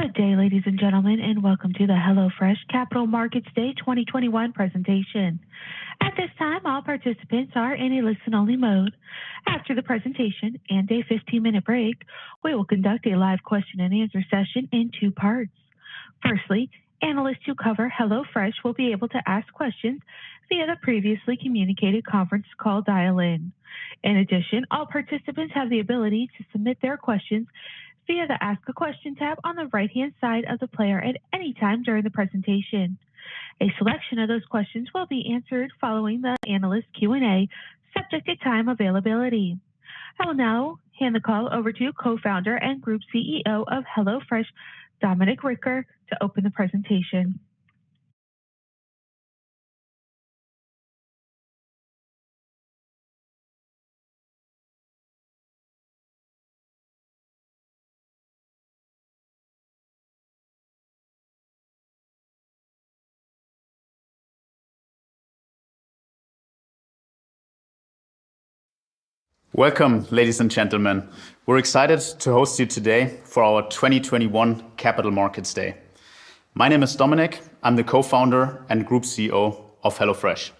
Good day, ladies and gentlemen, and welcome to the HelloFresh Capital Markets Day 2021 presentation. At this time, all participants are in a listen-only mode. After the presentation and a 15-minute break, we will conduct a live question and answer session in two parts. Firstly, analysts who cover HelloFresh will be able to ask questions via the previously communicated conference call dial-in. In addition, all participants have the ability to submit their questions via the Ask a Question tab on the right-hand side of the player at any time during the presentation. A selection of those questions will be answered following the analyst Q&A, subject to time availability. I will now hand the call over to Co-founder and Group CEO of HelloFresh, Dominik S. Richter, to open the presentation. Welcome, ladies and gentlemen. We're excited to host you today for our 2021 Capital Markets Day. My name is Dominik. I'm the co-founder and Group CEO of HelloFresh.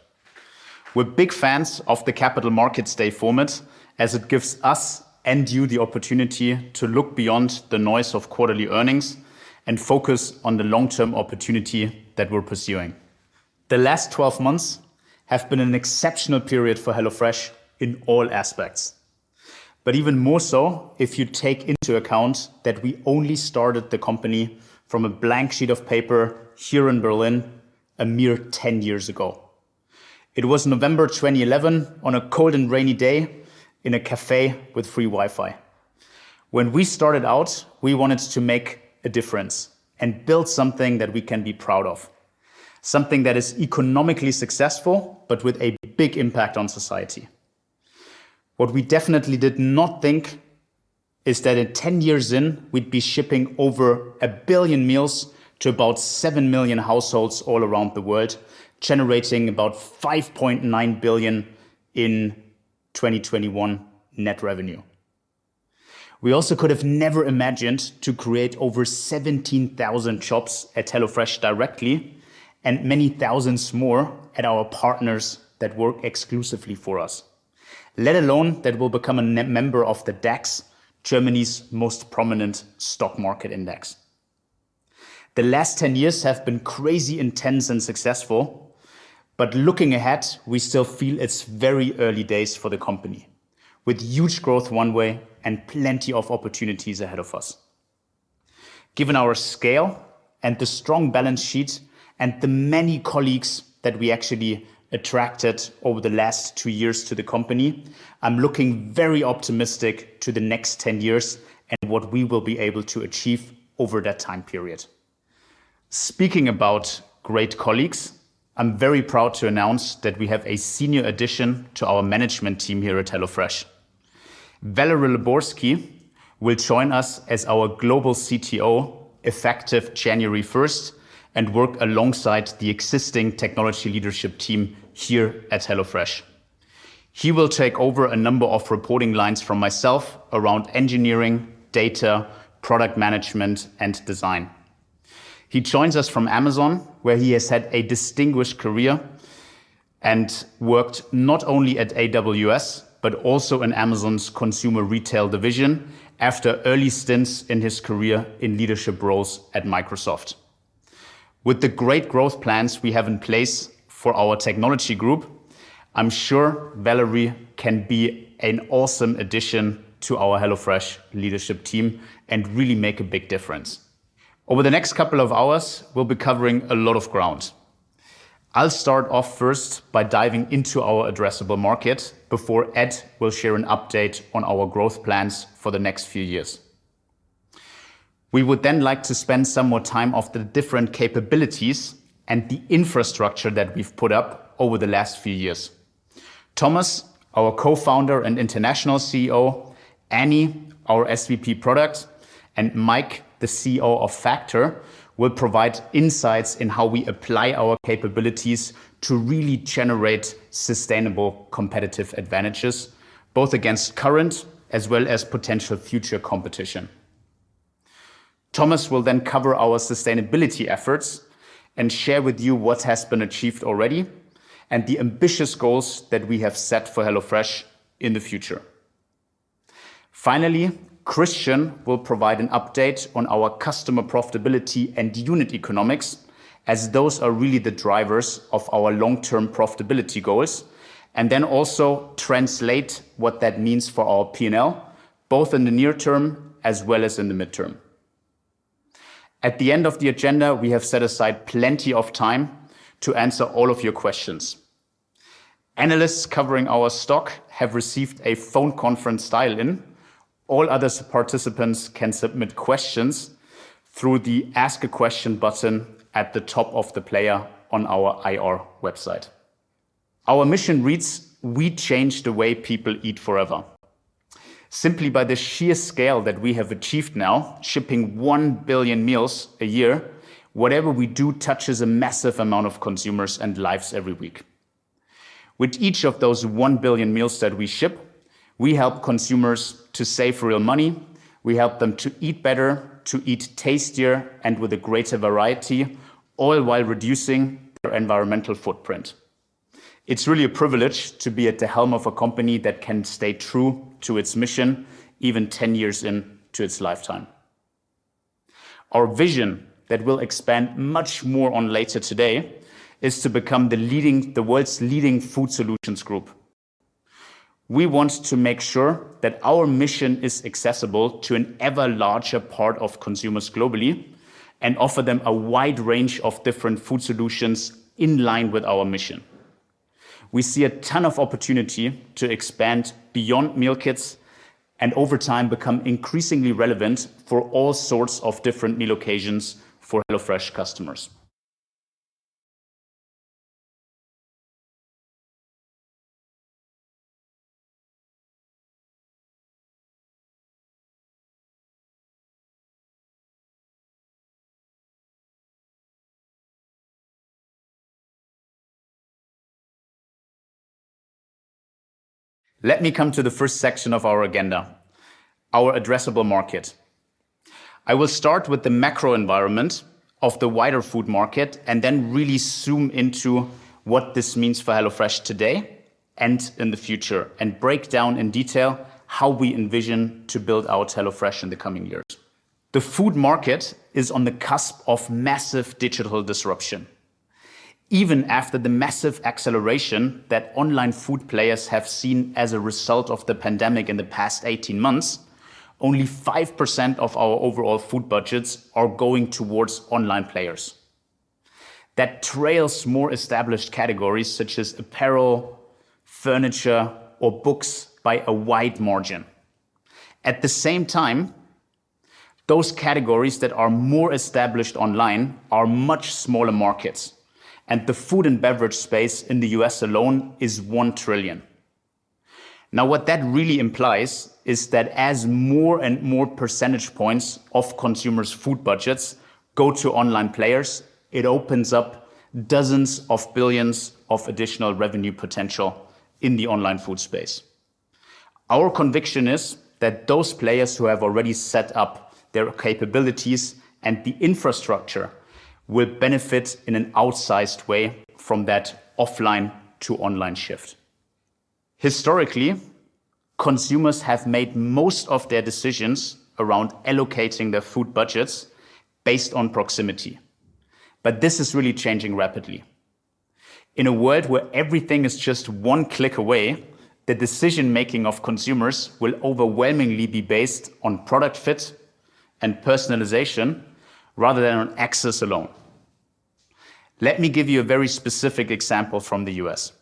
We're big fans of the Capital Markets Day format as it gives us and you the opportunity to look beyond the noise of quarterly earnings and focus on the long-term opportunity that we're pursuing. The last 12 months have been an exceptional period for HelloFresh in all aspects, but even more so if you take into account that we only started the company from a blank sheet of paper here in Berlin a mere 10 years ago. It was November 2011 on a cold and rainy day in a cafe with free Wi-Fi. When we started out, we wanted to make a difference and build something that we can be proud of, something that is economically successful, but with a big impact on society. What we definitely did not think is that at 10 years in, we'd be shipping over one billion meals to about seven million households all around the world, generating about 5.9 billion in 2021 net revenue. We also could have never imagined to create over 17,000 jobs at HelloFresh directly and many thousands more at our partners that work exclusively for us, let alone that we'll become a net member of the DAX, Germany's most prominent stock market index. The last 10 years have been crazy intense and successful, but looking ahead, we still feel it's very early days for the company with huge growth one way and plenty of opportunities ahead of us. Given our scale and the strong balance sheet and the many colleagues that we actually attracted over the last two years to the company, I'm looking very optimistic to the next 10 years and what we will be able to achieve over that time period. Speaking about great colleagues, I'm very proud to announce that we have a senior addition to our management team here at HelloFresh. Valeri Liborski will join us as our global CTO effective January first and work alongside the existing technology leadership team here at HelloFresh. He will take over a number of reporting lines from myself around engineering, data, product management, and design. He joins us from Amazon, where he has had a distinguished career and worked not only at AWS, but also in Amazon's consumer retail division after early stints in his career in leadership roles at Microsoft. With the great growth plans we have in place for our technology group, I'm sure Valeri can be an awesome addition to our HelloFresh leadership team and really make a big difference. Over the next couple of hours, we'll be covering a lot of ground. I'll start off first by diving into our addressable market before Ed will share an update on our growth plans for the next few years. We would then like to spend some more time on the different capabilities and the infrastructure that we've put up over the last few years. Thomas, our co-founder and International CEO, Annie, our SVP Product, and Mike, the CEO of Factor, will provide insights into how we apply our capabilities to really generate sustainable competitive advantages, both against current as well as potential future competition. Thomas Griesel will then cover our sustainability efforts and share with you what has been achieved already and the ambitious goals that we have set for HelloFresh in the future. Finally, Christian Gaertner will provide an update on our customer profitability and unit economics as those are really the drivers of our long-term profitability goals and then also translate what that means for our P&L, both in the near term as well as in the midterm. At the end of the agenda, we have set aside plenty of time to answer all of your questions. Analysts covering our stock have received a phone conference dial-in. All other participants can submit questions through the Ask a Question button at the top of the player on our ir website. Our mission reads, "We change the way people eat forever." Simply by the sheer scale that we have achieved now, shipping one billion meals a year, whatever we do touches a massive amount of consumers and lives every week. With each of those 1 billion meals that we ship, we help consumers to save real money, we help them to eat better, to eat tastier, and with a greater variety, all while reducing their environmental footprint. It's really a privilege to be at the helm of a company that can stay true to its mission even 10 years into its lifetime. Our vision that we'll expand much more on later today is to become the world's leading food solutions group. We want to make sure that our mission is accessible to an ever larger part of consumers globally and offer them a wide range of different food solutions in line with our mission. We see a ton of opportunity to expand beyond meal kits and over time become increasingly relevant for all sorts of different meal occasions for HelloFresh customers. Let me come to the first section of our agenda, our addressable market. I will start with the macro environment of the wider food market and then really zoom into what this means for HelloFresh today and in the future, and break down in detail how we envision to build out HelloFresh in the coming years. The food market is on the cusp of massive digital disruption. Even after the massive acceleration that online food players have seen as a result of the pandemic in the past 18 months, only 5% of our overall food budgets are going towards online players. That trails more established categories such as apparel, furniture, or books by a wide margin. At the same time, those categories that are more established online are much smaller markets, and the food and beverage space in the U.S. alone is $1 trillion. Now, what that really implies is that as more and more percentage points of consumers' food budgets go to online players, it opens up dozens of billions of additional revenue potential in the online food space. Our conviction is that those players who have already set up their capabilities and the infrastructure will benefit in an outsized way from that offline to online shift. Historically, consumers have made most of their decisions around allocating their food budgets based on proximity, but this is really changing rapidly. In a world where everything is just one click away, the decision-making of consumers will overwhelmingly be based on product fit and personalization rather than on access alone. Let me give you a very specific example from the U.S.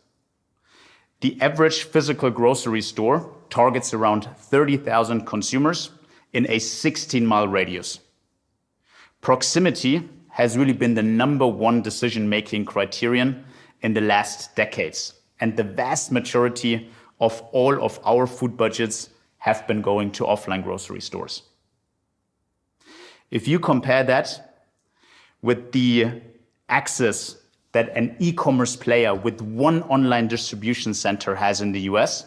The average physical grocery store targets around 30,000 consumers in a 16-mile radius. Proximity has really been the number one decision-making criterion in the last decades, and the vast majority of all of our food budgets have been going to offline grocery stores. If you compare that with the access that an e-commerce player with one online distribution center has in the U.S.,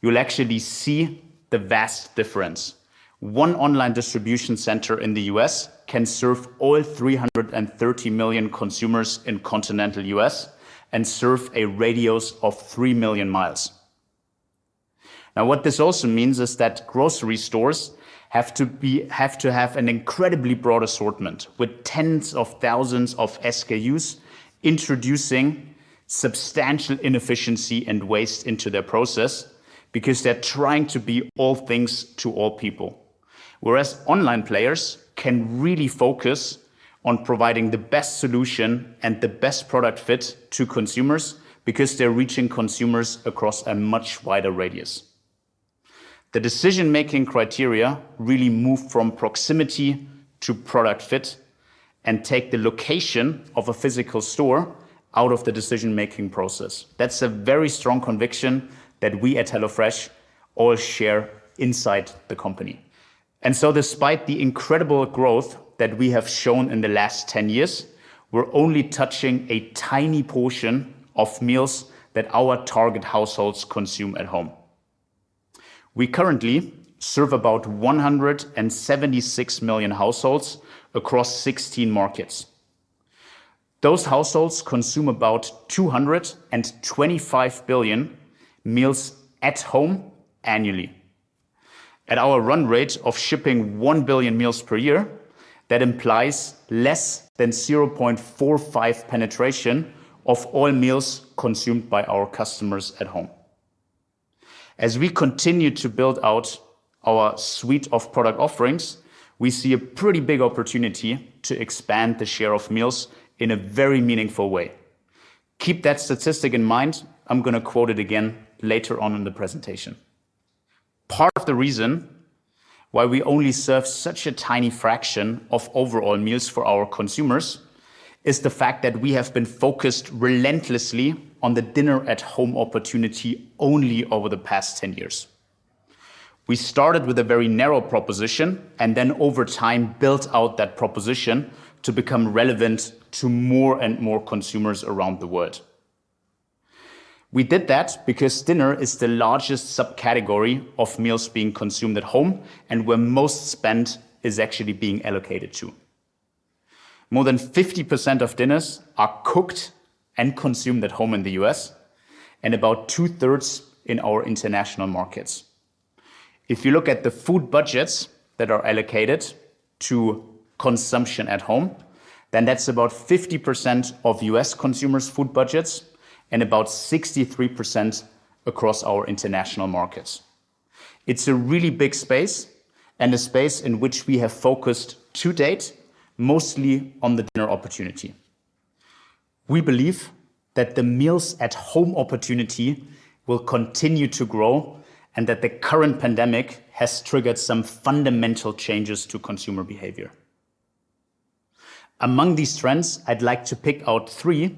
you'll actually see the vast difference. One online distribution center in the U.S. can serve all 330 million consumers in continental U.S. and serve a radius of 3 million miles. Now, what this also means is that grocery stores have to have an incredibly broad assortment with tens of thousands of SKUs, introducing substantial inefficiency and waste into their process because they're trying to be all things to all people. Whereas online players can really focus on providing the best solution and the best product fit to consumers because they're reaching consumers across a much wider radius. The decision-making criteria really move from proximity to product fit and take the location of a physical store out of the decision-making process. That's a very strong conviction that we at HelloFresh all share inside the company. Despite the incredible growth that we have shown in the last 10 years, we're only touching a tiny portion of meals that our target households consume at home. We currently serve about 176 million households across 16 markets. Those households consume about 225 billion meals at home annually. At our run rate of shipping 1 billion meals per year, that implies less than 0.45% penetration of all meals consumed by our customers at home. As we continue to build out our suite of product offerings, we see a pretty big opportunity to expand the share of meals in a very meaningful way. Keep that statistic in mind. I'm gonna quote it again later on in the presentation. Part of the reason why we only serve such a tiny fraction of overall meals for our consumers is the fact that we have been focused relentlessly on the dinner-at-home opportunity only over the past 10 years. We started with a very narrow proposition, and then over time, built out that proposition to become relevant to more and more consumers around the world. We did that because dinner is the largest subcategory of meals being consumed at home and where most spend is actually being allocated to. More than 50% of dinners are cooked and consumed at home in the U.S., and about two-thirds in our international markets. If you look at the food budgets that are allocated to consumption at home, then that's about 50% of U.S. consumers' food budgets and about 63% across our international markets. It's a really big space, and a space in which we have focused to date, mostly on the dinner opportunity. We believe that the meals at home opportunity will continue to grow and that the current pandemic has triggered some fundamental changes to consumer behavior. Among these trends, I'd like to pick out three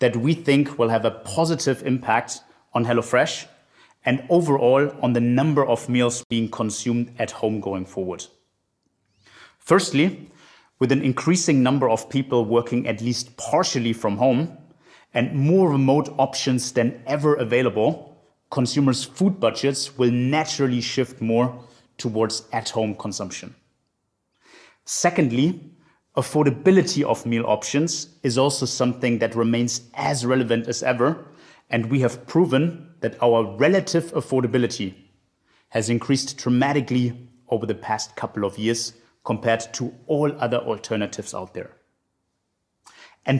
that we think will have a positive impact on HelloFresh and overall on the number of meals being consumed at home going forward. Firstly, with an increasing number of people working at least partially from home and more remote options than ever available, consumers' food budgets will naturally shift more towards at home consumption. Secondly, affordability of meal options is also something that remains as relevant as ever, and we have proven that our relative affordability has increased dramatically over the past couple of years compared to all other alternatives out there.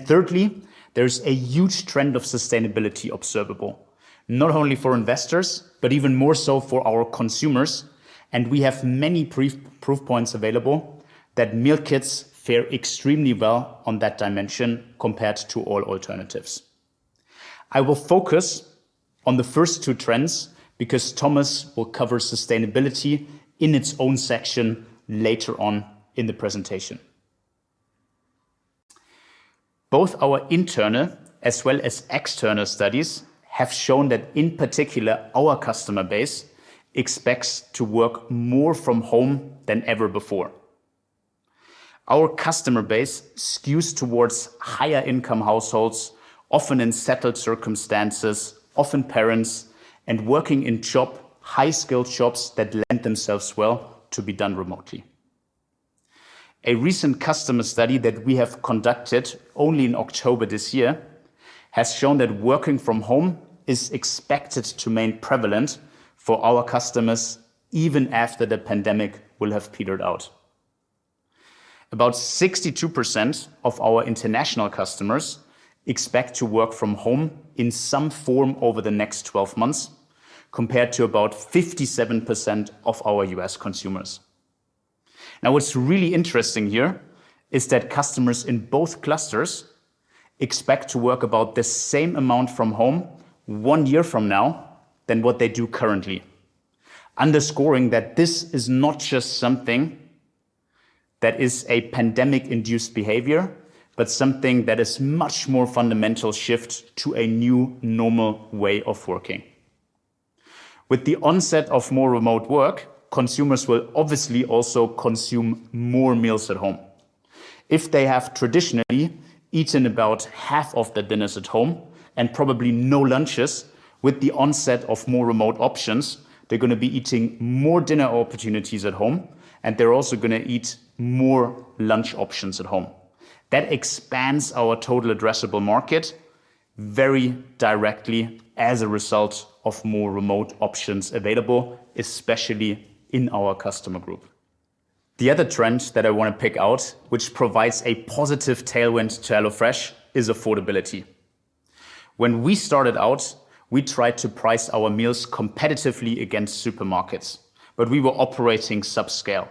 Thirdly, there's a huge trend of sustainability observable, not only for investors, but even more so for our consumers, and we have many proof points available that meal kits fare extremely well on that dimension compared to all alternatives. I will focus on the first two trends because Thomas will cover sustainability in its own section later on in the presentation. Both our internal as well as external studies have shown that in particular, our customer base expects to work more from home than ever before. Our customer base skews towards higher income households, often in settled circumstances, often parents and working in job, high-skilled jobs that lend themselves well to be done remotely. A recent customer study that we have conducted only in October this year has shown that working from home is expected to remain prevalent for our customers even after the pandemic will have petered out. About 62% of our international customers expect to work from home in some form over the next 12 months, compared to about 57% of our U.S. consumers. Now, what's really interesting here is that customers in both clusters expect to work about the same amount from home one year from now than what they do currently, underscoring that this is not just something that is a pandemic-induced behavior, but something that is much more fundamental shift to a new normal way of working. With the onset of more remote work, consumers will obviously also consume more meals at home. If they have traditionally eaten about half of their dinners at home and probably no lunches, with the onset of more remote options, they're gonna be eating more dinner opportunities at home, and they're also gonna eat more lunch options at home. That expands our total addressable market very directly as a result of more remote options available, especially in our customer group. The other trend that I wanna pick out, which provides a positive tailwind to HelloFresh, is affordability. When we started out, we tried to price our meals competitively against supermarkets, but we were operating subscale.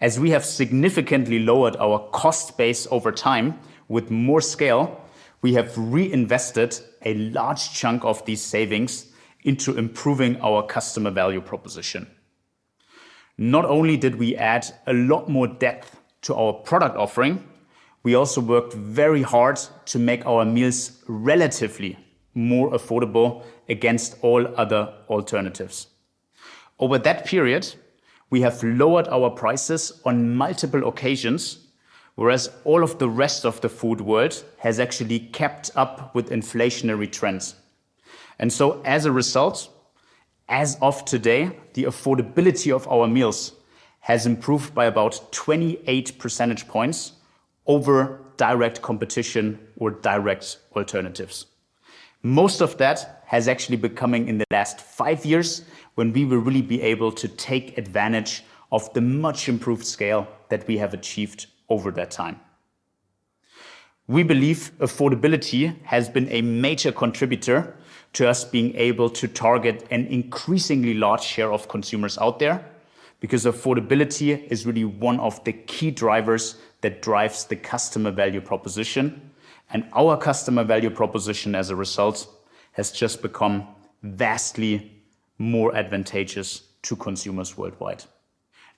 As we have significantly lowered our cost base over time with more scale, we have reinvested a large chunk of these savings into improving our customer value proposition. Not only did we add a lot more depth to our product offering, we also worked very hard to make our meals relatively more affordable against all other alternatives. Over that period, we have lowered our prices on multiple occasions, whereas all of the rest of the food world has actually kept up with inflationary trends. As a result, as of today, the affordability of our meals has improved by about 28 percentage points over direct competition or direct alternatives. Most of that has actually been coming in the last five years when we will really be able to take advantage of the much-improved scale that we have achieved over that time. We believe affordability has been a major contributor to us being able to target an increasingly large share of consumers out there, because affordability is really one of the key drivers that drives the customer value proposition, and our customer value proposition as a result has just become vastly more advantageous to consumers worldwide.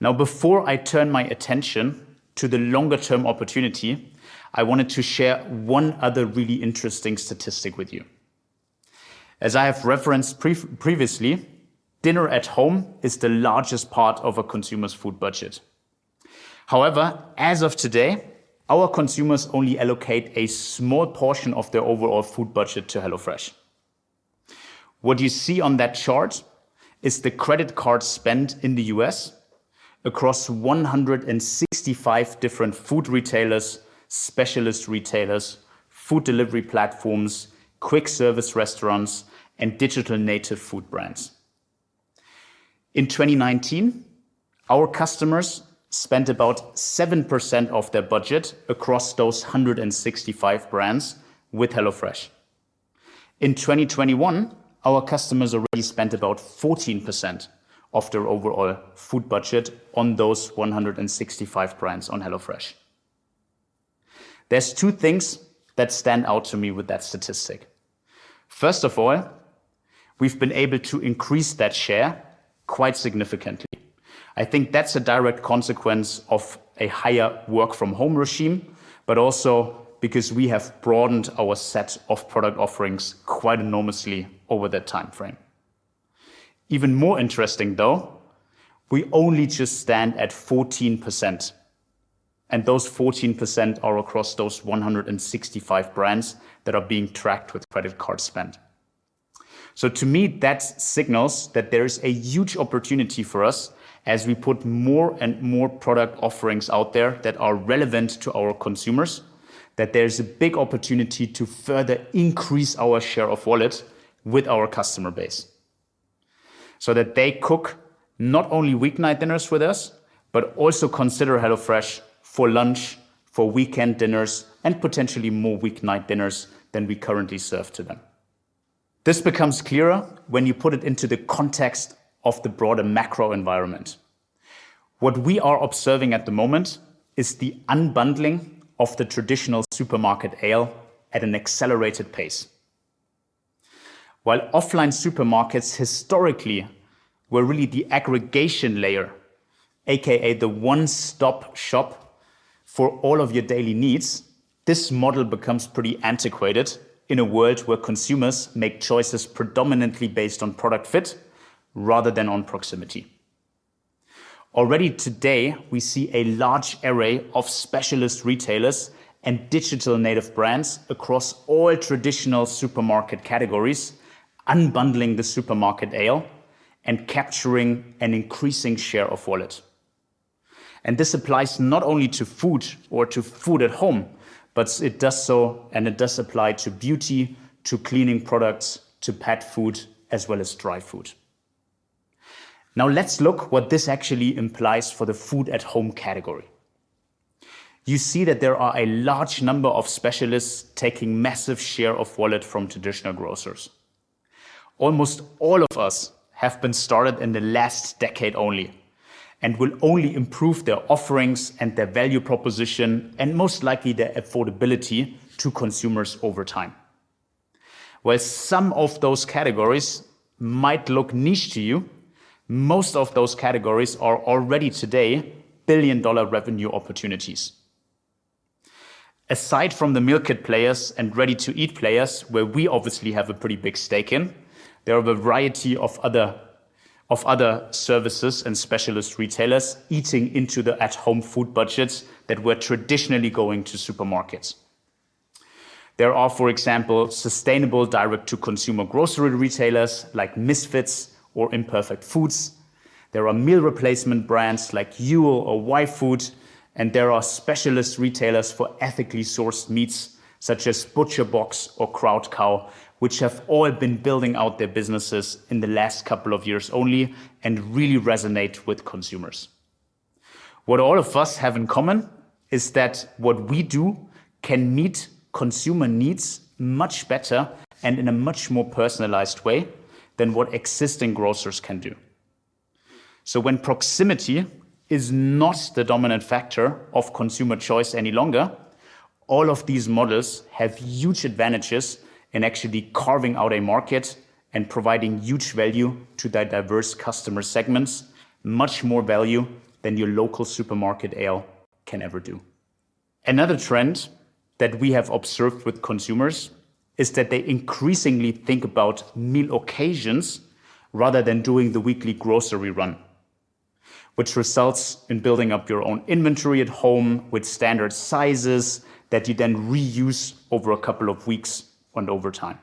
Now, before I turn my attention to the longer-term opportunity, I wanted to share one other really interesting statistic with you. As I have referenced previously, dinner at home is the largest part of a consumer's food budget. However, as of today, our consumers only allocate a small portion of their overall food budget to HelloFresh. What you see on that chart is the credit card spend in the U.S. across 165 different food retailers, specialist retailers, food delivery platforms, quick service restaurants, and digital native food brands. In 2019, our customers spent about 7% of their budget across those 165 brands with HelloFresh. In 2021, our customers already spent about 14% of their overall food budget on those 165 brands on HelloFresh. There are two things that stand out to me with that statistic. First of all, we've been able to increase that share quite significantly. I think that's a direct consequence of a higher work from home regime, but also because we have broadened our set of product offerings quite enormously over that timeframe. Even more interesting though, we only just stand at 14%, and those 14% are across those 165 brands that are being tracked with credit card spend. To me, that signals that there's a huge opportunity for us as we put more and more product offerings out there that are relevant to our consumers, that there's a big opportunity to further increase our share of wallet with our customer base, so that they cook not only week night dinners with us, but also consider HelloFresh for lunch, for weekend dinners, and potentially more week night dinners than we currently serve to them. This becomes clearer when you put it into the context of the broader macro environment. What we are observing at the moment is the unbundling of the traditional supermarket aisle at an accelerated pace. While offline supermarkets historically were really the aggregation layer, AKA the one-stop shop for all of your daily needs, this model becomes pretty antiquated in a world where consumers make choices predominantly based on product fit rather than on proximity. Already today, we see a large array of specialist retailers and digital native brands across all traditional supermarket categories unbundling the supermarket aisle and capturing an increasing share of wallet. This applies not only to food or to food at home, but it does so and it does apply to beauty, to cleaning products, to pet food, as well as dry food. Now let's look what this actually implies for the food at home category. You see that there are a large number of specialists taking massive share of wallet from traditional grocers. Almost all of us have been started in the last decade only, and will only improve their offerings and their value proposition and most likely their affordability to consumers over time. While some of those categories might look niche to you, most of those categories are already today billion-dollar revenue opportunities. Aside from the meal kit players and ready-to-eat players, where we obviously have a pretty big stake in, there are a variety of other services and specialist retailers eating into the at-home food budgets that were traditionally going to supermarkets. There are, for example, sustainable direct-to-consumer grocery retailers like Misfits or Imperfect Foods. There are meal replacement brands like Huel or yfood, and there are specialist retailers for ethically sourced meats such as ButcherBox or Crowd Cow, which have all been building out their businesses in the last couple of years only and really resonate with consumers. What all of us have in common is that what we do can meet consumer needs much better and in a much more personalized way than what existing grocers can do. When proximity is not the dominant factor of consumer choice any longer, all of these models have huge advantages in actually carving out a market and providing huge value to their diverse customer segments, much more value than your local supermarket aisle can ever do. Another trend that we have observed with consumers is that they increasingly think about meal occasions rather than doing the weekly grocery run, which results in building up your own inventory at home with standard sizes that you then reuse over a couple of weeks and over time.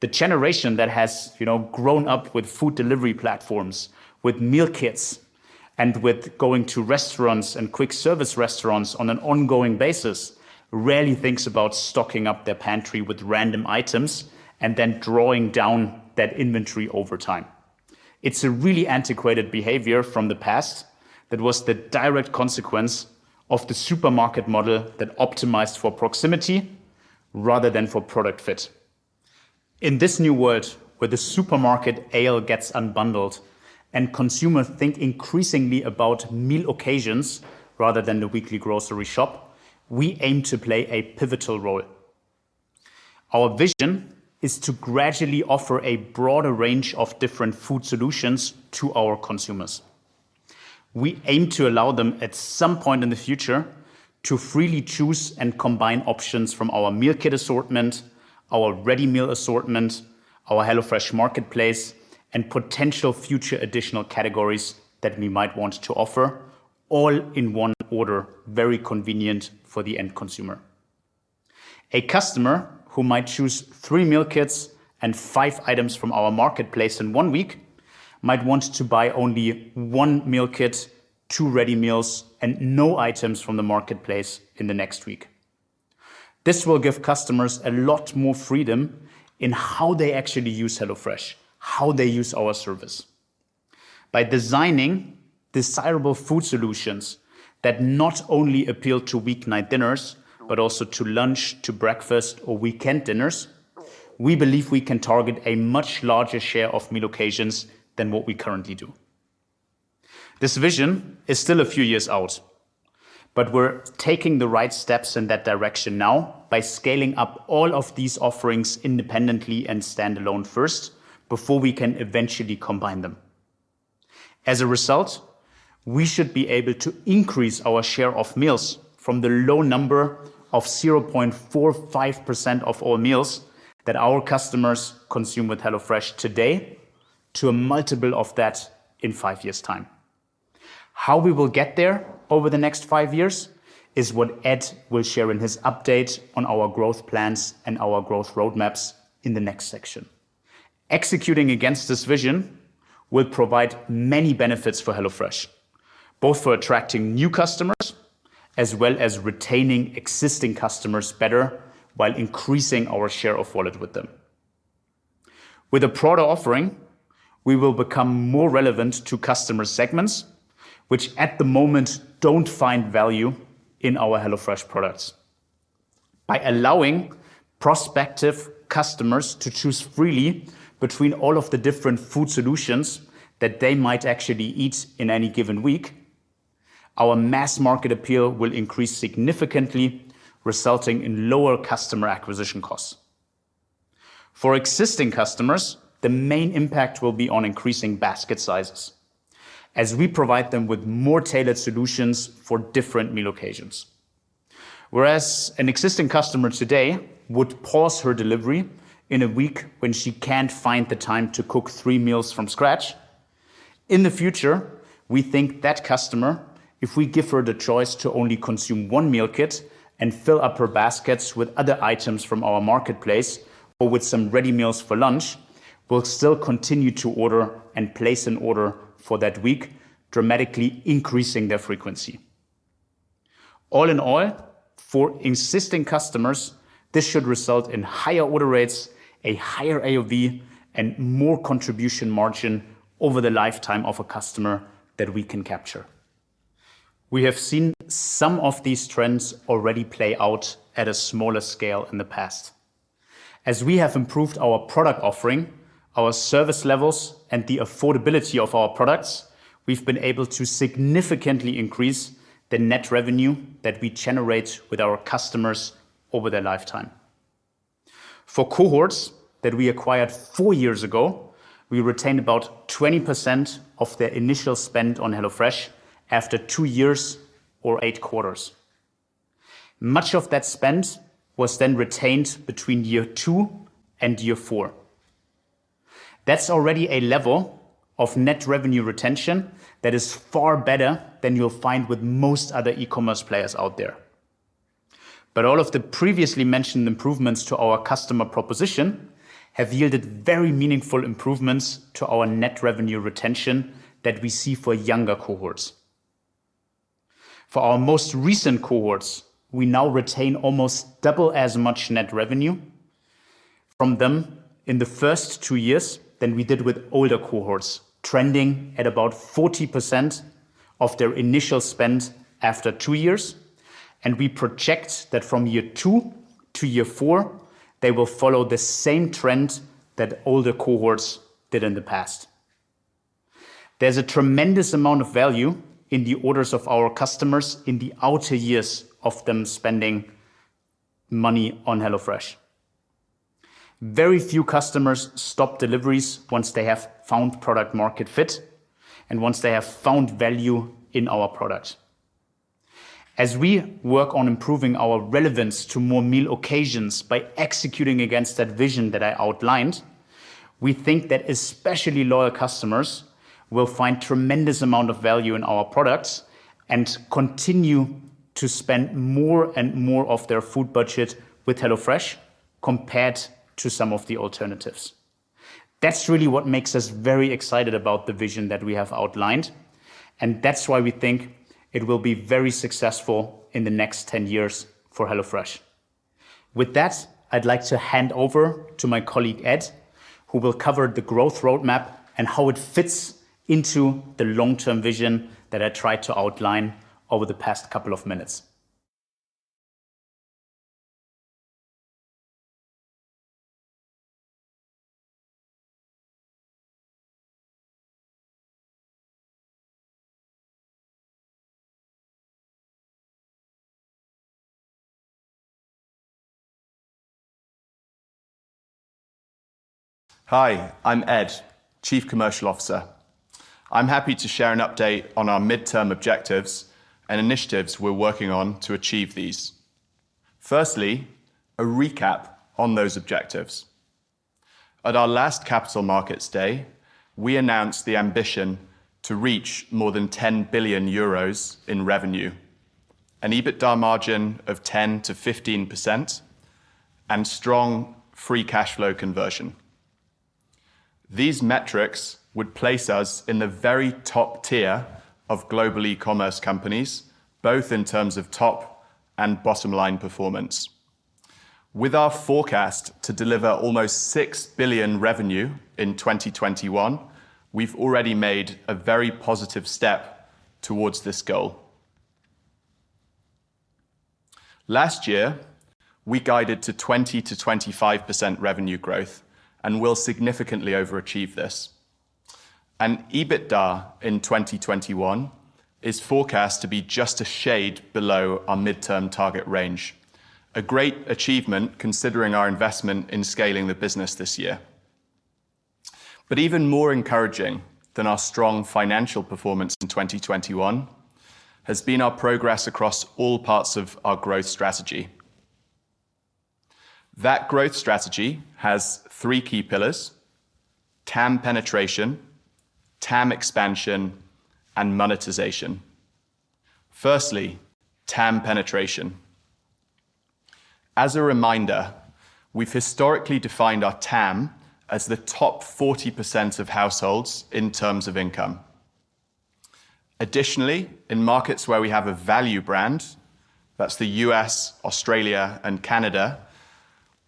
The generation that has, you know, grown up with food delivery platforms, with meal kits, and with going to restaurants and quick service restaurants on an ongoing basis rarely thinks about stocking up their pantry with random items and then drawing down that inventory over time. It's a really antiquated behavior from the past that was the direct consequence of the supermarket model that optimized for proximity rather than for product fit. In this new world where the supermarket aisle gets unbundled and consumers think increasingly about meal occasions rather than the weekly grocery shop, we aim to play a pivotal role. Our vision is to gradually offer a broader range of different food solutions to our consumers. We aim to allow them at some point in the future to freely choose and combine options from our meal kit assortment, our ready meal assortment, our HelloFresh Market, and potential future additional categories that we might want to offer, all in one order, very convenient for the end consumer. A customer who might choose three meal kits and five items from our marketplace in one week might want to buy only one meal kit, two ready meals, and no items from the marketplace in the next week. This will give customers a lot more freedom in how they actually use HelloFresh, how they use our service. By designing desirable food solutions that not only appeal to week night dinners, but also to lunch, to breakfast or weekend dinners, we believe we can target a much larger share of meal occasions than what we currently do. This vision is still a few years out, but we're taking the right steps in that direction now by scaling up all of these offerings independently and standalone first, before we can eventually combine them. As a result, we should be able to increase our share of meals from the low number of 0.45% of all meals that our customers consume with HelloFresh today to a multiple of that in five years' time. How we will get there over the next five years is what Ed will share in his update on our growth plans and our growth roadmaps in the next section. Executing against this vision will provide many benefits for HelloFresh, both for attracting new customers as well as retaining existing customers better while increasing our share of wallet with them. With a broader offering, we will become more relevant to customer segments, which at the moment don't find value in our HelloFresh products. By allowing prospective customers to choose freely between all of the different food solutions that they might actually eat in any given week, our mass market appeal will increase significantly, resulting in lower customer acquisition costs. For existing customers, the main impact will be on increasing basket sizes as we provide them with more tailored solutions for different meal occasions. Whereas an existing customer today would pause her delivery in a week when she can't find the time to cook three meals from scratch, in the future, we think that customer, if we give her the choice to only consume one meal kit and fill up her baskets with other items from our marketplace or with some ready meals for lunch, will still continue to order and place an order for that week, dramatically increasing their frequency. All in all, for existing customers, this should result in higher order rates, a higher AOV, and more contribution margin over the lifetime of a customer that we can capture. We have seen some of these trends already play out at a smaller scale in the past. As we have improved our product offering, our service levels, and the affordability of our products, we've been able to significantly increase the net revenue that we generate with our customers over their lifetime. For cohorts that we acquired four years ago, we retained about 20% of their initial spend on HelloFresh after two years or eight quarters. Much of that spend was then retained between year two and year four. That's already a level of net revenue retention that is far better than you'll find with most other e-commerce players out there. All of the previously mentioned improvements to our customer proposition have yielded very meaningful improvements to our net revenue retention that we see for younger cohorts. For our most recent cohorts, we now retain almost double as much net revenue from them in the first two years than we did with older cohorts, trending at about 40% of their initial spend after two years. We project that from year two to year four, they will follow the same trend that older cohorts did in the past. There's a tremendous amount of value in the orders of our customers in the outer years of them spending money on HelloFresh. Very few customers stop deliveries once they have found product market fit and once they have found value in our product. As we work on improving our relevance to more meal occasions by executing against that vision that I outlined, we think that especially loyal customers will find tremendous amount of value in our products and continue to spend more and more of their food budget with HelloFresh compared to some of the alternatives. That's really what makes us very excited about the vision that we have outlined, and that's why we think it will be very successful in the next 10 years for HelloFresh. With that, I'd like to hand over to my colleague, Ed, who will cover the growth roadmap and how it fits into the long-term vision that I tried to outline over the past couple of minutes. Hi, I'm Ed, Chief Commercial Officer. I'm happy to share an update on our midterm objectives and initiatives we're working on to achieve these. Firstly, a recap on those objectives. At our last Capital Markets Day, we announced the ambition to reach more than 10 billion euros in revenue, an EBITDA margin of 10%-15%, and strong free cash flow conversion. These metrics would place us in the very top tier of global e-commerce companies, both in terms of top and bottom-line performance. With our forecast to deliver almost 6 billion revenue in 2021, we've already made a very positive step towards this goal. Last year, we guided to 20%-25% revenue growth and will significantly overachieve this. EBITDA in 2021 is forecast to be just a shade below our midterm target range. A great achievement considering our investment in scaling the business this year. Even more encouraging than our strong financial performance in 2021 has been our progress across all parts of our growth strategy. That growth strategy has three key pillars. TAM penetration, TAM expansion, and monetization. Firstly, TAM penetration. As a reminder, we've historically defined our TAM as the top 40% of households in terms of income. Additionally, in markets where we have a value brand, that's the U.S., Australia, and Canada,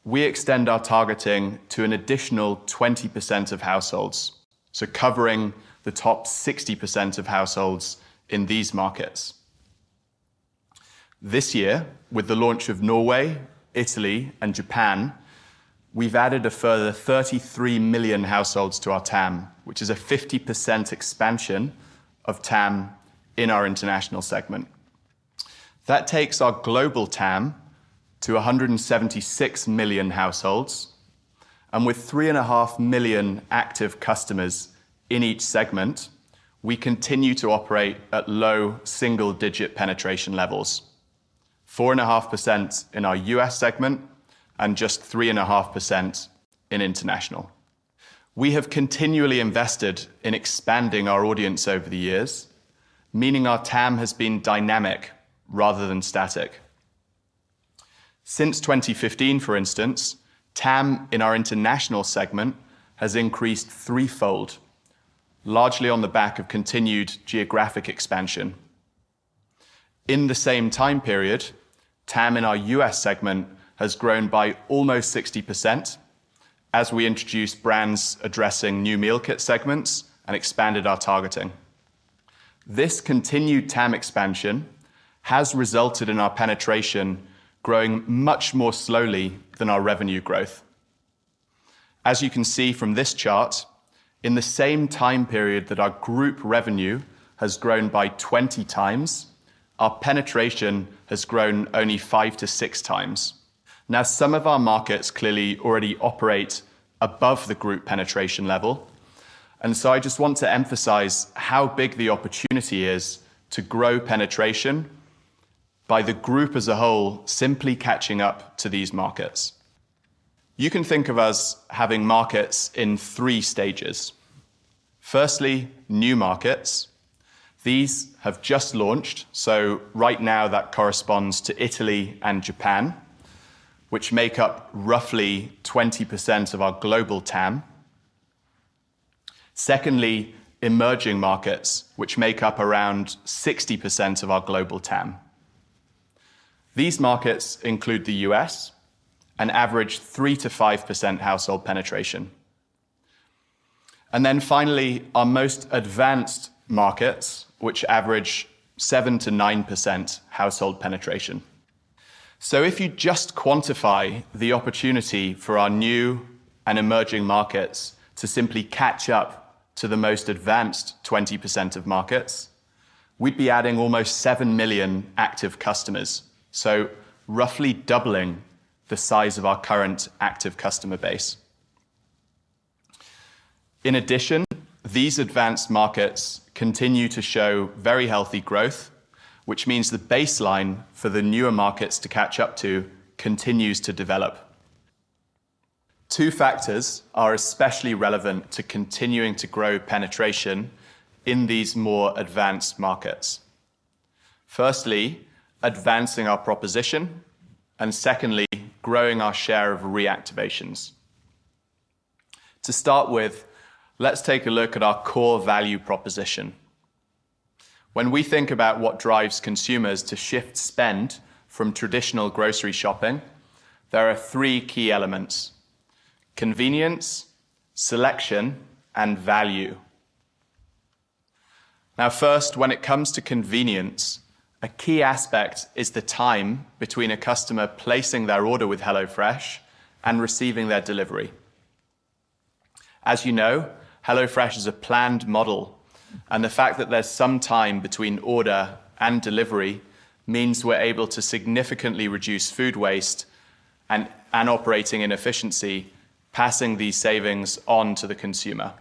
we extend our targeting to an additional 20% of households, so covering the top 60% of households in these markets. This year, with the launch of Norway, Italy, and Japan, we've added a further 33 million households to our TAM, which is a 50% expansion of TAM in our international segment. That takes our global TAM to 176 million households, and with 3.5 million active customers in each segment, we continue to operate at low single-digit penetration levels, 4.5% in our U.S. segment and just 3.5% in international. We have continually invested in expanding our audience over the years, meaning our TAM has been dynamic rather than static. Since 2015, for instance, TAM in our international segment has increased threefold, largely on the back of continued geographic expansion. In the same time period, TAM in our U.S. segment has grown by almost 60% as we introduced brands addressing new meal kit segments and expanded our targeting. This continued TAM expansion has resulted in our penetration growing much more slowly than our revenue growth. As you can see from this chart, in the same time period that our group revenue has grown by 20 times, our penetration has grown only 5x-6x. Now, some of our markets clearly already operate above the group penetration level, and so I just want to emphasize how big the opportunity is to grow penetration by the group as a whole simply catching up to these markets. You can think of us having markets in three stages. Firstly, new markets. These have just launched, so right now that corresponds to Italy and Japan, which make up roughly 20% of our global TAM. Secondly, emerging markets, which make up around 60% of our global TAM. These markets include the U.S., an average 3%-5% household penetration. Finally, our most advanced markets, which average 7%-9% household penetration. If you just quantify the opportunity for our new and emerging markets to simply catch up to the most advanced 20% of markets, we'd be adding almost 7 million active customers, so roughly doubling the size of our current active customer base. In addition, these advanced markets continue to show very healthy growth, which means the baseline for the newer markets to catch up to continues to develop. Two factors are especially relevant to continuing to grow penetration in these more advanced markets. Firstly, advancing our proposition and secondly, growing our share of reactivations. To start with, let's take a look at our core value proposition. When we think about what drives consumers to shift spend from traditional grocery shopping, there are three key elements, convenience, selection, and value. Now first, when it comes to convenience, a key aspect is the time between a customer placing their order with HelloFresh and receiving their delivery. As you know, HelloFresh is a planned model, and the fact that there's some time between order and delivery means we're able to significantly reduce food waste and operational efficiency, passing these savings on to the consumer.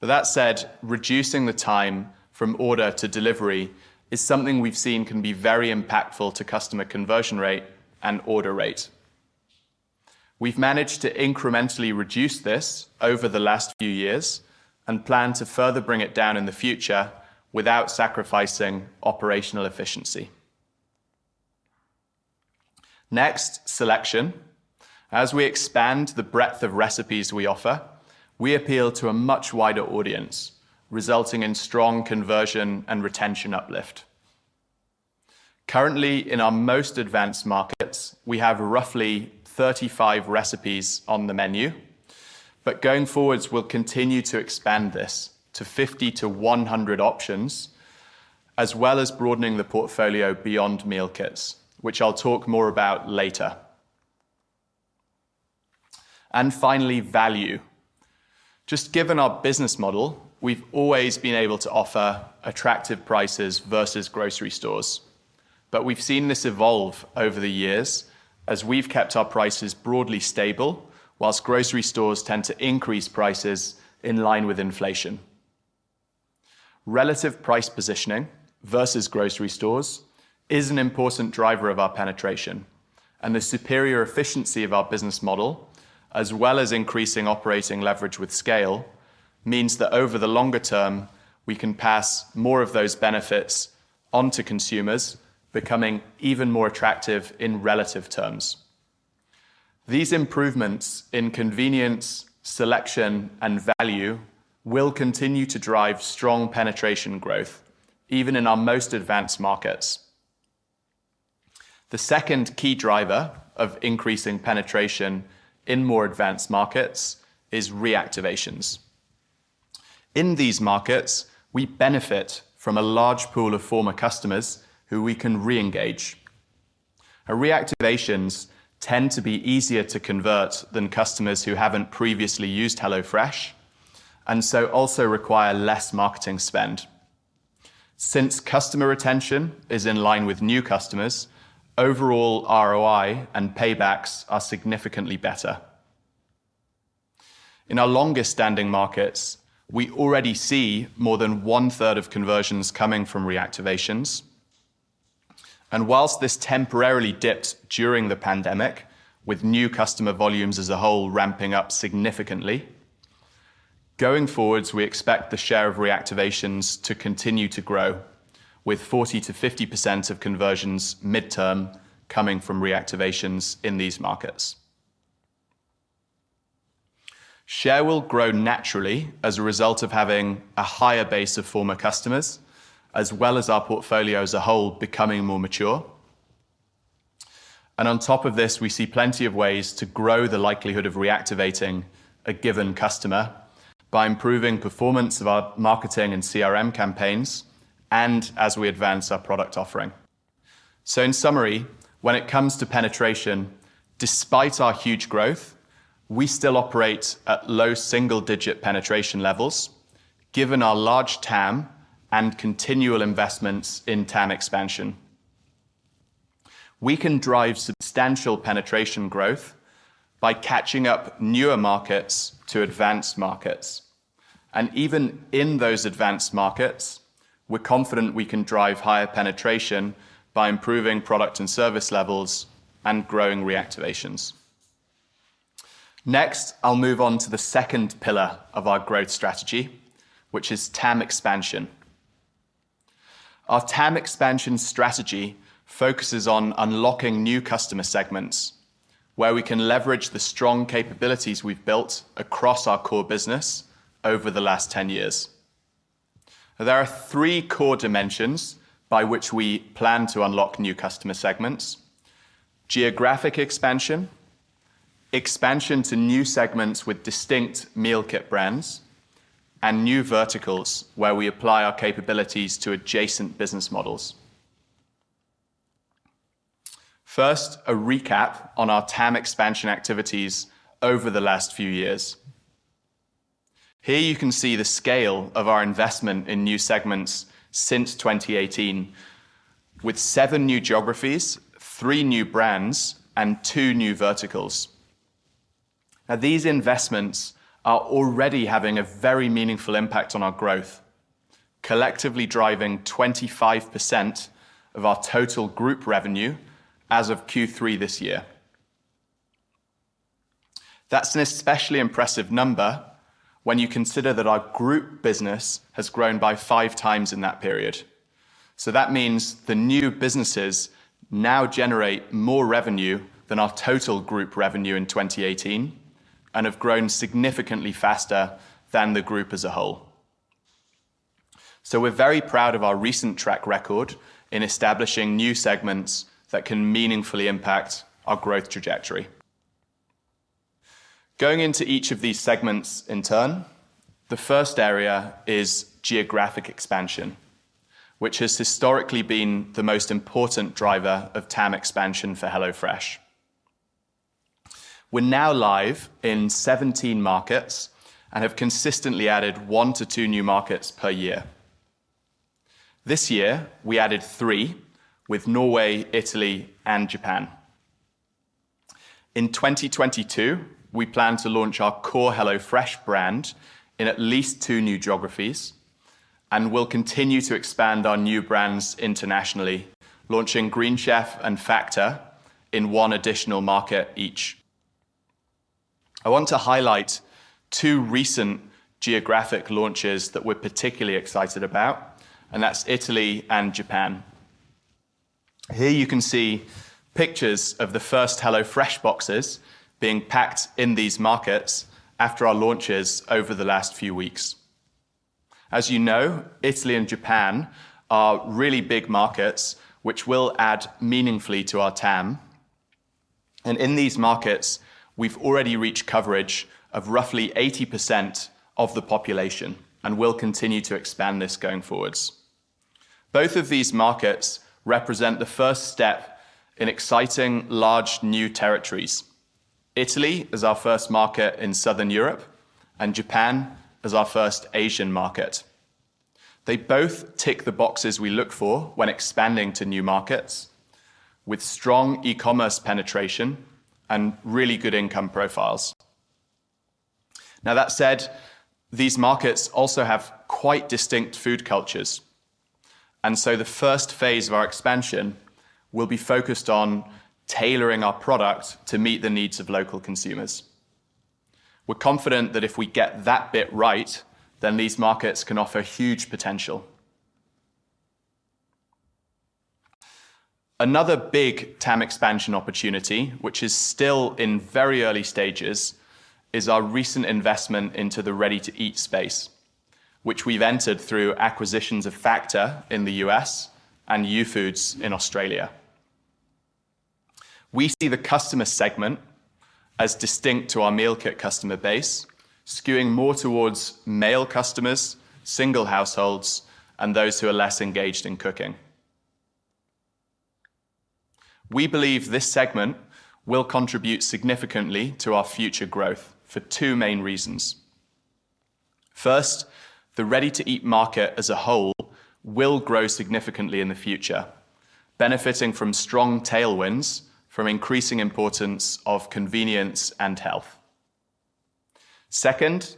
That said, reducing the time from order to delivery is something we've seen can be very impactful to customer conversion rate and order rate. We've managed to incrementally reduce this over the last few years and plan to further bring it down in the future without sacrificing operational efficiency. Next, selection. As we expand the breadth of recipes we offer, we appeal to a much wider audience, resulting in strong conversion and retention uplift. Currently, in our most advanced markets, we have roughly 35 recipes on the menu, but going forward, we'll continue to expand this to 50-100 options, as well as broadening the portfolio beyond meal kits, which I'll talk more about later. Finally, value. Just given our business model, we've always been able to offer attractive prices versus grocery stores. We've seen this evolve over the years as we've kept our prices broadly stable, while grocery stores tend to increase prices in line with inflation. Relative price positioning versus grocery stores is an important driver of our penetration, and the superior efficiency of our business model, as well as increasing operating leverage with scale, means that over the longer term, we can pass more of those benefits on to consumers becoming even more attractive in relative terms. These improvements in convenience, selection, and value will continue to drive strong penetration growth even in our most advanced markets. The second key driver of increasing penetration in more advanced markets is reactivations. In these markets, we benefit from a large pool of former customers who we can reengage. Reactivations tend to be easier to convert than customers who haven't previously used HelloFresh, and so also require less marketing spend. Since customer retention is in line with new customers, overall ROI and paybacks are significantly better. In our longest-standing markets, we already see more than 1/3 of conversions coming from reactivations. While this temporarily dipped during the pandemic, with new customer volumes as a whole ramping up significantly, going forward, we expect the share of reactivations to continue to grow with 40%-50% of conversions midterm coming from reactivations in these markets. Share will grow naturally as a result of having a higher base of former customers, as well as our portfolio as a whole becoming more mature. On top of this, we see plenty of ways to grow the likelihood of reactivating a given customer by improving performance of our marketing and CRM campaigns and as we advance our product offering. In summary, when it comes to penetration, despite our huge growth, we still operate at low single digit penetration levels, given our large TAM and continual investments in TAM expansion. We can drive substantial penetration growth by catching up newer markets to advanced markets. Even in those advanced markets, we're confident we can drive higher penetration by improving product and service levels and growing reactivations. Next, I'll move on to the second pillar of our growth strategy, which is TAM expansion. Our TAM expansion strategy focuses on unlocking new customer segments where we can leverage the strong capabilities we've built across our core business over the last 10 years. There are three core dimensions by which we plan to unlock new customer segments, geographic expansion to new segments with distinct meal kit brands, and new verticals where we apply our capabilities to adjacent business models. First, a recap on our TAM expansion activities over the last few years. Here you can see the scale of our investment in new segments since 2018 with seven new geographies, three new brands, and two new verticals. Now, these investments are already having a very meaningful impact on our growth, collectively driving 25% of our total group revenue as of Q3 this year. That's an especially impressive number when you consider that our group business has grown by 5x in that period. That means the new businesses now generate more revenue than our total group revenue in 2018 and have grown significantly faster than the group as a whole. We're very proud of our recent track record in establishing new segments that can meaningfully impact our growth trajectory. Going into each of these segments in turn, the first area is geographic expansion, which has historically been the most important driver of TAM expansion for HelloFresh. We're now live in 17 markets and have consistently added one to two new markets per year. This year, we added three with Norway, Italy, and Japan. In 2022, we plan to launch our core HelloFresh brand in at least 2 new geographies, and we'll continue to expand our new brands internationally, launching Green Chef and Factor in one additional market each. I want to highlight two recent geographic launches that we're particularly excited about, and that's Italy and Japan. Here you can see pictures of the first HelloFresh boxes being packed in these markets after our launches over the last few weeks. As you know, Italy and Japan are really big markets which will add meaningfully to our TAM. In these markets, we've already reached coverage of roughly 80% of the population and will continue to expand this going forwards. Both of these markets represent the first step in exciting, large, new territories. Italy is our first market in Southern Europe, and Japan is our first Asian market. They both tick the boxes we look for when expanding to new markets with strong e-commerce penetration and really good income profiles. Now that said, these markets also have quite distinct food cultures, so the first phase of our expansion will be focused on tailoring our product to meet the needs of local consumers. We're confident that if we get that bit right, then these markets can offer huge potential. Another big TAM expansion opportunity, which is still in very early stages, is our recent investment into the Ready-to-Eat space, which we've entered through acquisitions of Factor in the U.S. and Youfoodz in Australia. We see the customer segment as distinct to our meal kit customer base, skewing more towards male customers, single households, and those who are less engaged in cooking. We believe this segment will contribute significantly to our future growth for two main reasons. First, the ready-to-eat market as a whole will grow significantly in the future, benefiting from strong tailwinds from increasing importance of convenience and health. Second,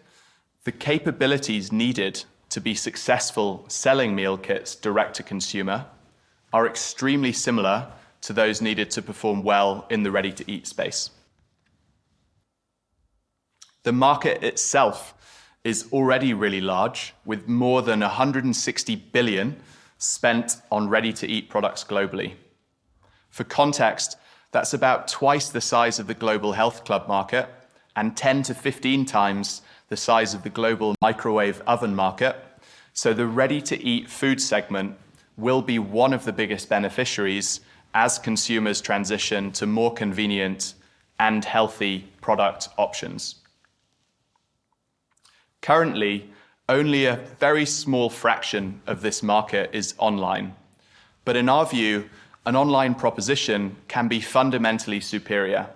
the capabilities needed to be successful selling meal kits direct to consumer are extremely similar to those needed to perform well in the ready-to-eat space. The market itself is already really large, with more than 160 billion spent on ready-to-eat products globally. For context, that's about twice the size of the global health club market and 10x-15x the size of the global microwave oven market. The ready-to-eat food segment will be one of the biggest beneficiaries as consumers transition to more convenient and healthy product options. Currently, only a very small fraction of this market is online. In our view, an online proposition can be fundamentally superior.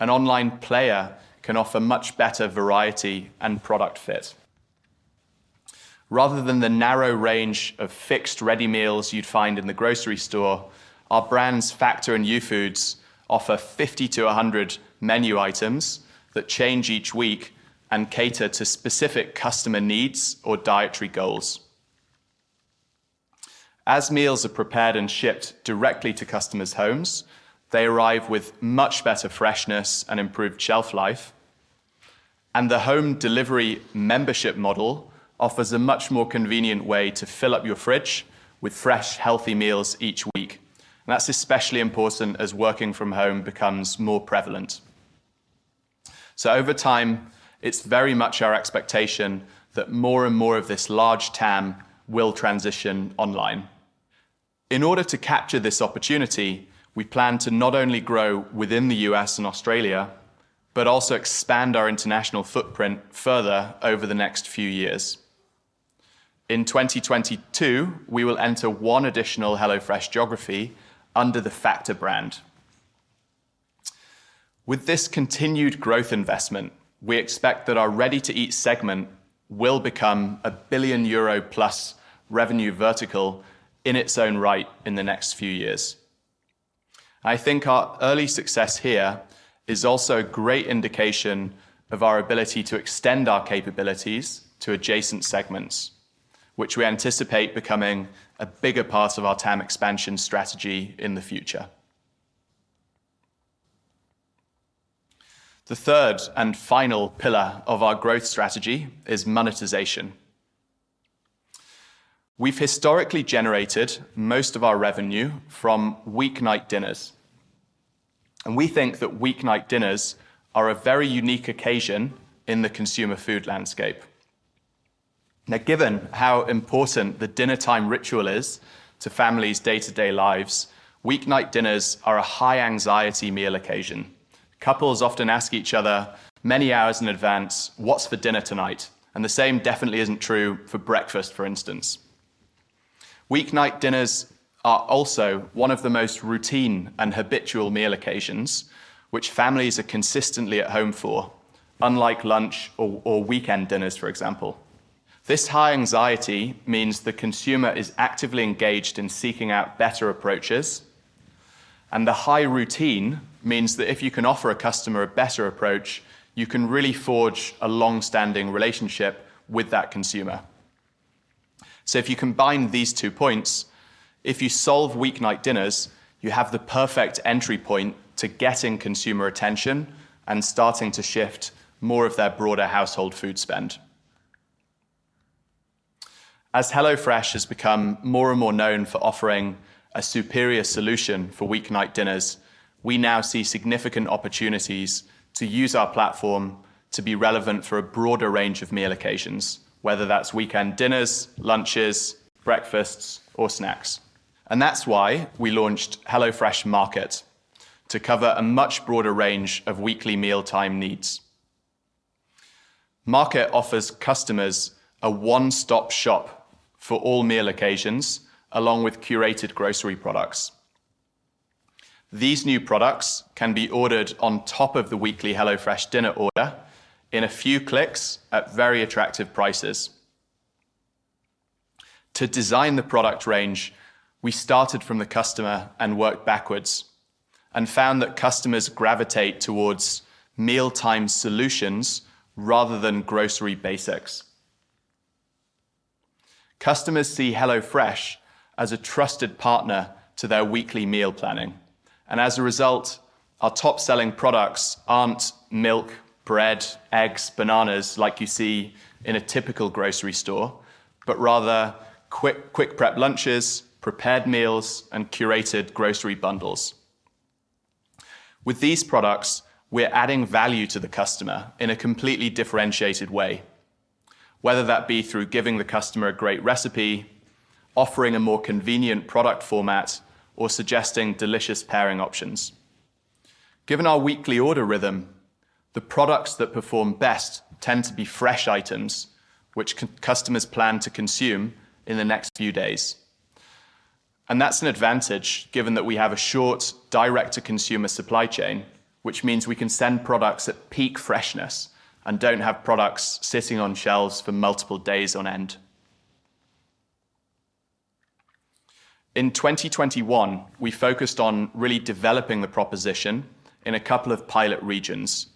An online player can offer much better variety and product fit. Rather than the narrow range of fixed ready meals you'd find in the grocery store, our brands Factor and Youfoodz offer 50-100 menu items that change each week and cater to specific customer needs or dietary goals. As meals are prepared and shipped directly to customers' homes, they arrive with much better freshness and improved shelf life. The home delivery membership model offers a much more convenient way to fill up your fridge with fresh, healthy meals each week. That's especially important as working from home becomes more prevalent. Over time, it's very much our expectation that more and more of this large TAM will transition online. In order to capture this opportunity, we plan to not only grow within the U.S. and Australia, but also expand our international footprint further over the next few years. In 2022, we will enter one additional HelloFresh geography under the Factor brand. With this continued growth investment, we expect that our Ready-to-Eat segment will become a 1 billion euro+ revenue vertical in its own right in the next few years. I think our early success here is also a great indication of our ability to extend our capabilities to adjacent segments, which we anticipate becoming a bigger part of our TAM expansion strategy in the future. The third and final pillar of our growth strategy is monetization. We've historically generated most of our revenue from weeknight dinners, and we think that weeknight dinners are a very unique occasion in the consumer food landscape. Now, given how important the dinnertime ritual is to families' day-to-day lives, weeknight dinners are a high anxiety meal occasion. Couples often ask each other many hours in advance what's for dinner tonight, and the same definitely isn't true for breakfast, for instance. Weeknight dinners are also one of the most routine and habitual meal occasions which families are consistently at home for, unlike lunch or weekend dinners, for example. This high anxiety means the consumer is actively engaged in seeking out better approaches, and the high routine means that if you can offer a customer a better approach, you can really forge a long-standing relationship with that consumer. If you combine these two points, if you solve weeknight dinners, you have the perfect entry point to getting consumer attention and starting to shift more of their broader household food spend. As HelloFresh has become more and more known for offering a superior solution for weeknight dinners, we now see significant opportunities to use our platform to be relevant for a broader range of meal occasions, whether that's weekend dinners, lunches, breakfasts, or snacks. That's why we launched HelloFresh Market to cover a much broader range of weekly mealtime needs. Market offers customers a one-stop shop for all meal occasions, along with curated grocery products. These new products can be ordered on top of the weekly HelloFresh dinner order in a few clicks at very attractive prices. To design the product range, we started from the customer and worked backwards and found that customers gravitate towards mealtime solutions rather than grocery basics. Customers see HelloFresh as a trusted partner to their weekly meal planning, and as a result, our top-selling products aren't milk, bread, eggs, bananas like you see in a typical grocery store, but rather quick prep lunches, prepared meals, and curated grocery bundles. With these products, we're adding value to the customer in a completely differentiated way, whether that be through giving the customer a great recipe, offering a more convenient product format, or suggesting delicious pairing options. Given our weekly order rhythm, the products that perform best tend to be fresh items which customers plan to consume in the next few days. That's an advantage given that we have a short direct-to-consumer supply chain, which means we can send products at peak freshness and don't have products sitting on shelves for multiple days on end. In 2021, we focused on really developing the proposition in a couple of pilot regions,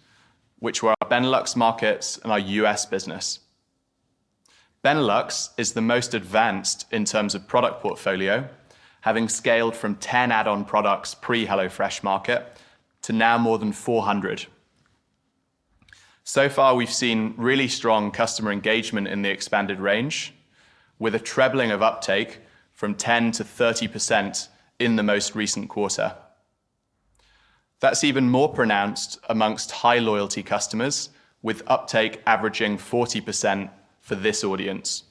which were our Benelux markets and our U.S. business. Benelux is the most advanced in terms of product portfolio, having scaled from 10 add-on products pre HelloFresh Market to now more than 400. So far, we've seen really strong customer engagement in the expanded range, with a trebling of uptake from 10% to 30% in the most recent quarter. That's even more pronounced amongst high-loyalty customers, with uptake averaging 40% for this audience.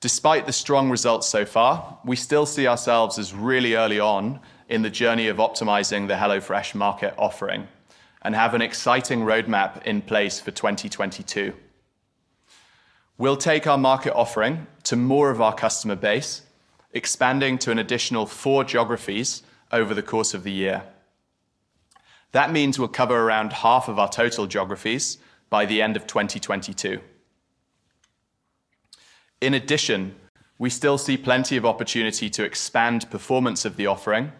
Despite the strong results so far, we still see ourselves as really early on in the journey of optimizing the HelloFresh Market offering and have an exciting roadmap in place for 2022. We'll take our market offering to more of our customer base, expanding to an additional four geographies over the course of the year. That means we'll cover around half of our total geographies by the end of 2022. In addition, we still see plenty of opportunity to expand performance of the offering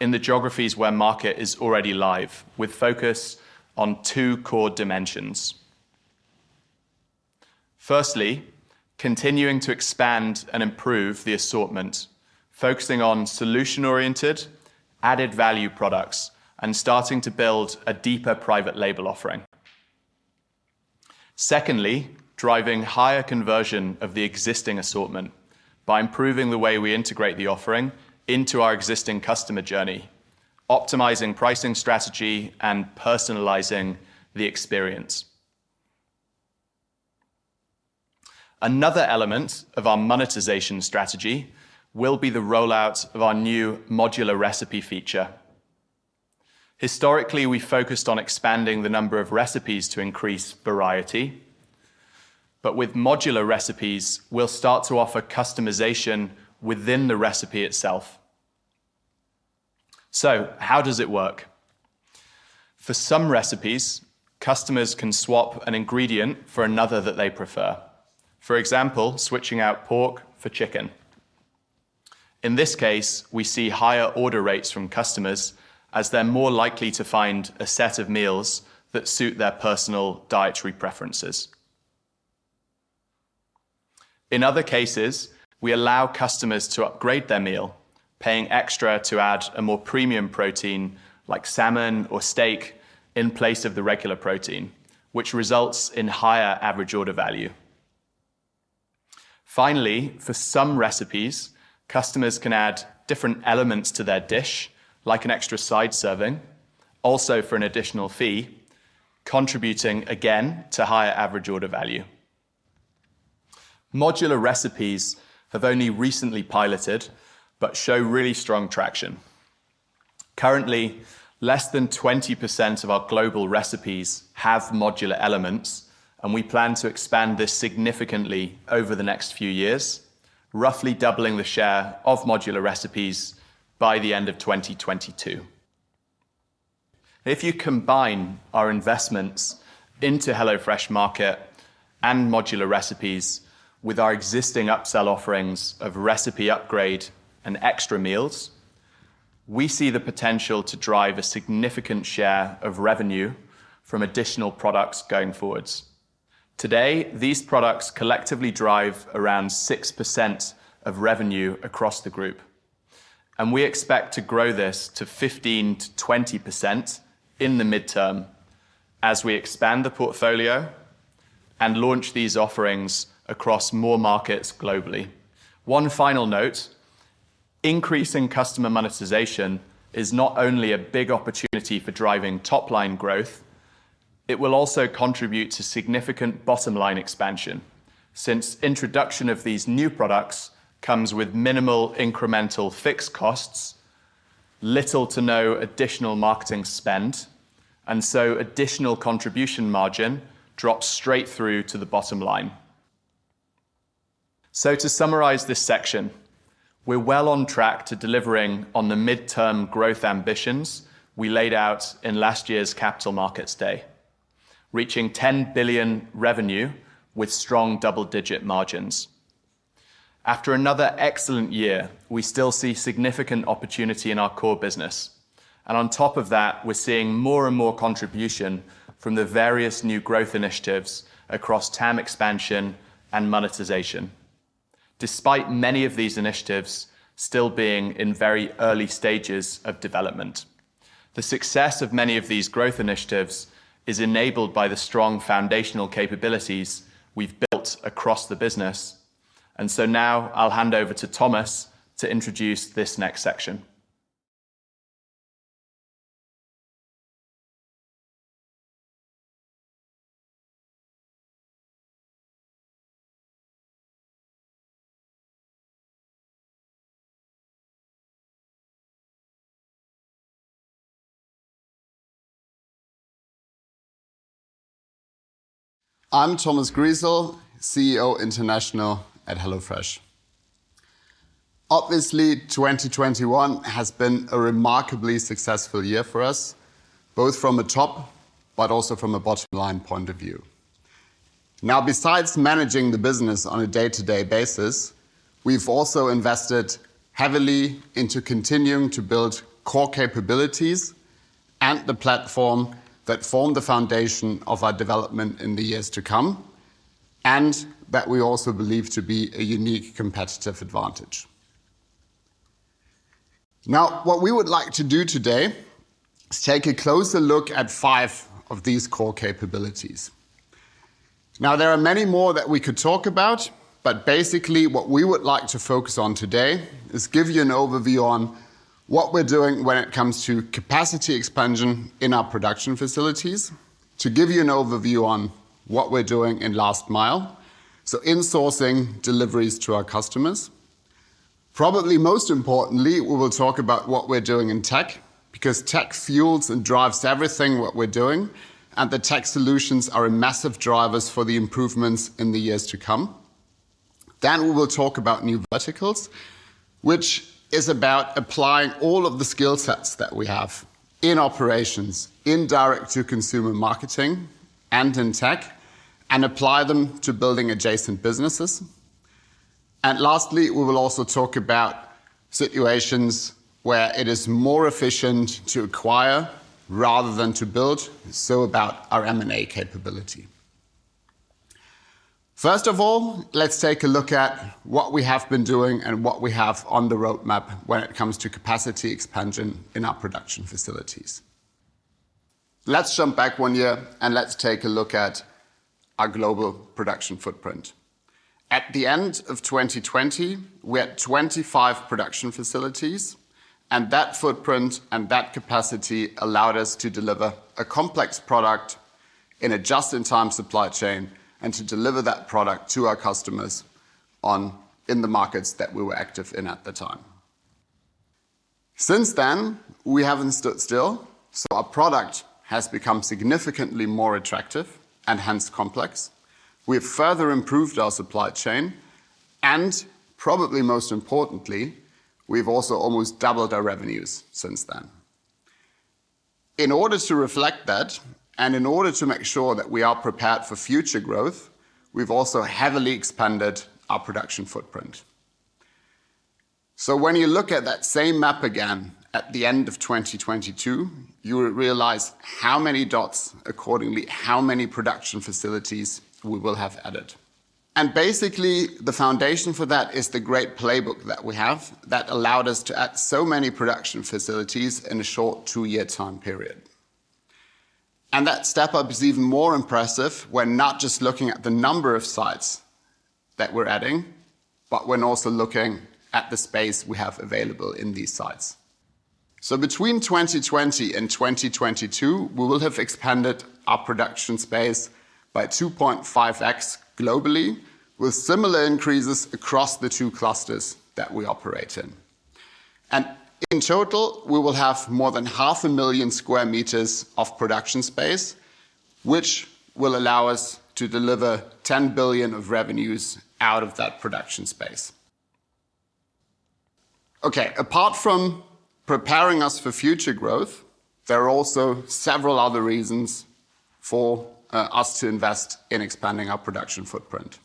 in the geographies where market is already live, with focus on two core dimensions. Firstly, continuing to expand and improve the assortment, focusing on solution-oriented, added-value products, and starting to build a deeper private label offering. Secondly, driving higher conversion of the existing assortment by improving the way we integrate the offering into our existing customer journey, optimizing pricing strategy, and personalizing the experience. Another element of our monetization strategy will be the rollout of our new modular recipe feature. Historically, we focused on expanding the number of recipes to increase variety, but with modular recipes, we'll start to offer customization within the recipe itself. So how does it work? For some recipes, customers can swap an ingredient for another that they prefer. For example, switching out pork for chicken. In this case, we see higher order rates from customers as they're more likely to find a set of meals that suit their personal dietary preferences. In other cases, we allow customers to upgrade their meal, paying extra to add a more premium protein like salmon or steak in place of the regular protein, which results in higher average order value. Finally, for some recipes, customers can add different elements to their dish, like an extra side serving, also for an additional fee, contributing again to higher average order value. Modular recipes have only recently piloted, but show really strong traction. Currently, less than 20% of our global recipes have modular elements, and we plan to expand this significantly over the next few years, roughly doubling the share of modular recipes by the end of 2022. If you combine our investments into HelloFresh Market and modular recipes with our existing upsell offerings of recipe upgrade and extra meals, we see the potential to drive a significant share of revenue from additional products going forwards. Today, these products collectively drive around 6% of revenue across the group, and we expect to grow this to 15%-20% in the midterm as we expand the portfolio and launch these offerings across more markets globally. One final note, increasing customer monetization is not only a big opportunity for driving top-line growth, it will also contribute to significant bottom-line expansion since introduction of these new products comes with minimal incremental fixed costs, little to no additional marketing spend, and so additional contribution margin drops straight through to the bottom line. To summarize this section, we're well on track to delivering on the midterm growth ambitions we laid out in last year's Capital Markets Day, reaching 10 billion revenue with strong double-digit margins. After another excellent year, we still see significant opportunity in our core business. On top of that, we're seeing more and more contribution from the various new growth initiatives across TAM expansion and monetization, despite many of these initiatives still being in very early stages of development. The success of many of these growth initiatives is enabled by the strong foundational capabilities we've built across the business. Now I'll hand over to Thomas to introduce this next section. I'm Thomas Griesel, CEO International at HelloFresh. Obviously, 2021 has been a remarkably successful year for us, both from a top-line but also from a bottom-line point of view. Now, besides managing the business on a day-to-day basis, we've also invested heavily into continuing to build core capabilities and the platform that form the foundation of our development in the years to come, and that we also believe to be a unique competitive advantage. Now, what we would like to do today is take a closer look at five of these core capabilities. Now, there are many more that we could talk about, but basically what we would like to focus on today is to give you an overview on what we're doing when it comes to capacity expansion in our production facilities, to give you an overview on what we're doing in last mile, so insourcing deliveries to our customers. Probably most importantly, we will talk about what we're doing in tech, because tech fuels and drives everything that we're doing, and the tech solutions are a massive drivers for the improvements in the years to come. We will talk about new verticals, which is about applying all of the skill sets that we have in operations, in direct-to-consumer marketing, and in tech, and apply them to building adjacent businesses. Lastly, we will also talk about situations where it is more efficient to acquire rather than to build, so about our M&A capability. First of all, let's take a look at what we have been doing and what we have on the roadmap when it comes to capacity expansion in our production facilities. Let's jump back one year, and let's take a look at our global production footprint. At the end of 2020, we had 25 production facilities, and that footprint and that capacity allowed us to deliver a complex product in a just-in-time supply chain and to deliver that product to our customers on time, in the markets that we were active in at the time. Since then, we haven't stood still, so our product has become significantly more attractive and hence complex. We have further improved our supply chain, and probably most importantly, we've also almost doubled our revenues since then. In order to reflect that and in order to make sure that we are prepared for future growth, we've also heavily expanded our production footprint. When you look at that same map again at the end of 2022, you will realize how many dots, accordingly how many production facilities we will have added. Basically, the foundation for that is the great playbook that we have that allowed us to add so many production facilities in a short two-year time period. That step-up is even more impressive when not just looking at the number of sites that we're adding, but when also looking at the space we have available in these sites. Between 2020 and 2022, we will have expanded our production space by 2.5x globally, with similar increases across the two clusters that we operate in. In total, we will have more than 500,000 sq m of production space, which will allow us to deliver 10 billion of revenues out of that production space. Okay. Apart from preparing us for future growth, there are also several other reasons for us to invest in expanding our production footprint.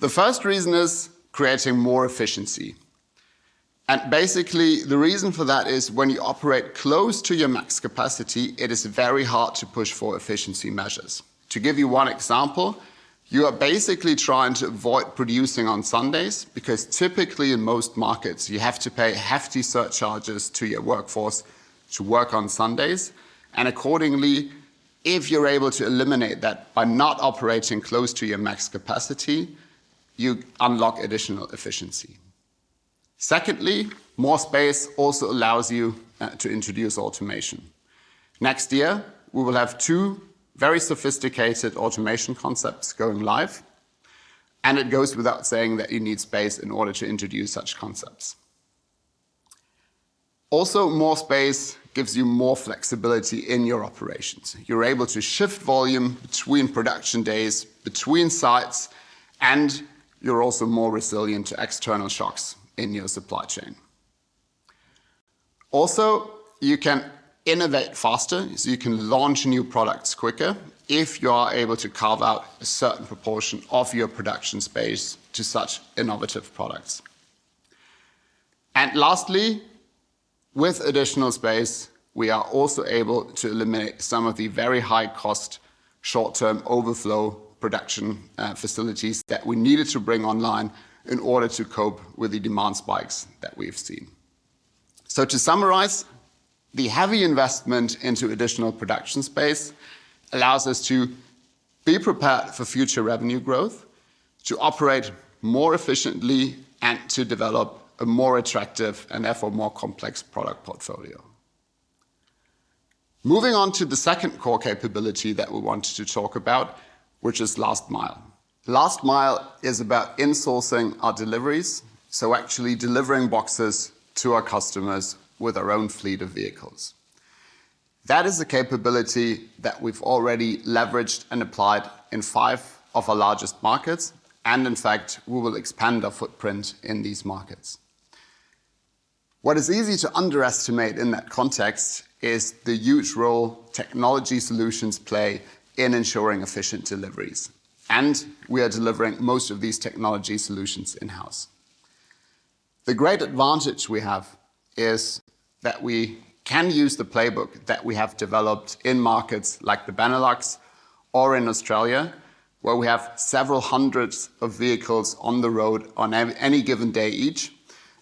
The first reason is creating more efficiency. Basically, the reason for that is when you operate close to your max capacity, it is very hard to push for efficiency measures. To give you one example, you are basically trying to avoid producing on Sundays because typically in most markets you have to pay hefty surcharges to your workforce to work on Sundays, and accordingly, if you're able to eliminate that by not operating close to your max capacity, you unlock additional efficiency. Secondly, more space also allows you to introduce automation. Next year, we will have two very sophisticated automation concepts going live, and it goes without saying that you need space in order to introduce such concepts. Also, more space gives you more flexibility in your operations. You're able to shift volume between production days, between sites, and you're also more resilient to external shocks in your supply chain. Also, you can innovate faster, so you can launch new products quicker if you are able to carve out a certain proportion of your production space to such innovative products. Lastly, with additional space, we are also able to eliminate some of the very high-cost, short-term overflow production facilities that we needed to bring online in order to cope with the demand spikes that we've seen. To summarize, the heavy investment into additional production space allows us to be prepared for future revenue growth, to operate more efficiently, and to develop a more attractive and therefore more complex product portfolio. Moving on to the second core capability that we wanted to talk about, which is last mile. Last mile is about insourcing our deliveries, so actually delivering boxes to our customers with our own fleet of vehicles. That is the capability that we've already leveraged and applied in five of our largest markets, and in fact, we will expand our footprint in these markets. What is easy to underestimate in that context is the huge role technology solutions play in ensuring efficient deliveries, and we are delivering most of these technology solutions in-house. The great advantage we have is that we can use the playbook that we have developed in markets like the Benelux or in Australia, where we have several hundreds of vehicles on the road on any given day each,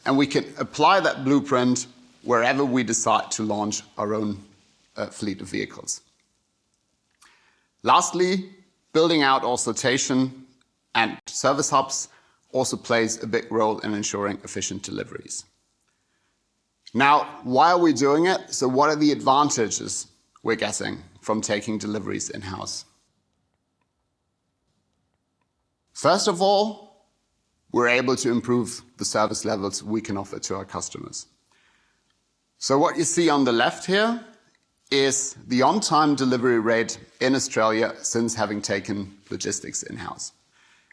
and we can apply that blueprint wherever we decide to launch our own fleet of vehicles. Lastly, building out our sortation and service hubs also plays a big role in ensuring efficient deliveries. Now, why are we doing it? What are the advantages we're getting from taking deliveries in-house? First of all, we're able to improve the service levels we can offer to our customers. What you see on the left here is the on-time delivery rate in Australia since having taken logistics in-house.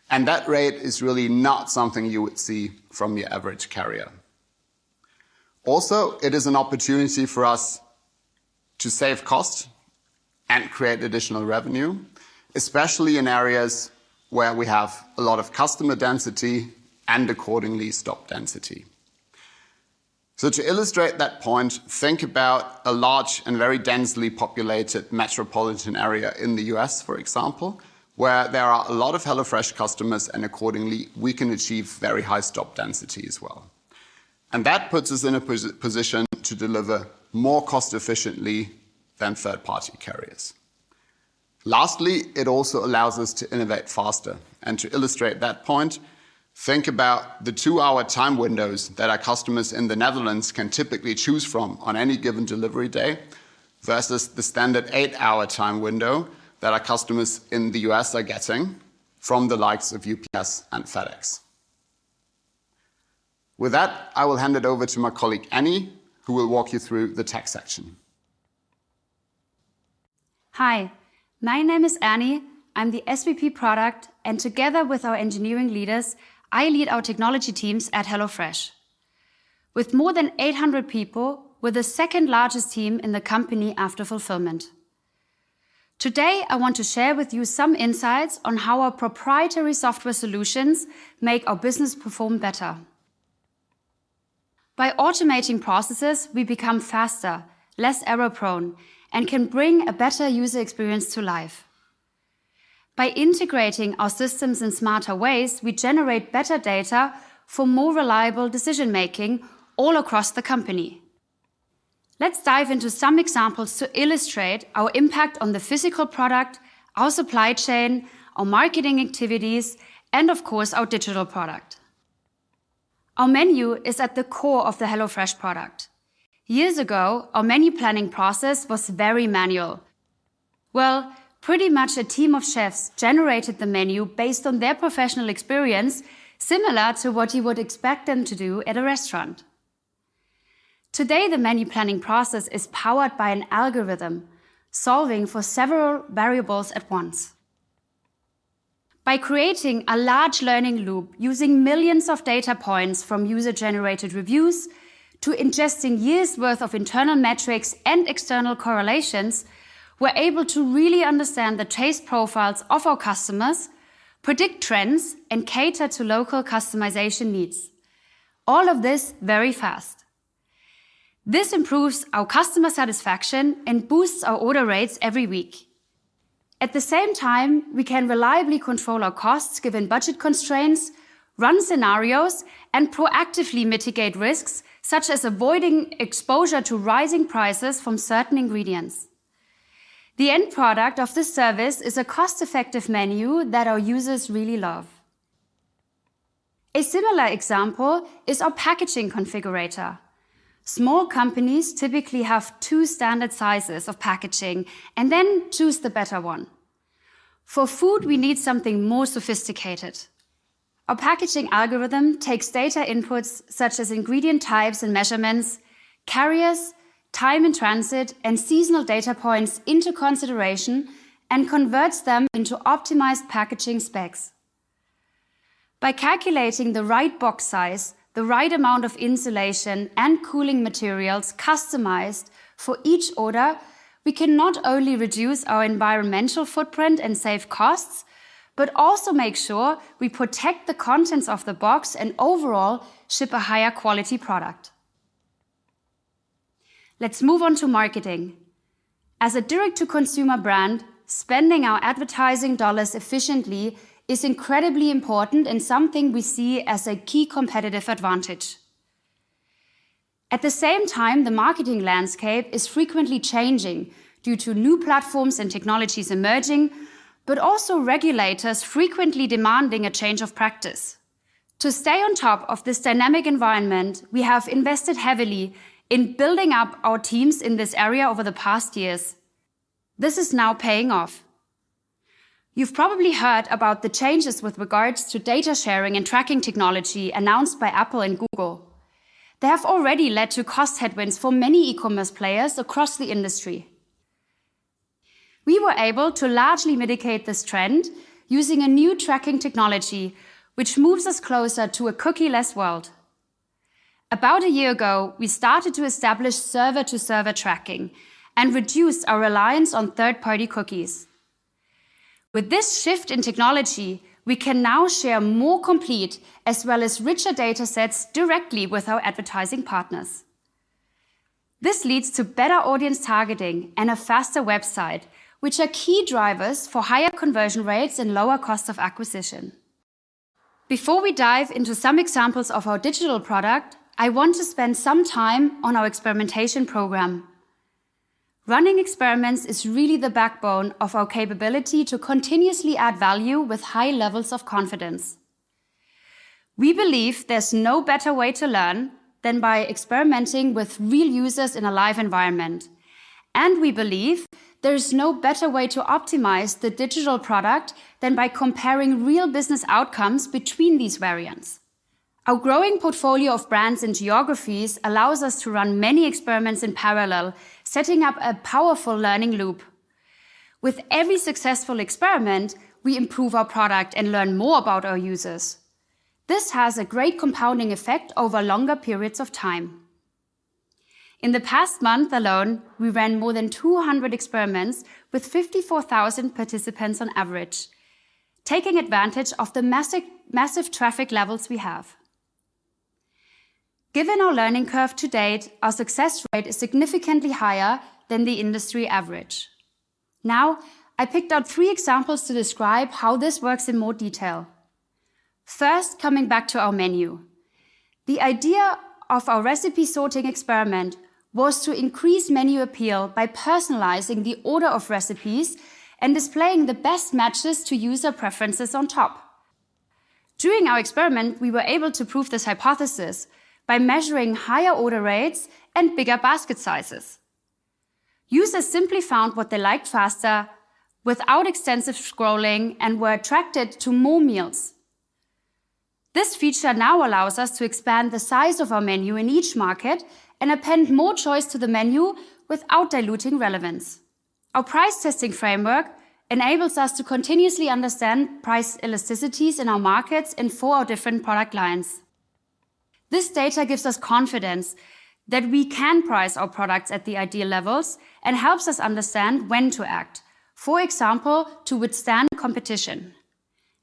That rate is really not something you would see from your average carrier. Also, it is an opportunity for us to save cost and create additional revenue, especially in areas where we have a lot of customer density and accordingly stop density. To illustrate that point, think about a large and very densely populated metropolitan area in the U.S., for example, where there are a lot of HelloFresh customers, and accordingly, we can achieve very high stop density as well. That puts us in a position to deliver more cost efficiently than third-party carriers. Lastly, it also allows us to innovate faster. To illustrate that point, think about the two-hour time windows that our customers in the Netherlands can typically choose from on any given delivery day versus the standard eight-hour time window that our customers in the U.S. are getting from the likes of UPS and FedEx. With that, I will hand it over to my colleague, Annie, who will walk you through the tech section. Hi, my name is Annie. I'm the SVP Product, and together with our engineering leaders, I lead our technology teams at HelloFresh. With more than 800 people, we're the second-largest team in the company after fulfillment. Today, I want to share with you some insights on how our proprietary software solutions make our business perform better. By automating processes, we become faster, less error-prone, and can bring a better user experience to life. By integrating our systems in smarter ways, we generate better data for more reliable decision-making all across the company. Let's dive into some examples to illustrate our impact on the physical product, our supply chain, our marketing activities, and of course, our digital product. Our menu is at the core of the HelloFresh product. Years ago, our menu planning process was very manual. Well, pretty much a team of chefs generated the menu based on their professional experience, similar to what you would expect them to do at a restaurant. Today, the menu planning process is powered by an algorithm solving for several variables at once. By creating a large learning loop using millions of data points from user-generated reviews to ingesting years' worth of internal metrics and external correlations, we're able to really understand the taste profiles of our customers, predict trends, and cater to local customization needs. All of this very fast. This improves our customer satisfaction and boosts our order rates every week. At the same time, we can reliably control our costs given budget constraints, run scenarios, and proactively mitigate risks, such as avoiding exposure to rising prices from certain ingredients. The end product of this service is a cost-effective menu that our users really love. A similar example is our packaging configurator. Small companies typically have two standard sizes of packaging and then choose the better one. For food, we need something more sophisticated. Our packaging algorithm takes data inputs such as ingredient types and measurements, carriers, time and transit, and seasonal data points into consideration and converts them into optimized packaging specs. By calculating the right box size, the right amount of insulation and cooling materials customized for each order, we can not only reduce our environmental footprint and save costs, but also make sure we protect the contents of the box and overall ship a higher quality product. Let's move on to marketing. As a direct-to-consumer brand, spending our advertising dollars efficiently is incredibly important and something we see as a key competitive advantage. At the same time, the marketing landscape is frequently changing due to new platforms and technologies emerging, but also regulators frequently demanding a change of practice. To stay on top of this dynamic environment, we have invested heavily in building up our teams in this area over the past years. This is now paying off. You've probably heard about the changes with regards to data sharing and tracking technology announced by Apple and Google. They have already led to cost headwinds for many e-commerce players across the industry. We were able to largely mitigate this trend using a new tracking technology which moves us closer to a cookie-less world. About a year ago, we started to establish server-to-server tracking and reduced our reliance on third-party cookies. With this shift in technology, we can now share more complete as well as richer data sets directly with our advertising partners. This leads to better audience targeting and a faster website, which are key drivers for higher conversion rates and lower cost of acquisition. Before we dive into some examples of our digital product, I want to spend some time on our experimentation program. Running experiments is really the backbone of our capability to continuously add value with high levels of confidence. We believe there's no better way to learn than by experimenting with real users in a live environment, and we believe there's no better way to optimize the digital product than by comparing real business outcomes between these variants. Our growing portfolio of brands and geographies allows us to run many experiments in parallel, setting up a powerful learning loop. With every successful experiment, we improve our product and learn more about our users. This has a great compounding effect over longer periods of time. In the past month alone, we ran more than 200 experiments with 54,000 participants on average, taking advantage of the massive traffic levels we have. Given our learning curve to date, our success rate is significantly higher than the industry average. Now, I picked out three examples to describe how this works in more detail. First, coming back to our menu. The idea of our recipe sorting experiment was to increase menu appeal by personalizing the order of recipes and displaying the best matches to user preferences on top. During our experiment, we were able to prove this hypothesis by measuring higher order rates and bigger basket sizes. Users simply found what they liked faster without extensive scrolling and were attracted to more meals. This feature now allows us to expand the size of our menu in each market and append more choice to the menu without diluting relevance. Our price testing framework enables us to continuously understand price elasticities in our markets in four different product lines. This data gives us confidence that we can price our products at the ideal levels and helps us understand when to act, for example, to withstand competition.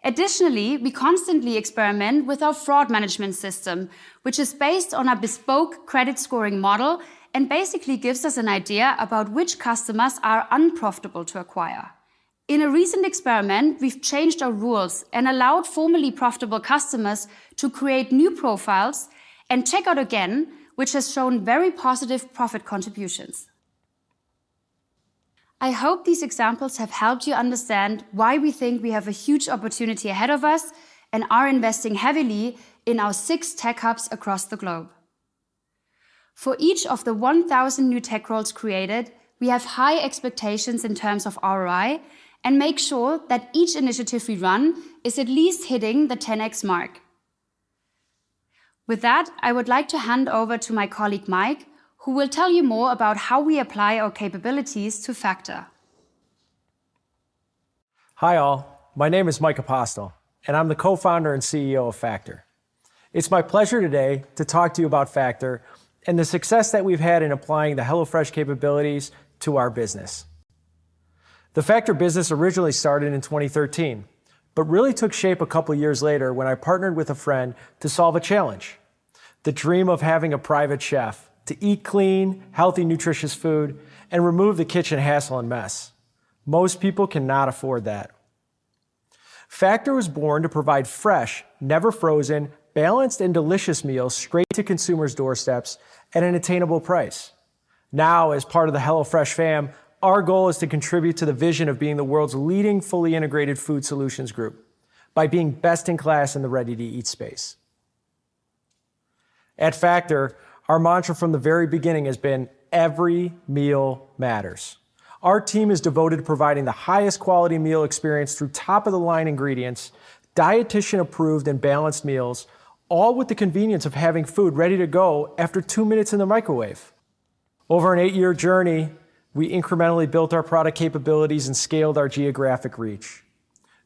Additionally, we constantly experiment with our fraud management system, which is based on a bespoke credit scoring model and basically gives us an idea about which customers are unprofitable to acquire. In a recent experiment, we've changed our rules and allowed formerly profitable customers to create new profiles and check out again, which has shown very positive profit contributions. I hope these examples have helped you understand why we think we have a huge opportunity ahead of us and are investing heavily in our six tech hubs across the globe. For each of the 1,000 new tech roles created, we have high expectations in terms of ROI and make sure that each initiative we run is at least hitting the 10x mark. With that, I would like to hand over to my colleague, Mike Apostal, who will tell you more about how we apply our capabilities to Factor. Hi, all. My name is Mike Apostal, and I'm the Co-founder and CEO of Factor. It's my pleasure today to talk to you about Factor and the success that we've had in applying the HelloFresh capabilities to our business. The Factor business originally started in 2013, but really took shape a couple years later when I partnered with a friend to solve a challenge, the dream of having a private chef to eat clean, healthy, nutritious food and remove the kitchen hassle and mess. Most people cannot afford that. Factor was born to provide fresh, never frozen, balanced, and delicious meals straight to consumers' doorsteps at an attainable price. Now, as part of the HelloFresh fam, our goal is to contribute to the vision of being the world's leading fully integrated food solutions group by being best in class in the ready-to-eat space. At Factor, our mantra from the very beginning has been, "Every meal matters." Our team is devoted to providing the highest quality meal experience through top-of-the-line ingredients, dietician-approved and balanced meals, all with the convenience of having food ready to go after two minutes in the microwave. Over an eight-year journey, we incrementally built our product capabilities and scaled our geographic reach.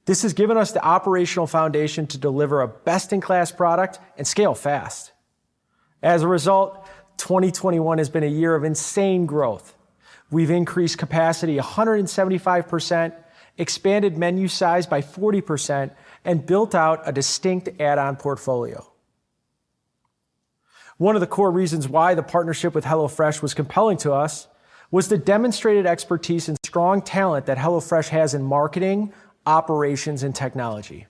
This has given us the operational foundation to deliver a best-in-class product and scale fast. As a result, 2021 has been a year of insane growth. We've increased capacity 175%, expanded menu size by 40%, and built out a distinct add-on portfolio. One of the core reasons why the partnership with HelloFresh was compelling to us was the demonstrated expertise and strong talent that HelloFresh has in marketing, operations, and technology.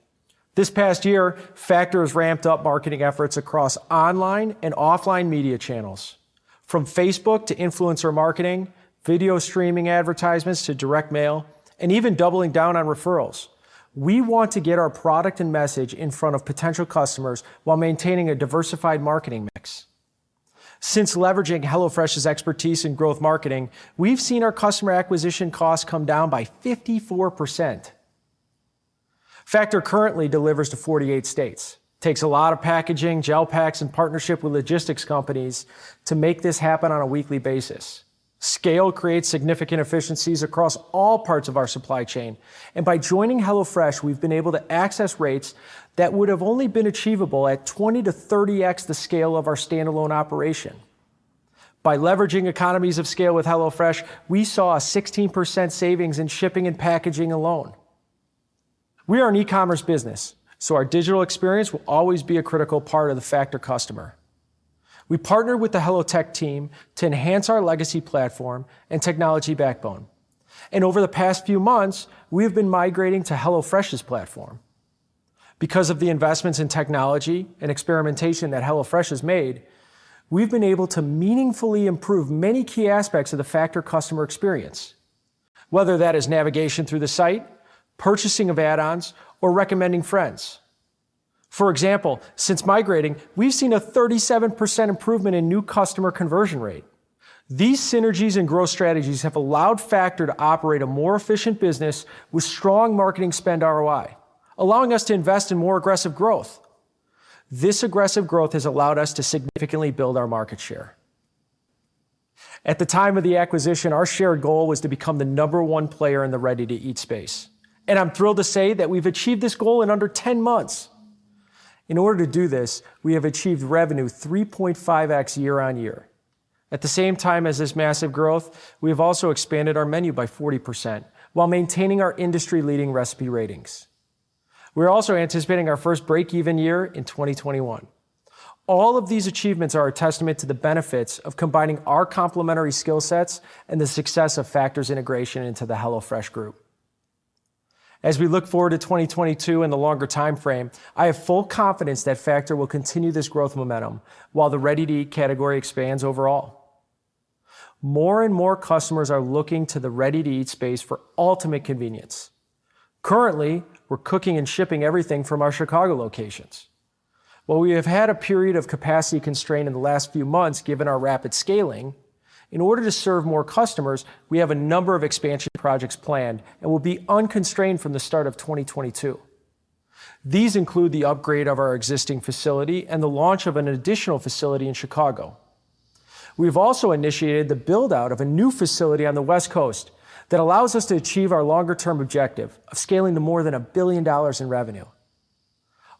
This past year, Factor has ramped up marketing efforts across online and offline media channels, from Facebook to influencer marketing, video streaming advertisements to direct mail, and even doubling down on referrals. We want to get our product and message in front of potential customers while maintaining a diversified marketing mix. Since leveraging HelloFresh's expertise in growth marketing, we've seen our customer acquisition costs come down by 54%. Factor currently delivers to 48 states. It takes a lot of packaging, gel packs, and partnership with logistics companies to make this happen on a weekly basis. Scale creates significant efficiencies across all parts of our supply chain, and by joining HelloFresh, we've been able to access rates that would have only been achievable at 20x-30x the scale of our standalone operation. By leveraging economies of scale with HelloFresh, we saw a 16% savings in shipping and packaging alone. We are an e-commerce business, so our digital experience will always be a critical part of the Factor customer. We partnered with the HelloTech team to enhance our legacy platform and technology backbone, and over the past few months, we have been migrating to HelloFresh's platform. Because of the investments in technology and experimentation that HelloFresh has made, we've been able to meaningfully improve many key aspects of the Factor customer experience, whether that is navigation through the site, purchasing of add-ons, or recommending friends. For example, since migrating, we've seen a 37% improvement in new customer conversion rate. These synergies and growth strategies have allowed Factor to operate a more efficient business with strong marketing spend ROI, allowing us to invest in more aggressive growth. This aggressive growth has allowed us to significantly build our market share. At the time of the acquisition, our shared goal was to become the number one player in the ready-to-eat space, and I'm thrilled to say that we've achieved this goal in under 10 months. In order to do this, we have achieved revenue 3.5x year-on-year. At the same time as this massive growth, we have also expanded our menu by 40% while maintaining our industry-leading recipe ratings. We're also anticipating our first break-even year in 2021. All of these achievements are a testament to the benefits of combining our complementary skill sets and the success of Factor's integration into the HelloFresh group. As we look forward to 2022 and the longer timeframe, I have full confidence that Factor will continue this growth momentum while the ready-to-eat category expands overall. More and more customers are looking to the ready-to-eat space for ultimate convenience. Currently, we're cooking and shipping everything from our Chicago locations. While we have had a period of capacity constraint in the last few months given our rapid scaling, in order to serve more customers, we have a number of expansion projects planned and will be unconstrained from the start of 2022. These include the upgrade of our existing facility and the launch of an additional facility in Chicago. We've also initiated the build-out of a new facility on the West Coast that allows us to achieve our longer-term objective of scaling to more than $1 billion in revenue.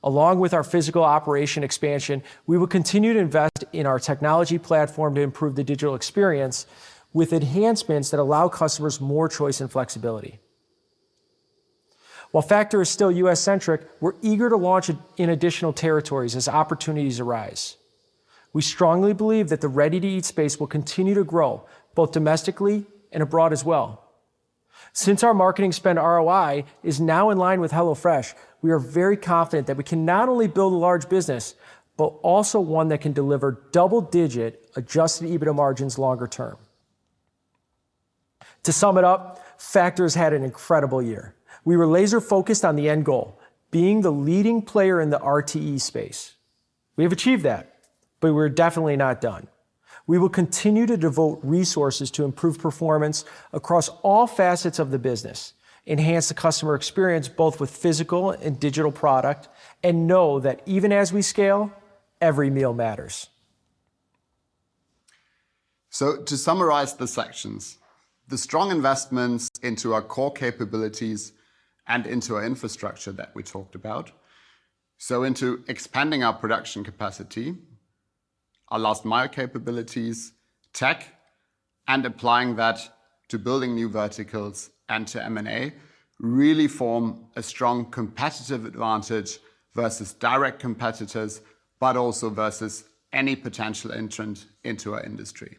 Along with our physical operation expansion, we will continue to invest in our technology platform to improve the digital experience with enhancements that allow customers more choice and flexibility. While Factor is still US-centric, we're eager to launch in additional territories as opportunities arise. We strongly believe that the ready-to-eat space will continue to grow both domestically and abroad as well. Since our marketing spend ROI is now in line with HelloFresh, we are very confident that we can not only build a large business, but also one that can deliver double-digit adjusted EBITDA margins longer term. To sum it up, Factor has had an incredible year. We were laser-focused on the end goal, being the leading player in the RTE space. We have achieved that, but we're definitely not done. We will continue to devote resources to improve performance across all facets of the business, enhance the customer experience, both with physical and digital product, and know that even as we scale, every meal matters. To summarize the sections, the strong investments into our core capabilities and into our infrastructure that we talked about, so into expanding our production capacity, our last mile capabilities, tech, and applying that to building new verticals and to M&A really form a strong competitive advantage versus direct competitors, but also versus any potential entrant into our industry.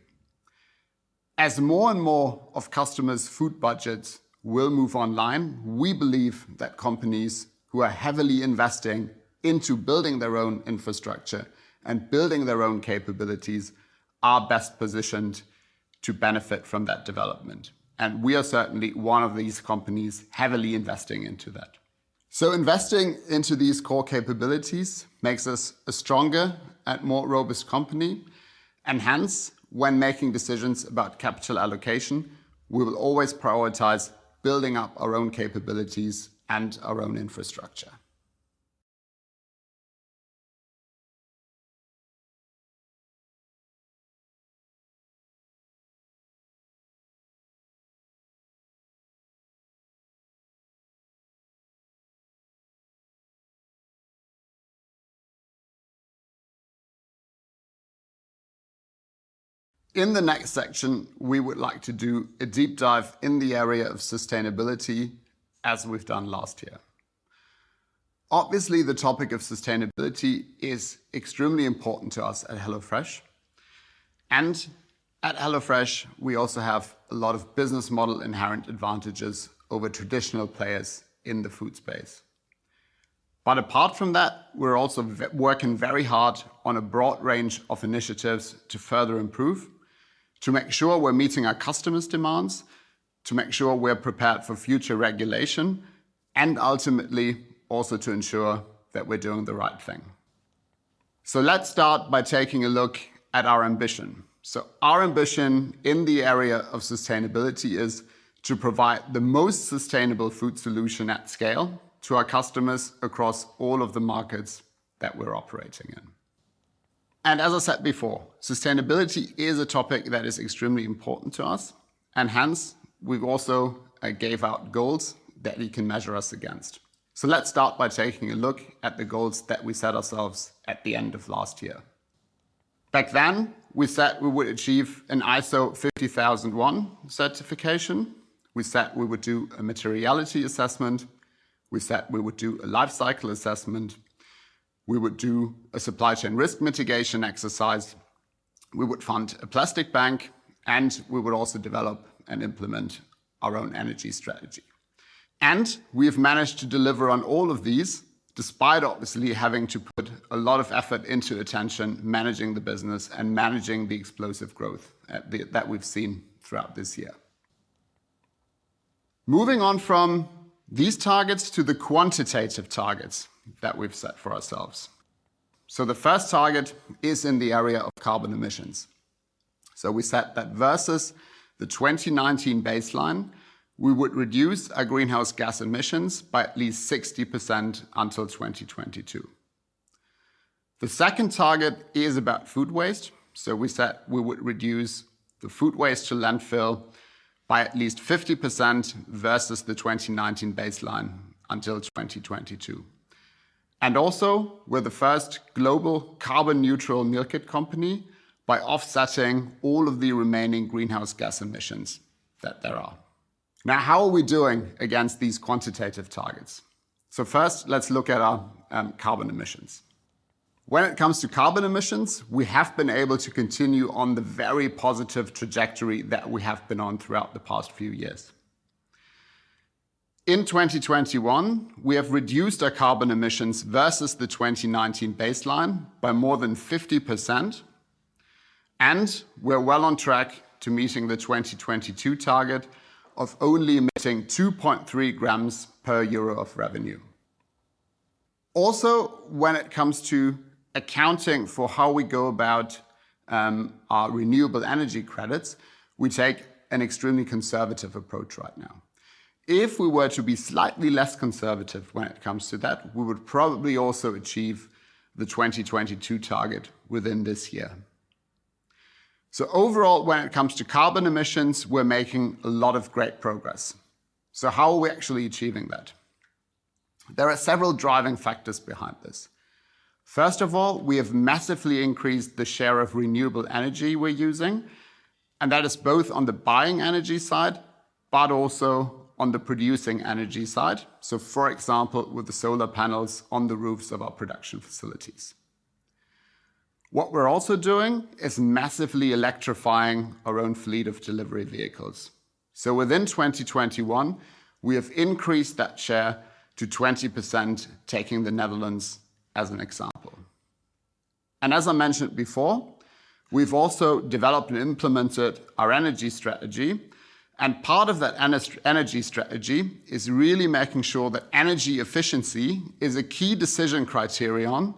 As more and more of customers' food budgets will move online, we believe that companies who are heavily investing into building their own infrastructure and building their own capabilities are best positioned to benefit from that development. We are certainly one of these companies heavily investing into that. Investing into these core capabilities makes us a stronger and more robust company. Hence, when making decisions about capital allocation, we will always prioritize building up our own capabilities and our own infrastructure. In the next section, we would like to do a deep dive in the area of sustainability as we've done last year. Obviously, the topic of sustainability is extremely important to us at HelloFresh. At HelloFresh, we also have a lot of business model inherent advantages over traditional players in the food space. Apart from that, we're also working very hard on a broad range of initiatives to further improve, to make sure we're meeting our customers' demands, to make sure we're prepared for future regulation, and ultimately, also to ensure that we're doing the right thing. Let's start by taking a look at our ambition. Our ambition in the area of sustainability is to provide the most sustainable food solution at scale to our customers across all of the markets that we're operating in. As I said before, sustainability is a topic that is extremely important to us, and hence, we've also gave out goals that we can measure us against. Let's start by taking a look at the goals that we set ourselves at the end of last year. Back then, we set we would achieve an ISO 50001 certification. We set we would do a materiality assessment. We set we would do a lifecycle assessment. We would do a supply chain risk mitigation exercise. We would fund a Plastic Bank, and we would also develop and implement our own energy strategy. We have managed to deliver on all of these, despite obviously having to put a lot of effort and attention, managing the business, and managing the explosive growth that we've seen throughout this year. Moving on from these targets to the quantitative targets that we've set for ourselves. The first target is in the area of carbon emissions. We set that versus the 2019 baseline, we would reduce our greenhouse gas emissions by at least 60% until 2022. The second target is about food waste. We would reduce the food waste to landfill by at least 50% versus the 2019 baseline until 2022. Also, we're the first global carbon neutral meal kit company by offsetting all of the remaining greenhouse gas emissions that there are. Now, how are we doing against these quantitative targets? First, let's look at our carbon emissions. When it comes to carbon emissions, we have been able to continue on the very positive trajectory that we have been on throughout the past few years. In 2021, we have reduced our carbon emissions versus the 2019 baseline by more than 50%, and we're well on track to meeting the 2022 target of only emitting 2.3 g per EUR of revenue. Also, when it comes to accounting for how we go about our renewable energy credits, we take an extremely conservative approach right now. If we were to be slightly less conservative when it comes to that, we would probably also achieve the 2022 target within this year. Overall, when it comes to carbon emissions, we're making a lot of great progress. How are we actually achieving that? There are several driving factors behind this. First of all, we have massively increased the share of renewable energy we're using, and that is both on the buying energy side, but also on the producing energy side. For example, with the solar panels on the roofs of our production facilities. What we're also doing is massively electrifying our own fleet of delivery vehicles. Within 2021 we have increased that share to 20%, taking the Netherlands as an example. As I mentioned before, we've also developed and implemented our energy strategy, and part of that energy strategy is really making sure that energy efficiency is a key decision criterion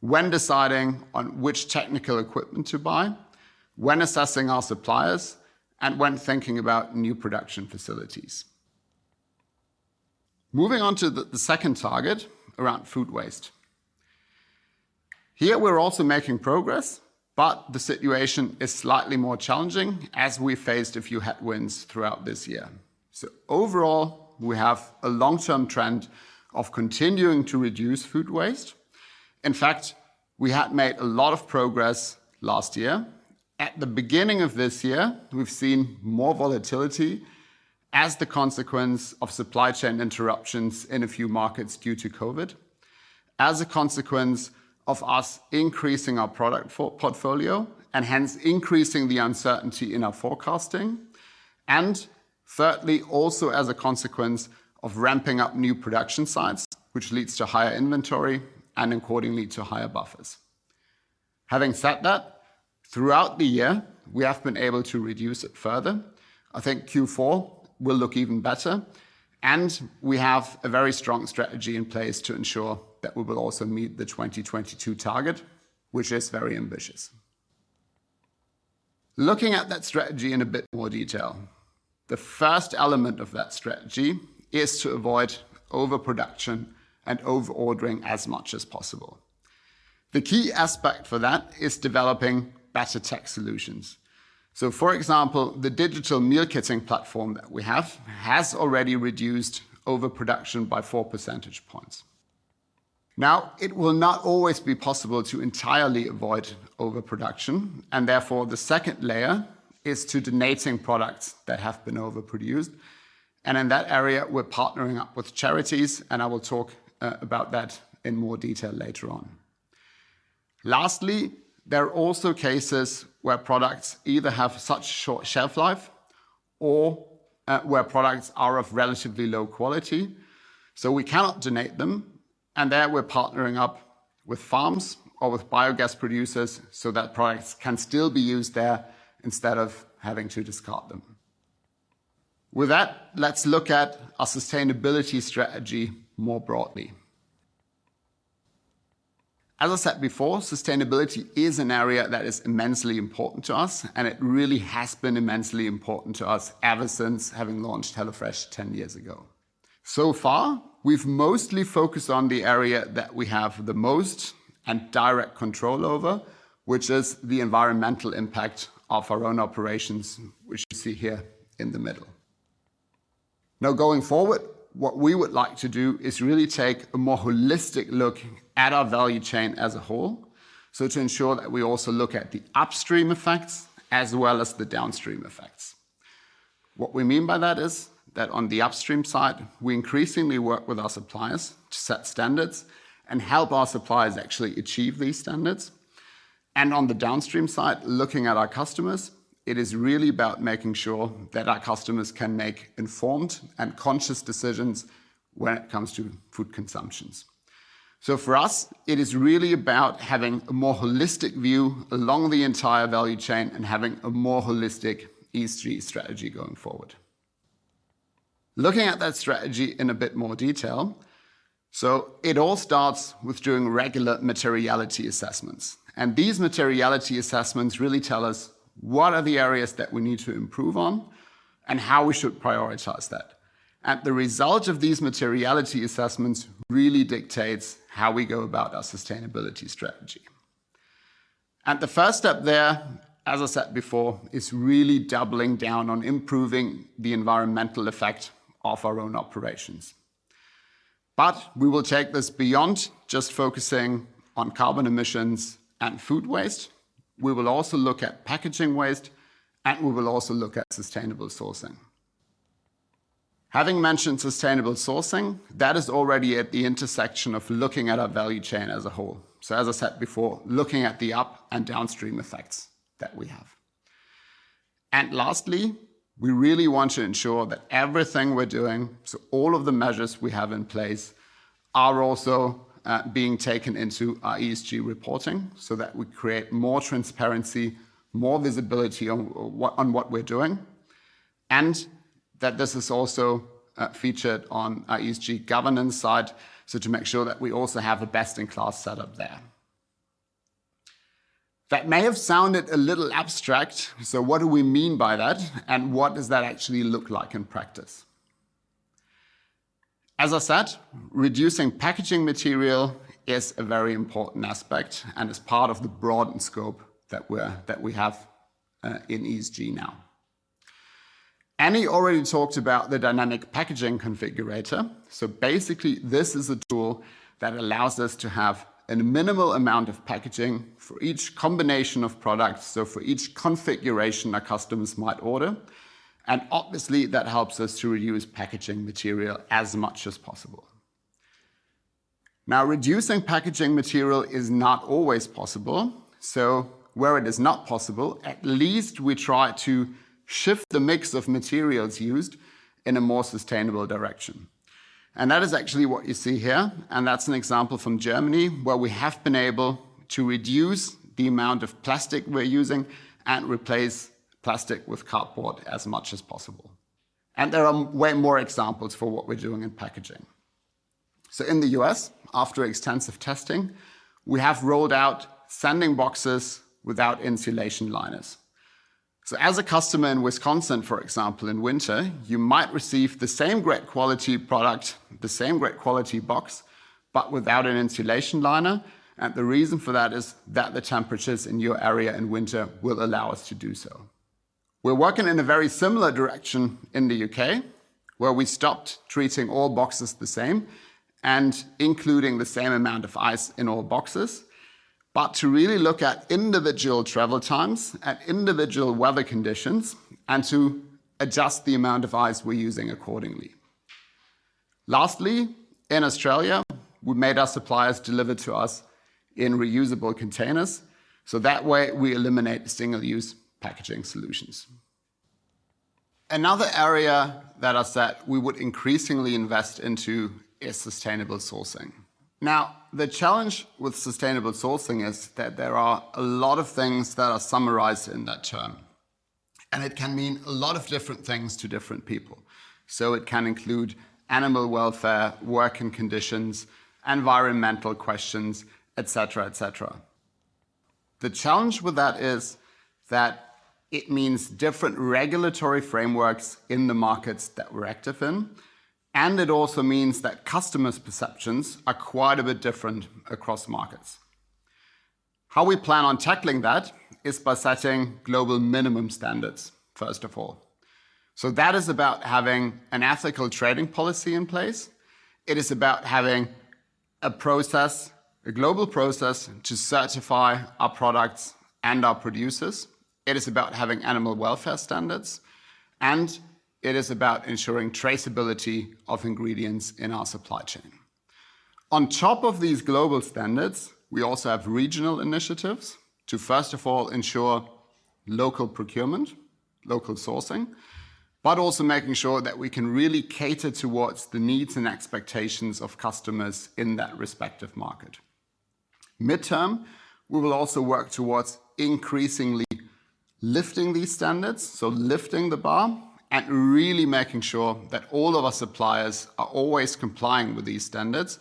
when deciding on which technical equipment to buy, when assessing our suppliers, and when thinking about new production facilities. Moving on to the second target around food waste. Here we're also making progress, but the situation is slightly more challenging as we faced a few headwinds throughout this year. Overall, we have a long-term trend of continuing to reduce food waste. In fact, we had made a lot of progress last year. At the beginning of this year, we've seen more volatility as the consequence of supply chain interruptions in a few markets due to COVID, as a consequence of us increasing our product portfolio and hence increasing the uncertainty in our forecasting, and thirdly, also as a consequence of ramping up new production sites, which leads to higher inventory and accordingly to higher buffers. Having said that, throughout the year we have been able to reduce it further. I think Q4 will look even better, and we have a very strong strategy in place to ensure that we will also meet the 2022 target, which is very ambitious. Looking at that strategy in a bit more detail, the first element of that strategy is to avoid overproduction and over-ordering as much as possible. The key aspect for that is developing better tech solutions. For example, the digital meal kitting platform that we have has already reduced overproduction by 4 percentage points. Now, it will not always be possible to entirely avoid overproduction and therefore the second layer is to donating products that have been overproduced, and in that area we're partnering up with charities, and I will talk about that in more detail later on. Lastly, there are also cases where products either have such short shelf life or, where products are of relatively low quality, so we cannot donate them, and there we're partnering up with farms or with biogas producers so that products can still be used there instead of having to discard them. With that, let's look at our sustainability strategy more broadly. As I said before, sustainability is an area that is immensely important to us, and it really has been immensely important to us ever since having launched HelloFresh ten years ago. So far, we've mostly focused on the area that we have the most and direct control over, which is the environmental impact of our own operations, which you see here in the middle. Now, going forward, what we would like to do is really take a more holistic look at our value chain as a whole, so to ensure that we also look at the upstream effects as well as the downstream effects. What we mean by that is that on the upstream side, we increasingly work with our suppliers to set standards and help our suppliers actually achieve these standards. On the downstream side, looking at our customers, it is really about making sure that our customers can make informed and conscious decisions when it comes to food consumption. For us, it is really about having a more holistic view along the entire value chain and having a more holistic ESG strategy going forward. Looking at that strategy in a bit more detail. It all starts with doing regular materiality assessments, and these materiality assessments really tell us what are the areas that we need to improve on and how we should prioritize that. The result of these materiality assessments really dictates how we go about our sustainability strategy. The first step there, as I said before, is really doubling down on improving the environmental effect of our own operations. We will take this beyond just focusing on carbon emissions and food waste. We will also look at packaging waste, and we will also look at sustainable sourcing. Having mentioned sustainable sourcing, that is already at the intersection of looking at our value chain as a whole. As I said before, looking at the up and downstream effects that we have. Lastly, we really want to ensure that everything we're doing, so all of the measures we have in place, are also being taken into our ESG reporting so that we create more transparency, more visibility on what we're doing, and that this is also featured on our ESG governance side, so to make sure that we also have a best in class setup there. That may have sounded a little abstract. What do we mean by that, and what does that actually look like in practice? As I said, reducing packaging material is a very important aspect, and it's part of the broadened scope that we have in ESG now. Annie already talked about the dynamic packaging configurator. Basically, this is a tool that allows us to have a minimal amount of packaging for each combination of products, so for each configuration our customers might order, and obviously that helps us to reduce packaging material as much as possible. Now, reducing packaging material is not always possible. Where it is not possible, at least we try to shift the mix of materials used in a more sustainable direction. That is actually what you see here, and that's an example from Germany where we have been able to reduce the amount of plastic we're using and replace plastic with cardboard as much as possible. There are way more examples for what we're doing in packaging. In the U.S., after extensive testing, we have rolled out sending boxes without insulation liners. As a customer in Wisconsin, for example, in winter, you might receive the same great quality product, the same great quality box, but without an insulation liner, and the reason for that is that the temperatures in your area in winter will allow us to do so. We're working in a very similar direction in the U.K., where we stopped treating all boxes the same and including the same amount of ice in all boxes, but to really look at individual travel times and individual weather conditions, and to adjust the amount of ice we're using accordingly. Lastly, in Australia, we made our suppliers deliver to us in reusable containers, so that way we eliminate single-use packaging solutions. Another area that I said we would increasingly invest into is sustainable sourcing. Now, the challenge with sustainable sourcing is that there are a lot of things that are summarized in that term, and it can mean a lot of different things to different people. It can include animal welfare, working conditions, environmental questions, et cetera, et cetera. The challenge with that is that it means different regulatory frameworks in the markets that we're active in, and it also means that customers' perceptions are quite a bit different across markets. How we plan on tackling that is by setting global minimum standards, first of all. That is about having an ethical trading policy in place. It is about having a process, a global process, to certify our products and our producers. It is about having animal welfare standards, and it is about ensuring traceability of ingredients in our supply chain. On top of these global standards, we also have regional initiatives to, first of all, ensure local procurement, local sourcing, but also making sure that we can really cater towards the needs and expectations of customers in that respective market. Midterm, we will also work towards increasingly lifting these standards, so lifting the bar and really making sure that all of our suppliers are always complying with these standards,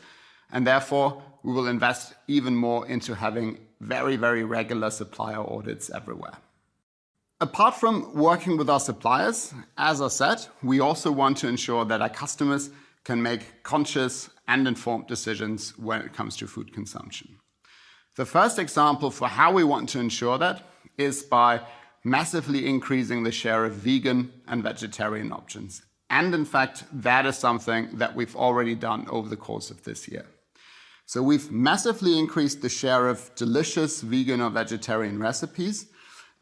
and therefore, we will invest even more into having very, very regular supplier audits everywhere. Apart from working with our suppliers, as I said, we also want to ensure that our customers can make conscious and informed decisions when it comes to food consumption. The first example for how we want to ensure that is by massively increasing the share of vegan and vegetarian options. In fact, that is something that we've already done over the course of this year. We've massively increased the share of delicious vegan or vegetarian recipes,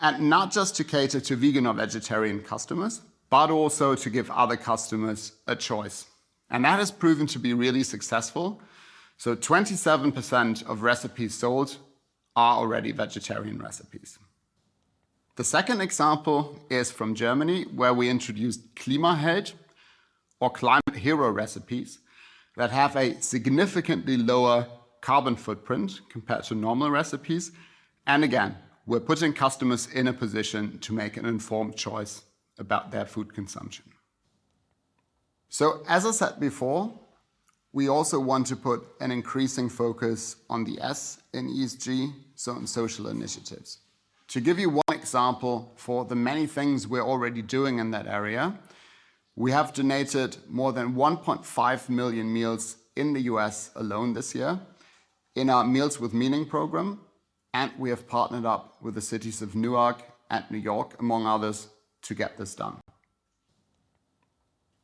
and not just to cater to vegan or vegetarian customers, but also to give other customers a choice. That has proven to be really successful. 27% of recipes sold are already vegetarian recipes. The second example is from Germany, where we introduced Klimaheld or Climate Hero recipes that have a significantly lower carbon footprint compared to normal recipes. Again, we're putting customers in a position to make an informed choice about their food consumption. As I said before, we also want to put an increasing focus on the S in ESG, so on social initiatives. To give you one example for the many things we're already doing in that area, we have donated more than 1.5 million meals in the U.S. alone this year in our Meals with Meaning program, and we have partnered up with the cities of Newark and New York, among others, to get this done.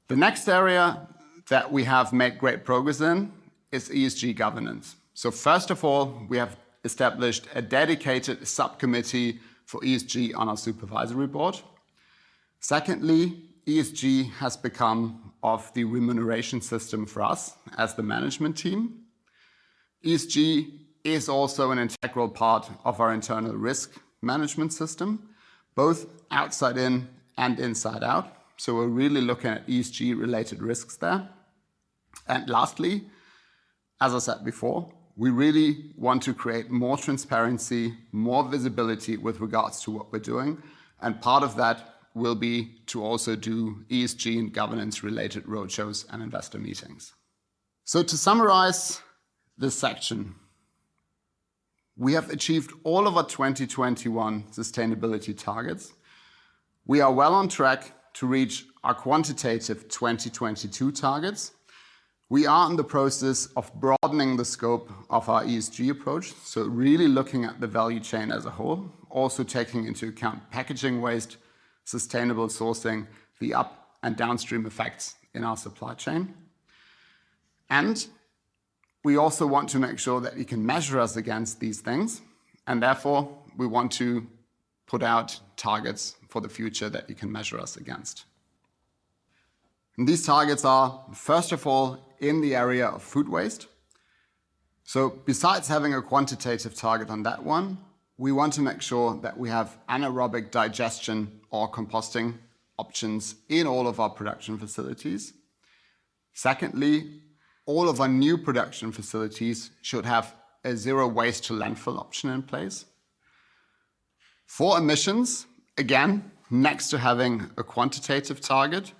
The next area that we have made great progress in is ESG governance. First of all, we have established a dedicated subcommittee for ESG on our supervisory board. Secondly, ESG has become part of the remuneration system for us as the management team. ESG is also an integral part of our internal risk management system, both outside in and inside out. We're really looking at ESG related risks there. Lastly, as I said before, we really want to create more transparency, more visibility with regards to what we're doing, and part of that will be to also do ESG and governance related roadshows and investor meetings. To summarize this section, we have achieved all of our 2021 sustainability targets. We are well on track to reach our quantitative 2022 targets. We are in the process of broadening the scope of our ESG approach, so really looking at the value chain as a whole, also taking into account packaging waste, sustainable sourcing, the up and downstream effects in our supply chain. We also want to make sure that you can measure us against these things, and therefore, we want to put out targets for the future that you can measure us against. These targets are, first of all, in the area of food waste. Besides having a quantitative target on that one, we want to make sure that we have anaerobic digestion or composting options in all of our production facilities. Secondly, all of our new production facilities should have a zero waste to landfill option in place. For emissions, again, next to having a quantitative target,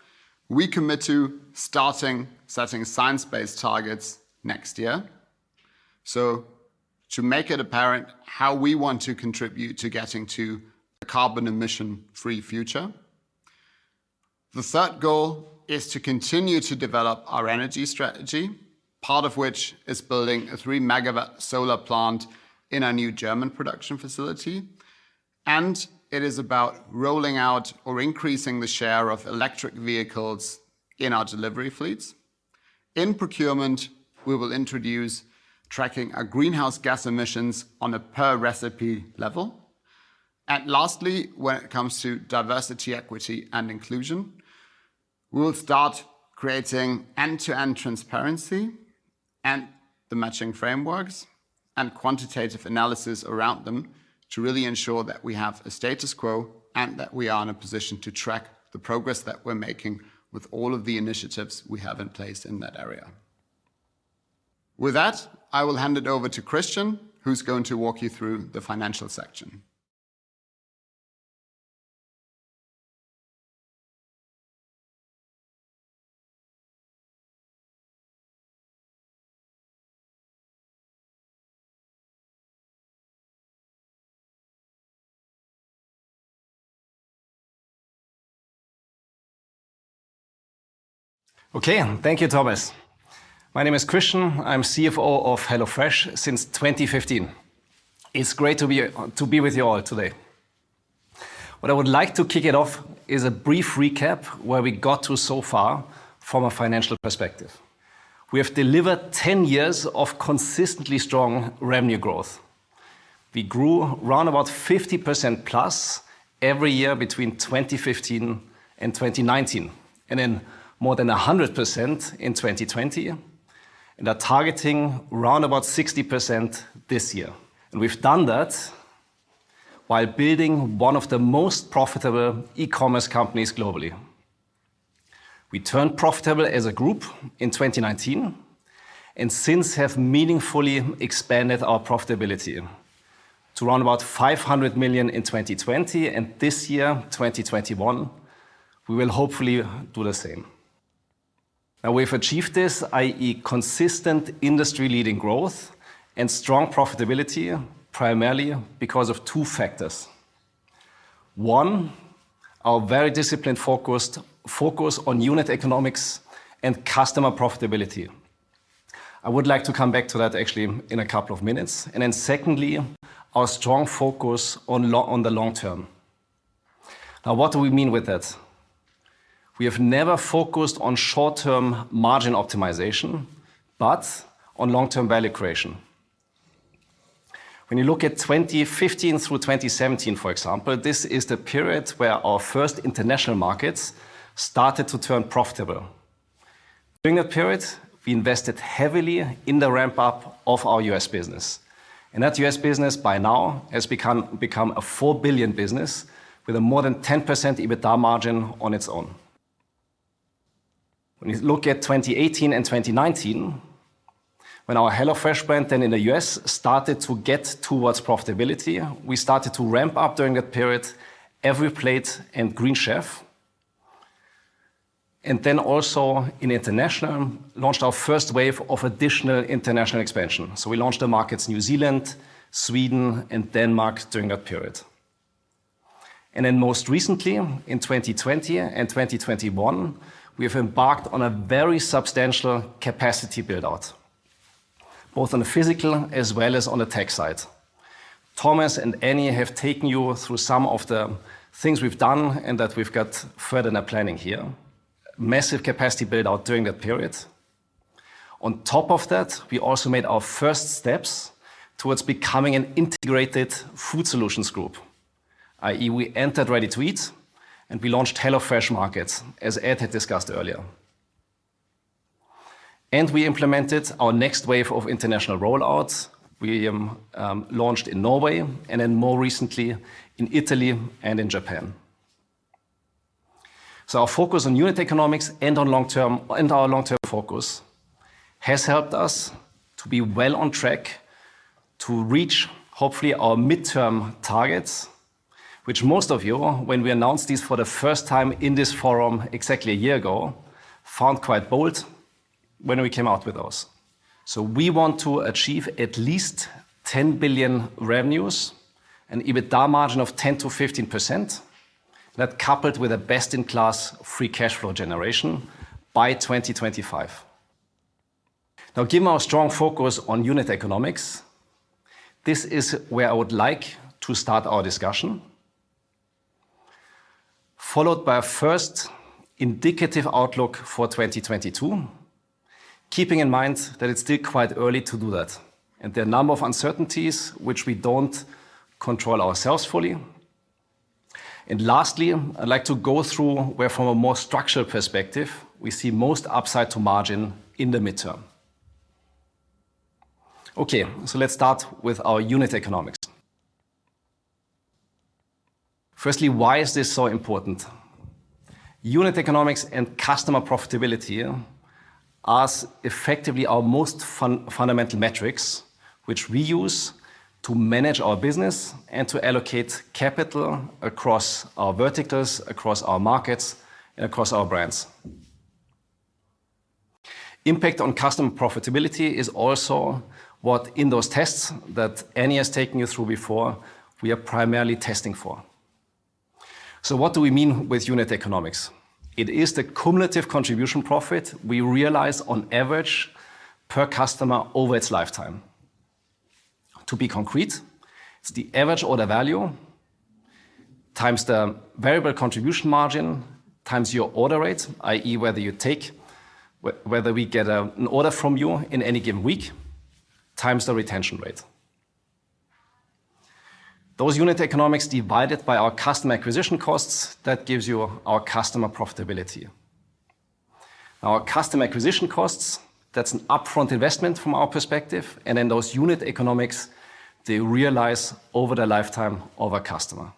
we commit to setting science-based targets next year. To make it apparent how we want to contribute to getting to a carbon emission free future. The third goal is to continue to develop our energy strategy, part of which is building a 3 MW solar plant in our new German production facility. It is about rolling out or increasing the share of electric vehicles in our delivery fleets. In procurement, we will introduce tracking our greenhouse gas emissions on a per recipe level. Lastly, when it comes to diversity, equity and inclusion, we'll start creating end-to-end transparency and the matching frameworks and quantitative analysis around them to really ensure that we have a status quo and that we are in a position to track the progress that we're making with all of the initiatives we have in place in that area. With that, I will hand it over to Christian, who's going to walk you through the financial section. Okay. Thank you, Thomas. My name is Christian. I'm CFO of HelloFresh since 2015. It's great to be with you all today. What I would like to kick it off is a brief recap where we got to so far from a financial perspective. We have delivered 10 years of consistently strong revenue growth. We grew around about 50% plus every year between 2015 and 2019, and then more than 100% in 2020, and are targeting around about 60% this year. We've done that while building one of the most profitable e-commerce companies globally. We turned profitable as a group in 2019 and since have meaningfully expanded our profitability to around 500 million in 2020, and this year, 2021, we will hopefully do the same. Now, we've achieved this, i.e., consistent industry-leading growth and strong profitability primarily because of two factors. One, our very disciplined focus on unit economics and customer profitability. I would like to come back to that actually in a couple of minutes. Then secondly, our strong focus on the long term. Now, what do we mean with that? We have never focused on short-term margin optimization, but on long-term value creation. When you look at 2015 through 2017, for example, this is the period where our first international markets started to turn profitable. During that period, we invested heavily in the ramp-up of our U.S. business, and that U.S. business by now has become a $4 billion business with a more than 10% EBITDA margin on its own. When you look at 2018 and 2019, when our HelloFresh brand then in the U.S. started to get towards profitability, we started to ramp up during that period, EveryPlate and Green Chef. Then also in International, we launched our first wave of additional international expansion. We launched the markets New Zealand, Sweden, and Denmark during that period. Then most recently in 2020 and 2021, we have embarked on a very substantial capacity build-out, both on the physical as well as on the tech side. Thomas and Enie have taken you through some of the things we've done and that we've got further in our planning here. Massive capacity build-out during that period. On top of that, we also made our first steps towards becoming an integrated food solutions group, i.e., we entered ready-to-eat, and we launched HelloFresh Markets, as Ed had discussed earlier. We implemented our next wave of international rollouts. We launched in Norway and then more recently in Italy and in Japan. Our focus on unit economics and our long-term focus has helped us to be well on track to reach hopefully our midterm targets, which most of you, when we announced this for the first time in this forum exactly a year ago, found quite bold when we came out with those. We want to achieve at least 10 billion revenues and EBITDA margin of 10%-15% that coupled with a best-in-class free cash flow generation by 2025. Now, given our strong focus on unit economics, this is where I would like to start our discussion. Followed by a first indicative outlook for 2022, keeping in mind that it's still quite early to do that, and there are a number of uncertainties which we don't control ourselves fully. Lastly, I'd like to go through where from a more structural perspective, we see most upside to margin in the midterm. Okay, let's start with our unit economics. Firstly, why is this so important? Unit economics and customer profitability are effectively our most fundamental metrics which we use to manage our business and to allocate capital across our verticals, across our markets, and across our brands. Impact on customer profitability is also what in those tests that Annie has taken you through before, we are primarily testing for. What do we mean with unit economics? It is the cumulative contribution profit we realize on average per customer over its lifetime. To be concrete, it's the average order value times the variable contribution margin, times your order rate, i.e., whether we get an order from you in any given week, times the retention rate. Those unit economics divided by our customer acquisition costs, that gives you our customer profitability. Our customer acquisition costs, that's an upfront investment from our perspective, and then those unit economics, they realize over the lifetime of a customer.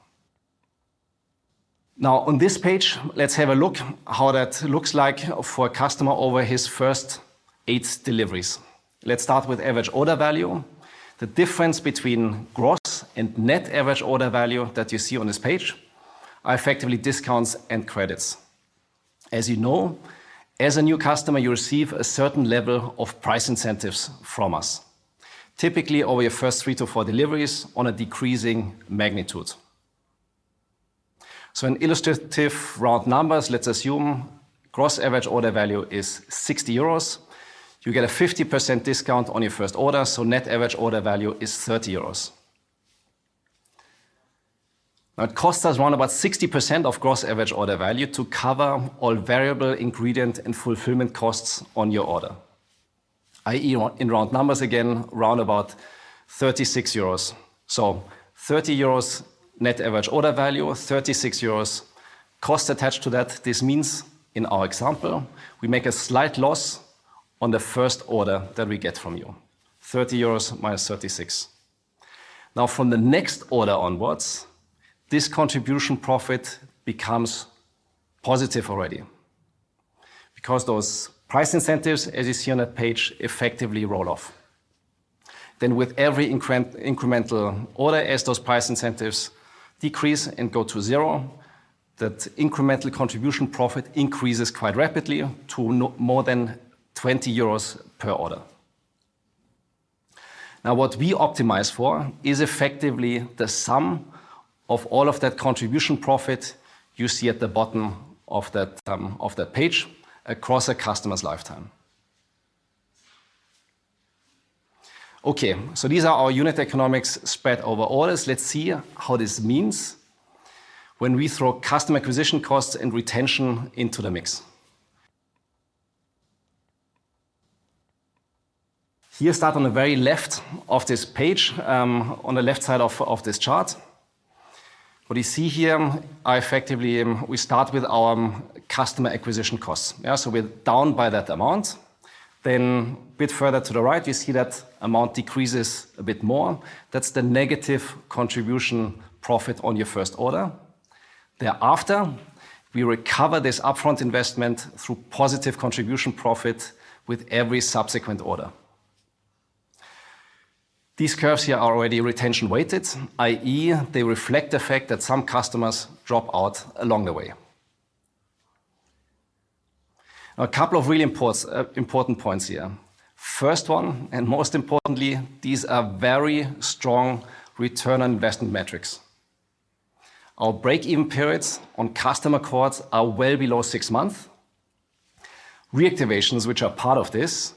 Now, on this page, let's have a look how that looks like for a customer over his first eight deliveries. Let's start with average order value. The difference between gross and net average order value that you see on this page are effectively discounts and credits. As you know, as a new customer, you receive a certain level of price incentives from us, typically over your first three to four deliveries on a decreasing magnitude. In illustrative round numbers, let's assume gross average order value is 60 euros. You get a 50% discount on your first order, so net average order value is 30 euros. Now, it costs us around about 60% of gross average order value to cover all variable ingredient and fulfillment costs on your order, i.e., in round numbers again, around about 36 euros. Thirty euros net average order value, 36 euros cost attached to that. This means in our example, we make a slight loss on the first order that we get from you, 30 euros minus 36. Now from the next order onwards, this contribution profit becomes positive already because those price incentives, as you see on that page, effectively roll off. With every incremental order, as those price incentives decrease and go to zero, that incremental contribution profit increases quite rapidly to more than 20 euros per order. Now what we optimize for is effectively the sum of all of that contribution profit you see at the bottom of that page across a customer's lifetime. Okay, these are our unit economics spread over orders. Let's see how this means when we throw customer acquisition costs and retention into the mix. If you start on the very left of this page, on the left side of this chart, what you see here are effectively, we start with our customer acquisition costs. Yeah, so we're down by that amount. A bit further to the right, you see that amount decreases a bit more. That's the negative contribution profit on your first order. Thereafter, we recover this upfront investment through positive contribution profit with every subsequent order. These curves here are already retention-weighted, i.e., they reflect the fact that some customers drop out along the way. A couple of really important points here. First one, and most importantly, these are very strong return on investment metrics. Our break-even periods on customer cohorts are well below six months. Reactivations, which are part of this,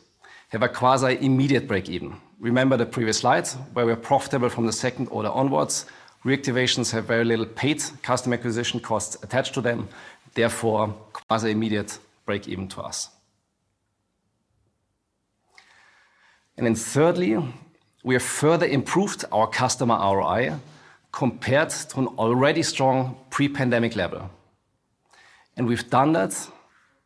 have a quasi-immediate break even. Remember the previous slide where we are profitable from the second order onwards. Reactivations have very little paid customer acquisition costs attached to them, therefore quasi-immediate break even to us. Then thirdly, we have further improved our customer ROI compared to an already strong pre-pandemic level. We've done that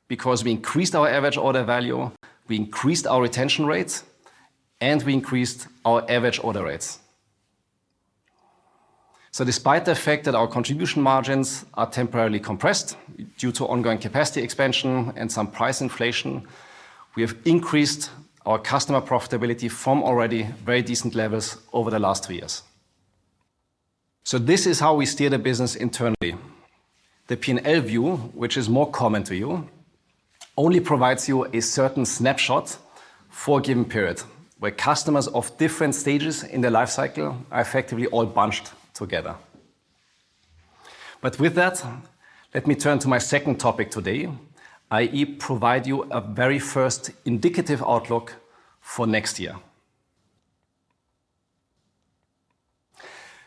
because we increased our average order value, we increased our retention rates, and we increased our average order rates. Despite the fact that our contribution margins are temporarily compressed due to ongoing capacity expansion and some price inflation, we have increased our customer profitability from already very decent levels over the last three years. This is how we steer the business internally. The P&L view, which is more common to you, only provides you a certain snapshot for a given period, where customers of different stages in their life cycle are effectively all bunched together. With that, let me turn to my second topic today, i.e., provide you a very first indicative outlook for next year.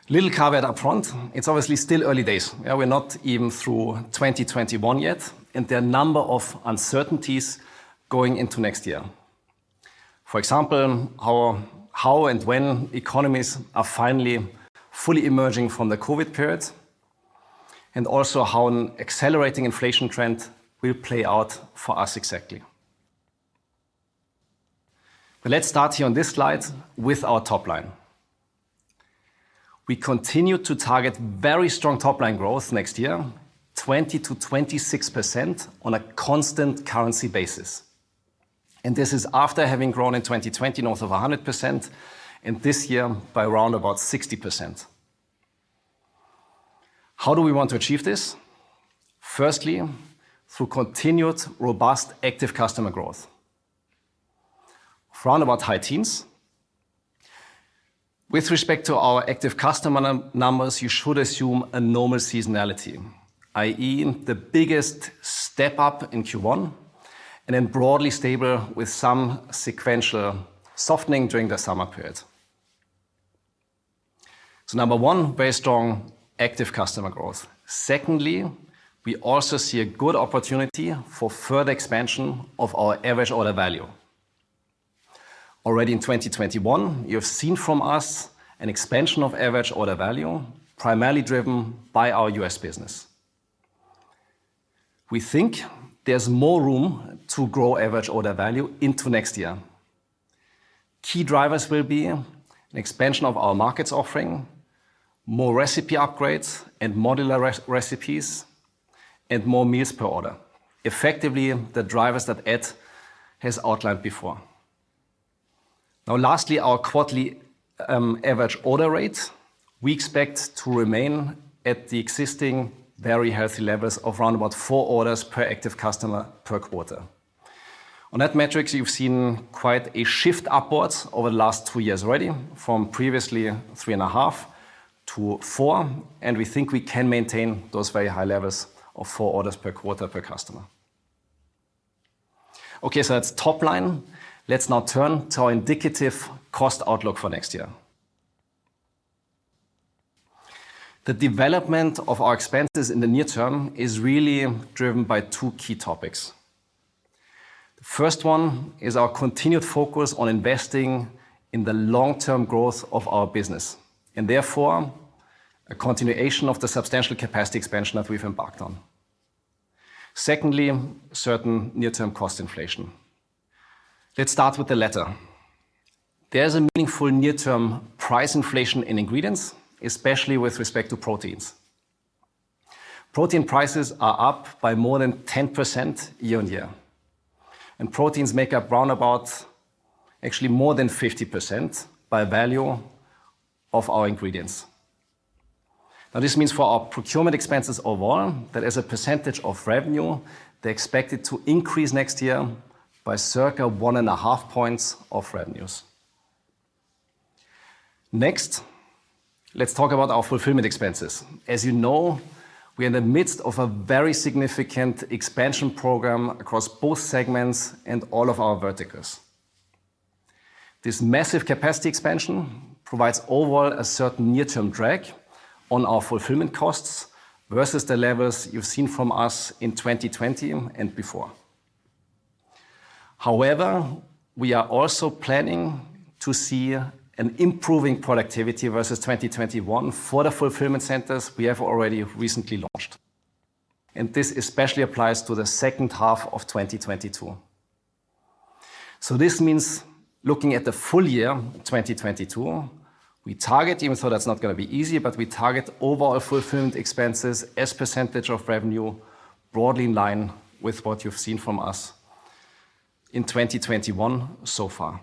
Little caveat up front. It's obviously still early days. We're not even through 2021 yet, and there are a number of uncertainties going into next year. For example, how and when economies are finally fully emerging from the COVID period, and also how an accelerating inflation trend will play out for us exactly. Let's start here on this slide with our top line. We continue to target very strong top-line growth next year, 20%-26% on a constant currency basis. This is after having grown in 2020 north of 100%, and this year by around about 60%. How do we want to achieve this? Firstly, through continued robust active customer growth of around about high teens. With respect to our active customer numbers, you should assume a normal seasonality, i.e., the biggest step-up in Q1, and then broadly stable with some sequential softening during the summer period. Number one, very strong active customer growth. Secondly, we also see a good opportunity for further expansion of our average order value. Already in 2021, you've seen from us an expansion of average order value, primarily driven by our U.S. business. We think there's more room to grow average order value into next year. Key drivers will be an expansion of our Market's offering, more recipe upgrades and modular recipes, and more meals per order. Effectively, the drivers that Ed has outlined before. Now lastly, our quarterly average order rate, we expect to remain at the existing very healthy levels of around about four orders per active customer per quarter. On that metric, you've seen quite a shift upwards over the last two years already from previously 3.5 to four, and we think we can maintain those very high levels of four orders per quarter per customer. Okay, so that's top line. Let's now turn to our indicative cost outlook for next year. The development of our expenses in the near term is really driven by two key topics. The first one is our continued focus on investing in the long-term growth of our business, and therefore a continuation of the substantial capacity expansion that we've embarked on. Secondly, certain near-term cost inflation. Let's start with the latter. There's a meaningful near-term price inflation in ingredients, especially with respect to proteins. Protein prices are up by more than 10% year-on-year, and proteins make up round about actually more than 50% by value of our ingredients. Now this means for our procurement expenses overall, that as a percentage of revenue, they're expected to increase next year by circa 1.5 points of revenues. Next, let's talk about our fulfillment expenses. As you know, we are in the midst of a very significant expansion program across both segments and all of our verticals. This massive capacity expansion provides overall a certain near-term drag on our fulfillment costs versus the levels you've seen from us in 2020 and before. However, we are also planning to see an improving productivity versus 2021 for the fulfillment centers we have already recently launched. This especially applies to the second half of 2022. This means looking at the full year, 2022, we target even though that's not gonna be easy, but we target overall fulfillment expenses as percentage of revenue broadly in line with what you've seen from us in 2021 so far.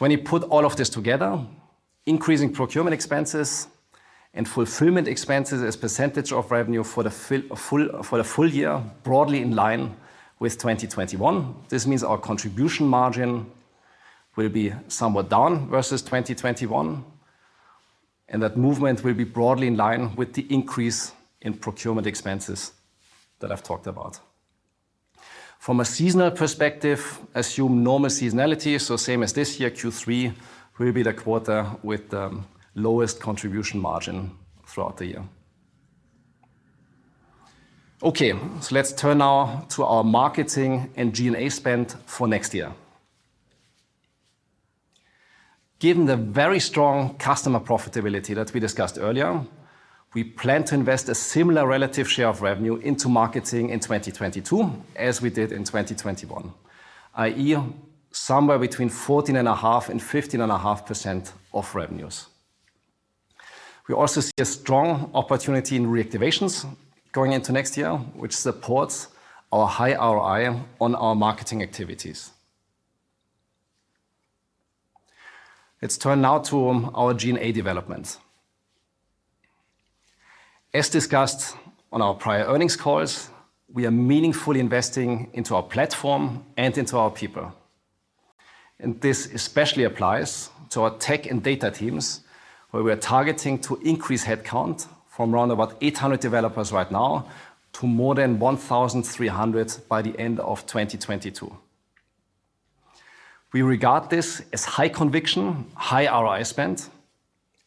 When you put all of this together, increasing procurement expenses and fulfillment expenses as percentage of revenue for the full year, broadly in line with 2021. This means our contribution margin will be somewhat down versus 2021, and that movement will be broadly in line with the increase in procurement expenses that I've talked about. From a seasonal perspective, assume normal seasonality. Same as this year, Q3 will be the quarter with the lowest contribution margin throughout the year. Okay, let's turn now to our marketing and G&A spend for next year. Given the very strong customer profitability that we discussed earlier, we plan to invest a similar relative share of revenue into marketing in 2022 as we did in 2021, i.e., somewhere between 14.5% and 15.5% of revenues. We also see a strong opportunity in reactivations going into next year, which supports our high ROI on our marketing activities. Let's turn now to our G&A developments. As discussed on our prior earnings calls, we are meaningfully investing into our platform and into our people. This especially applies to our tech and data teams, where we are targeting to increase headcount from around about 800 developers right now to more than 1,300 by the end of 2022. We regard this as high conviction, high ROI spend,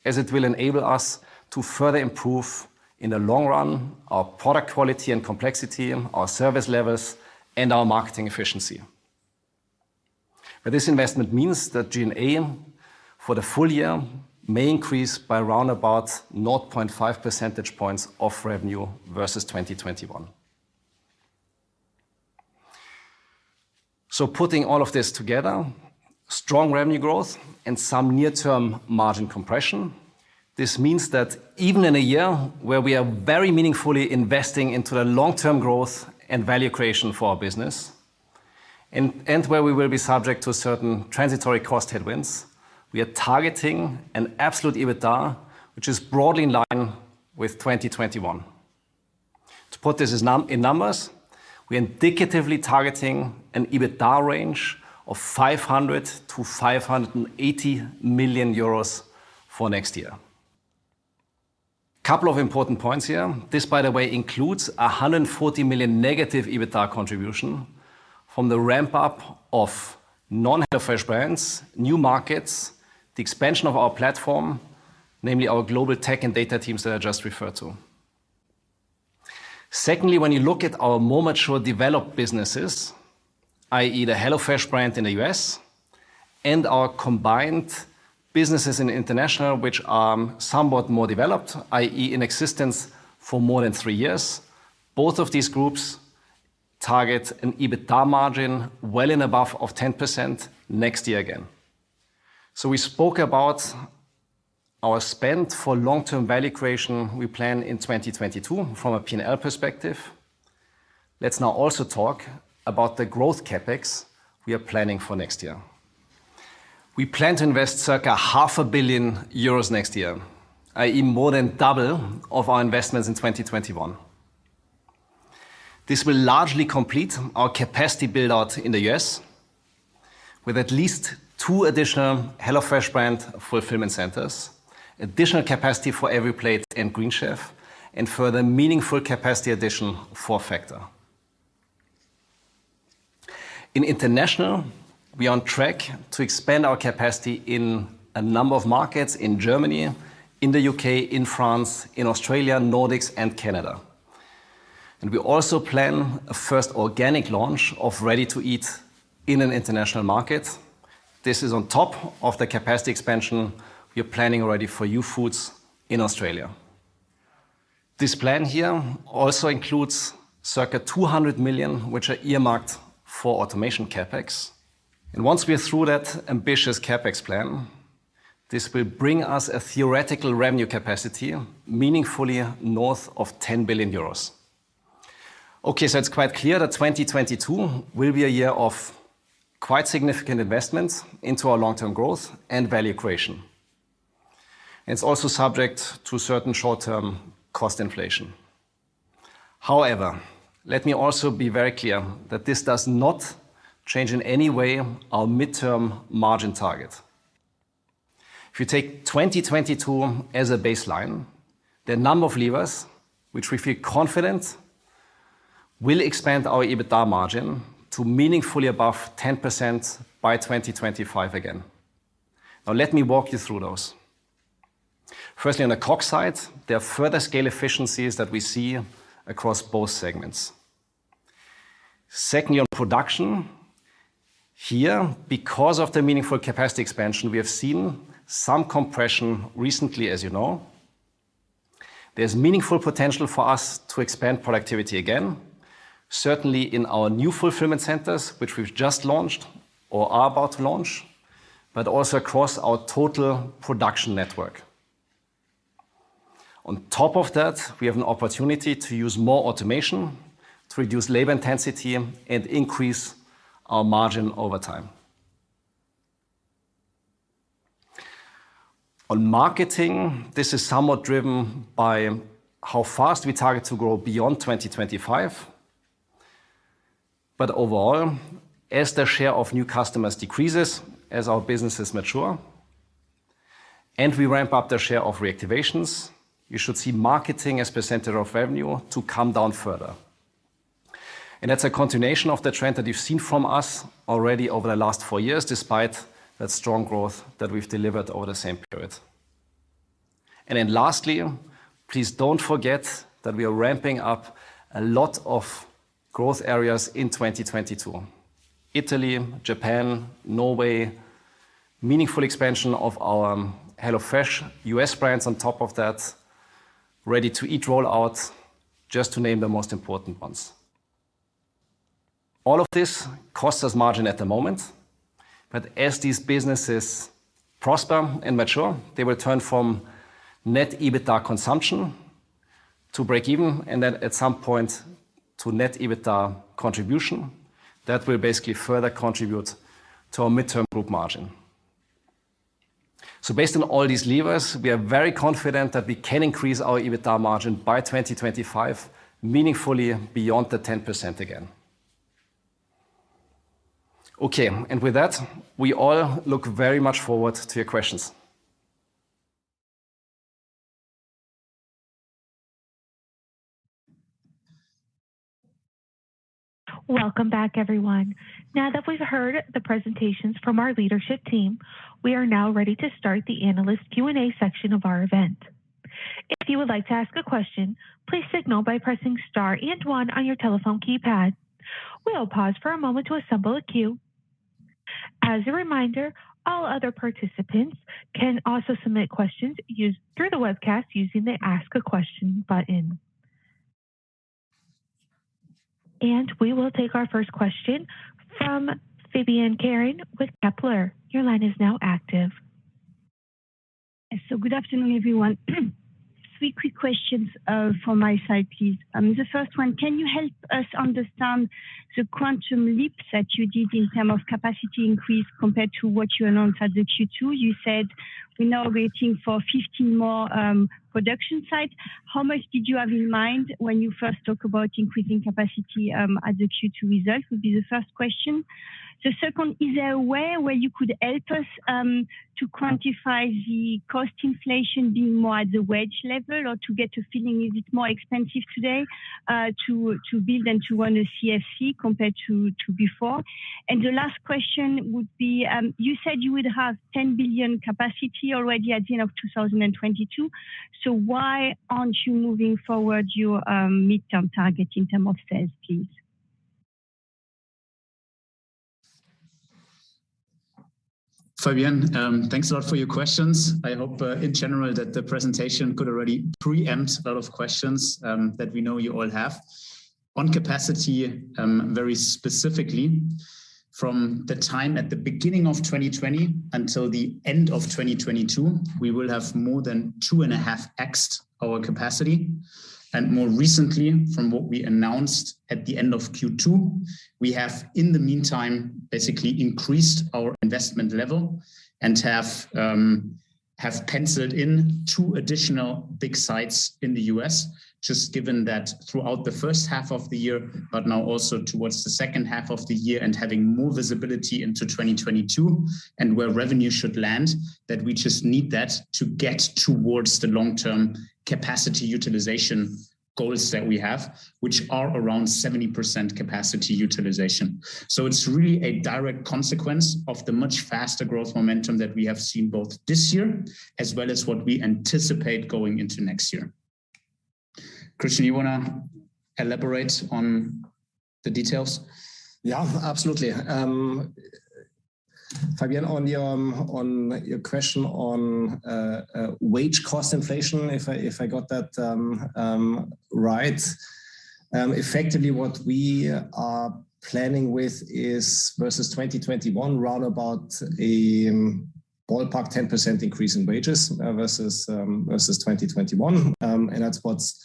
as it will enable us to further improve in the long run our product quality and complexity, our service levels, and our marketing efficiency. This investment means that G&A for the full year may increase by around about 0.5 percentage points of revenue versus 2021. Putting all of this together, strong revenue growth and some near term margin compression. This means that even in a year where we are very meaningfully investing into the long-term growth and value creation for our business, and where we will be subject to certain transitory cost headwinds, we are targeting an absolute EBITDA which is broadly in line with 2021. To put this in numbers, we are indicatively targeting an EBITDA range of 500 million-580 million euros for next year. Couple of important points here. This, by the way, includes a -140 million EBITDA contribution from the ramp-up of non-HelloFresh brands, new markets, the expansion of our platform, namely our global tech and data teams that I just referred to. Secondly, when you look at our more mature developed businesses, i.e., the HelloFresh brand in the U.S. and our combined businesses in International, which are somewhat more developed, i.e., in existence for more than three years. Both of these groups target an EBITDA margin well above 10% next year again. We spoke about our spend for long-term value creation we plan in 2022 from a P&L perspective. Let's now also talk about the growth CapEx we are planning for next year. We plan to invest circa half a billion EUR next year, i.e., more than double our investments in 2021. This will largely complete our capacity build-out in the U.S. with at least two additional HelloFresh brand fulfillment centers, additional capacity for EveryPlate and GreenChef, and further meaningful capacity addition for Factor. In International, we are on track to expand our capacity in a number of markets in Germany, in the U.K., in France, in Australia, Nordics, and Canada. We also plan a first organic launch of ready-to-eat in an international market. This is on top of the capacity expansion we are planning already for Youfoodz in Australia. This plan here also includes circa 200 million, which are earmarked for automation CapEx. Once we are through that ambitious CapEx plan, this will bring us a theoretical revenue capacity meaningfully north of 10 billion euros. Okay, it's quite clear that 2022 will be a year of quite significant investments into our long-term growth and value creation. It's also subject to certain short-term cost inflation. However, let me also be very clear that this does not change in any way our midterm margin target. If you take 2022 as a baseline, there are a number of levers which we feel confident will expand our EBITDA margin to meaningfully above 10% by 2025 again. Now let me walk you through those. Firstly, on the COGS side, there are further scale efficiencies that we see across both segments. Secondly, on production. Here, because of the meaningful capacity expansion we have seen some compression recently, as you know. There's meaningful potential for us to expand productivity again, certainly in our new fulfillment centers which we've just launched or are about to launch, but also across our total production network. On top of that, we have an opportunity to use more automation to reduce labor intensity and increase our margin over time. On marketing, this is somewhat driven by how fast we target to grow beyond 2025. Overall, as the share of new customers decreases, as our businesses mature, and we ramp up the share of reactivations, you should see marketing as a percentage of revenue to come down further. That's a continuation of the trend that you've seen from us already over the last four years, despite that strong growth that we've delivered over the same period. Lastly, please don't forget that we are ramping up a lot of growth areas in 2022. Italy, Japan, Norway, meaningful expansion of our HelloFresh U.S. brands on top of that, ready-to-eat roll out, just to name the most important ones. All of this costs us margin at the moment, but as these businesses prosper and mature, they will turn from net EBITDA consumption to breakeven and then at some point to net EBITDA contribution. That will basically further contribute to our midterm group margin. Based on all these levers, we are very confident that we can increase our EBITDA margin by 2025 meaningfully beyond the 10% again. Okay. With that, we all look very much forward to your questions. Welcome back, everyone. Now that we've heard the presentations from our leadership team, we are now ready to start the analyst Q&A section of our event. If you would like to ask a question, please signal by pressing star and one on your telephone keypad. We'll pause for a moment to assemble a queue. As a reminder, all other participants can also submit questions through the webcast using the Ask a Question button. We will take our first question from Fabienne C. Caron with Kepler Cheuvreux. Your line is now active. Good afternoon, everyone. Three quick questions from my side, please. The first one, can you help us understand the quantum leap that you did in terms of capacity increase compared to what you announced at the Q2? You said we're now waiting for 15 more production sites. How much did you have in mind when you first talk about increasing capacity as a Q2 result? Would be the first question. The second, is there a way where you could help us to quantify the cost inflation being more at the wage level or to get a feeling is it more expensive today to build and to run a CFC compared to before? The last question would be, you said you would have 10 billion capacity already at the end of 2022, so why aren't you moving forward your midterm target in terms of sales, please? Fabienne, thanks a lot for your questions. I hope, in general, that the presentation could already preempt a lot of questions that we know you all have. On capacity, very specifically, from the time at the beginning of 2020 until the end of 2022, we will have more than 2.5x-ed our capacity. More recently, from what we announced at the end of Q2, we have in the meantime basically increased our investment level and have penciled in two additional big sites in the U.S., just given that throughout the first half of the year, but now also towards the second half of the year and having more visibility into 2022 and where revenue should land, that we just need that to get towards the long-term capacity utilization goals that we have, which are around 70% capacity utilization. It's really a direct consequence of the much faster growth momentum that we have seen both this year as well as what we anticipate going into next year. Christian, you wanna elaborate on the details? Yeah, absolutely. Fabienne, on your question on wage cost inflation, if I got that right, effectively what we are planning with is versus 2021, round about a ballpark 10% increase in wages versus 2021. That's what's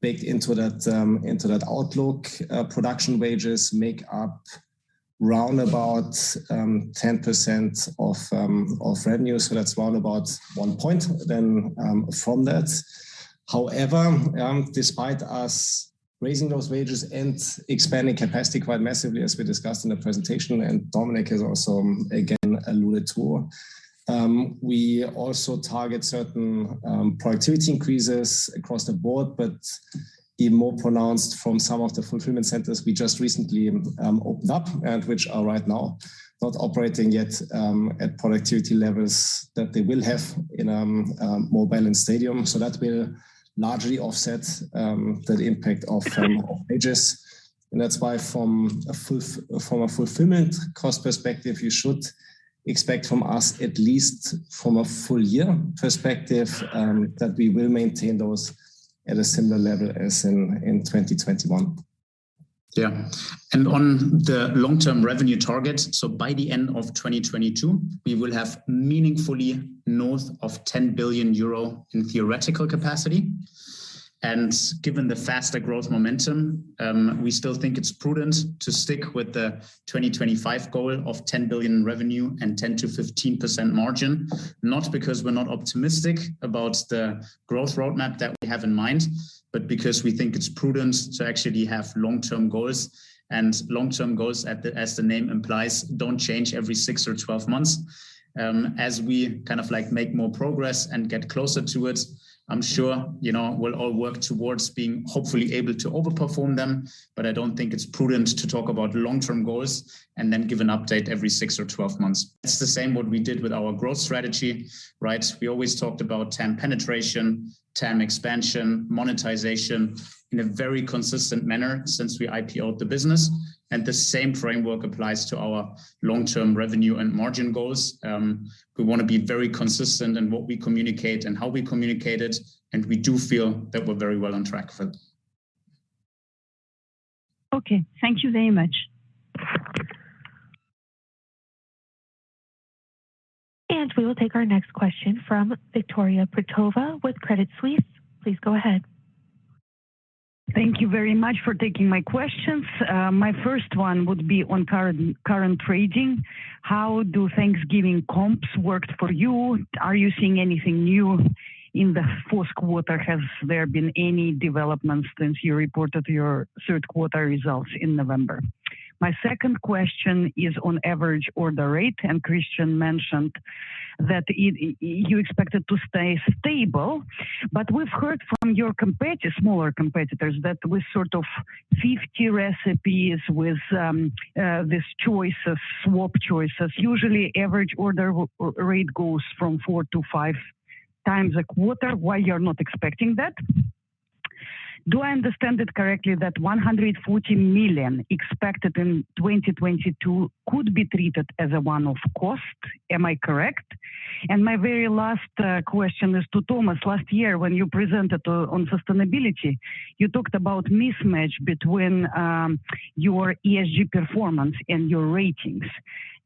baked into that outlook. Production wages make up round about 10% of revenue, so that's round about 1% then from that. However, despite us raising those wages and expanding capacity quite massively, as we discussed in the presentation, and Dominik has also again alluded to, we also target certain productivity increases across the board, but even more pronounced from some of the fulfillment centers we just recently opened up and which are right now not operating yet at productivity levels that they will have in a more balanced steady state. So that will largely offset the impact of wages. That's why from a fulfillment cost perspective, you should expect from us, at least from a full year perspective, that we will maintain those at a similar level as in 2021. Yeah. On the long-term revenue target, so by the end of 2022, we will have meaningfully north of 10 billion euro in theoretical capacity. Given the faster growth momentum, we still think it's prudent to stick with the 2025 goal of 10 billion revenue and 10%-15% margin, not because we're not optimistic about the growth roadmap that we have in mind, but because we think it's prudent to actually have long-term goals. Long-term goals as the name implies, don't change every six or 12 months. As we kind of like make more progress and get closer to it, I'm sure, you know, we'll all work towards being hopefully able to over-perform them, but I don't think it's prudent to talk about long-term goals and then give an update every six or 12 months. It's the same what we did with our growth strategy, right? We always talked about TAM penetration, TAM expansion, monetization in a very consistent manner since we IPO-ed the business, and the same framework applies to our long-term revenue and margin goals. We wanna be very consistent in what we communicate and how we communicate it, and we do feel that we're very well on track for it. Okay. Thank you very much. We will take our next question from Victoria Petrova with Credit Suisse. Please go ahead. Thank you very much for taking my questions. My first one would be on current trading. How do Thanksgiving comps worked for you? Are you seeing anything new in the fourth quarter? Has there been any developments since you reported your third quarter results in November? My second question is on average order rate, and Christian mentioned that it you expect it to stay stable. But we've heard from your competitors, smaller competitors, that with sort of 50 recipes, with this choice of swap choices, usually average order rate goes from four to five times a quarter. Why you're not expecting that? Do I understand it correctly that 140 million expected in 2022 could be treated as a one-off cost? Am I correct? My very last question is to Thomas. Last year, when you presented on sustainability, you talked about mismatch between your ESG performance and your ratings.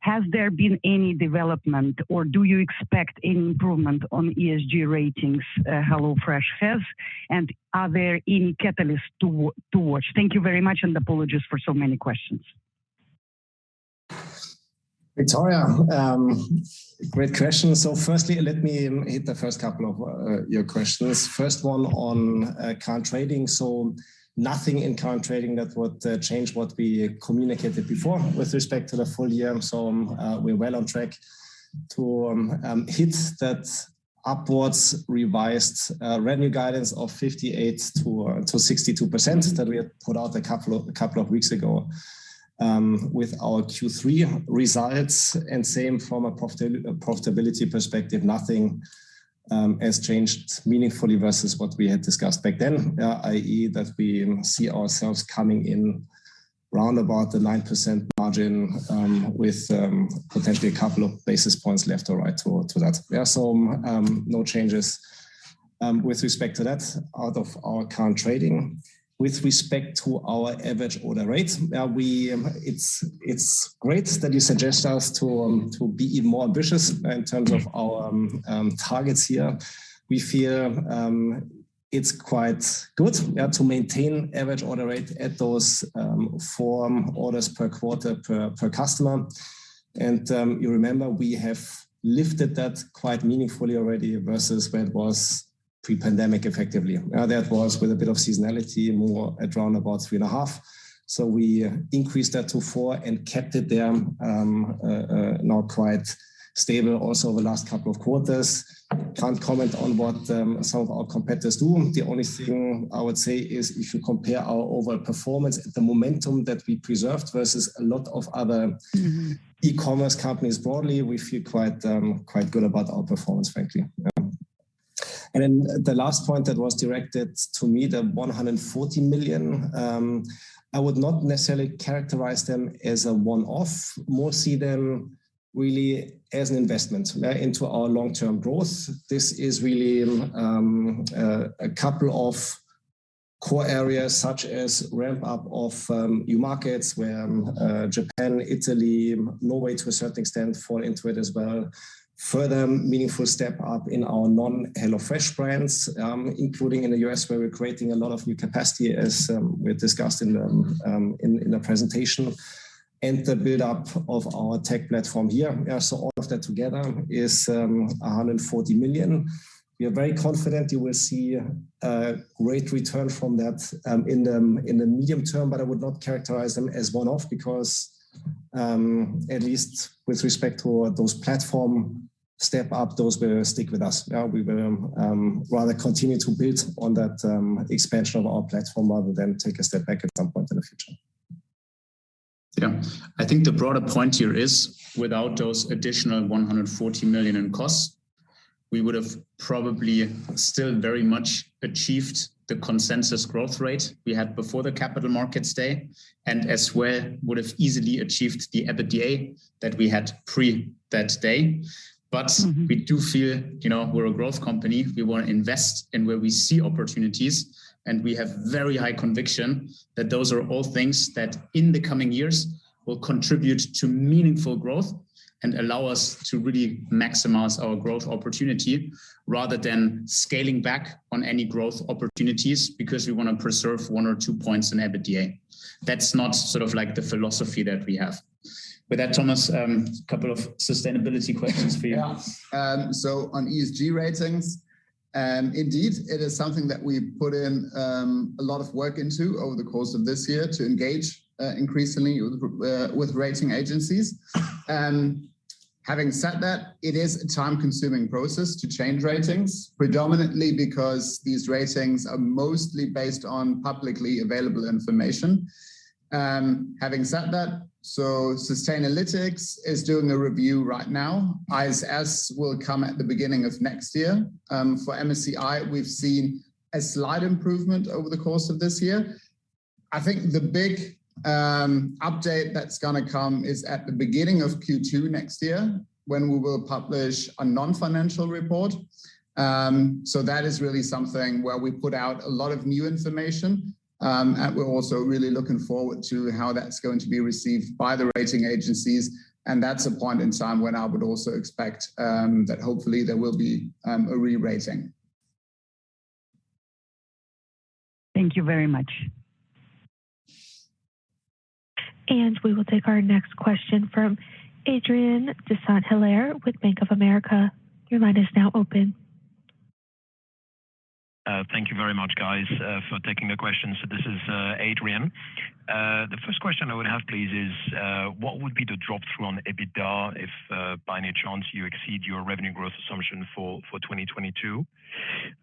Has there been any development, or do you expect improvement on ESG ratings HelloFresh has? And are there any catalysts to watch? Thank you very much, and apologies for so many questions. Viktoria, great questions. Firstly, let me hit the first couple of your questions. First one on current trading. Nothing in current trading that would change what we communicated before with respect to the full year. We're well on track to hit that upwards revised revenue guidance of 58%-62% that we had put out a couple of weeks ago with our Q3 results. Same from a profitability perspective. Nothing has changed meaningfully versus what we had discussed back then, i.e., that we see ourselves coming in round about the 9% margin with potentially a couple of basis points left or right to that. Yeah, no changes with respect to that out of our current trading. With respect to our average order rates. It's great that you suggest to us to be even more ambitious in terms of our targets here. We feel it's quite good, yeah, to maintain average order rate at those four orders per quarter per customer. You remember we have lifted that quite meaningfully already versus where it was pre-pandemic, effectively. That was with a bit of seasonality, more at around 3.5. We increased that to four and kept it there now quite stable also the last couple of quarters. Can't comment on what some of our competitors do. The only thing I would say is if you compare our overall performance, the momentum that we preserved versus a lot of other- Mm-hmm e-commerce companies broadly, we feel quite good about our performance, frankly. The last point that was directed to me, 140 million. I would not necessarily characterize them as a one-off. More see them really as an investment, yeah, into our long-term growth. This is really a couple of core areas such as ramp up of new markets where Japan, Italy, Norway to a certain extent fall into it as well. Further meaningful step up in our non-HelloFresh brands, including in the U.S., where we're creating a lot of new capacity, as we had discussed in the presentation, and the build-up of our tech platform here. Yeah, so all of that together is 140 million. We are very confident you will see a great return from that in the medium term, but I would not characterize them as one-off because at least with respect to those platform step up, those will stick with us. Yeah, we will rather continue to build on that expansion of our platform rather than take a step back at some point in the future. Yeah. I think the broader point here is, without those additional 140 million in costs, we would have probably still very much achieved the consensus growth rate we had before the Capital Markets Day, and as well would have easily achieved the EBITDA that we had pre that day. Mm-hmm We do feel, you know, we're a growth company. We want to invest in where we see opportunities, and we have very high conviction that those are all things that, in the coming years, will contribute to meaningful growth and allow us to really maximize our growth opportunity rather than scaling back on any growth opportunities because we want to preserve one or two points in EBITDA. That's not sort of like the philosophy that we have. With that, Thomas, couple of sustainability questions for you. Yeah. On ESG ratings, indeed, it is something that we've put in a lot of work into over the course of this year to engage increasingly with rating agencies. Having said that, it is a time-consuming process to change ratings, predominantly because these ratings are mostly based on publicly available information. Having said that, Sustainalytics is doing a review right now. ISS will come at the beginning of next year. For MSCI, we've seen a slight improvement over the course of this year. I think the big update that's gonna come is at the beginning of Q2 next year, when we will publish a non-financial report. That is really something where we put out a lot of new information, and we're also really looking forward to how that's going to be received by the rating agencies, and that's a point in time when I would also expect that hopefully there will be a re-rating. Thank you very much. We will take our next question from Adrien de Saint Hilaire with Bank of America. Your line is now open. Thank you very much, guys, for taking the questions. So this is Adrien. The first question I would have, please, is what would be the drop through on EBITDA if by any chance you exceed your revenue growth assumption for 2022?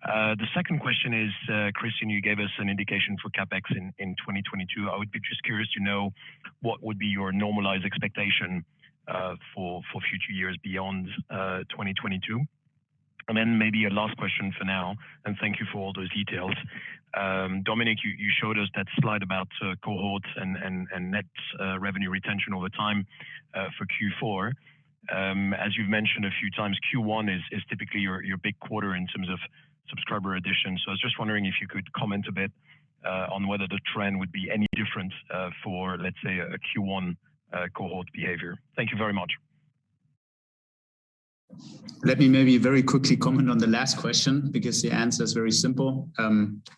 The second question is, Christian, you gave us an indication for CapEx in 2022. I would be just curious to know what would be your normalized expectation for future years beyond 2022. Then maybe a last question for now, and thank you for all those details. Dominik, you showed us that slide about cohorts and net revenue retention over time for Q4. As you've mentioned a few times, Q1 is typically your big quarter in terms of subscriber addition. I was just wondering if you could comment a bit on whether the trend would be any different for, let's say, a Q1 cohort behavior. Thank you very much. Let me maybe very quickly comment on the last question because the answer is very simple,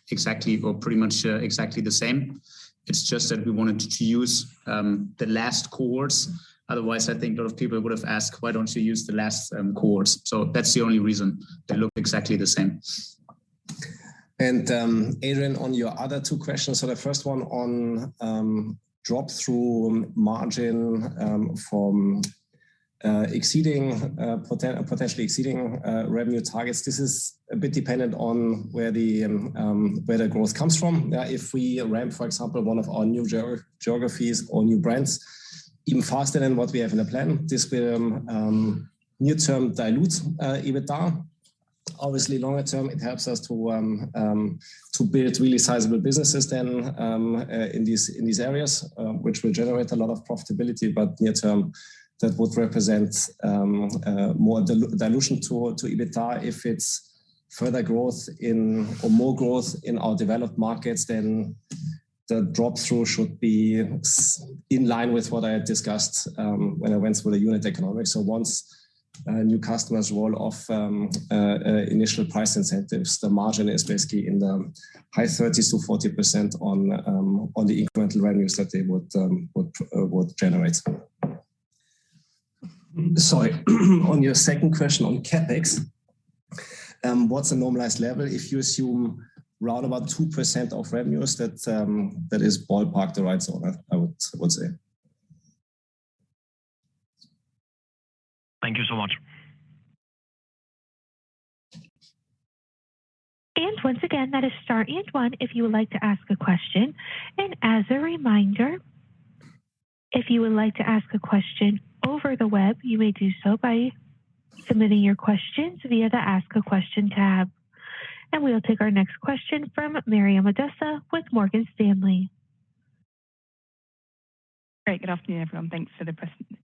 exactly or pretty much exactly the same. It's just that we wanted to use the last cohorts. Otherwise, I think a lot of people would have asked, "Why don't you use the last cohorts?" That's the only reason they look exactly the same. Adrien, on your other two questions. The first one on drop-through margin from potentially exceeding revenue targets. This is a bit dependent on where the growth comes from. If we ramp, for example, one of our new geographies or new brands even faster than what we have in the plan, this will near-term dilute EBITDA. Obviously, longer term, it helps us to build really sizable businesses then in these areas which will generate a lot of profitability. Near term, that would represent more dilution to EBITDA. If it's further growth or more growth in our developed markets, then the drop through should be in line with what I had discussed when I went through the unit economics. Once new customers roll off initial price incentives, the margin is basically in the high 30%-40% on the incremental revenues that they would generate. Sorry, on your second question on CapEx, what's the normalized level? If you assume around 2% of revenues, that is ballpark the right zone, I would say. Thank you so much. Once again, that is star and one if you would like to ask a question. As a reminder, if you would like to ask a question over the web, you may do so by submitting your questions via the Ask a Question tab. We will take our next question from Maryam Sherazi with Morgan Stanley. Great. Good afternoon, everyone. Thanks for the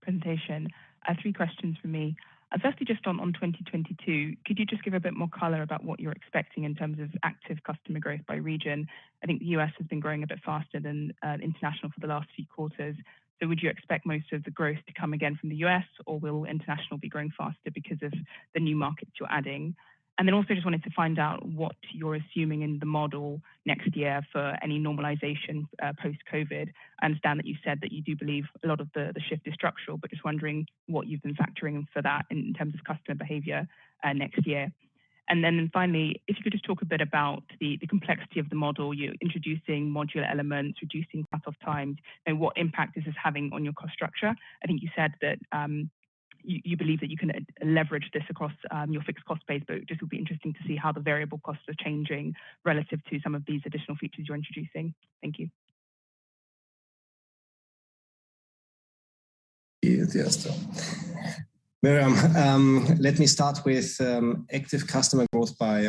presentation. I have three questions from me. Firstly, just on 2022, could you just give a bit more color about what you're expecting in terms of active customer growth by region? I think the U.S. has been growing a bit faster than international for the last few quarters. Would you expect most of the growth to come again from the U.S., or will international be growing faster because of the new markets you're adding? I just wanted to find out what you're assuming in the model next year for any normalization post-COVID. I understand that you said that you do believe a lot of the shift is structural, but just wondering what you've been factoring for that in terms of customer behavior next year. Finally, if you could just talk a bit about the complexity of the model. You're introducing modular elements, reducing path of times, and what impact this is having on your cost structure. I think you said that you believe that you can leverage this across your fixed cost base, but just would be interesting to see how the variable costs are changing relative to some of these additional features you're introducing. Thank you. Yes. Maryam, let me start with active customer growth by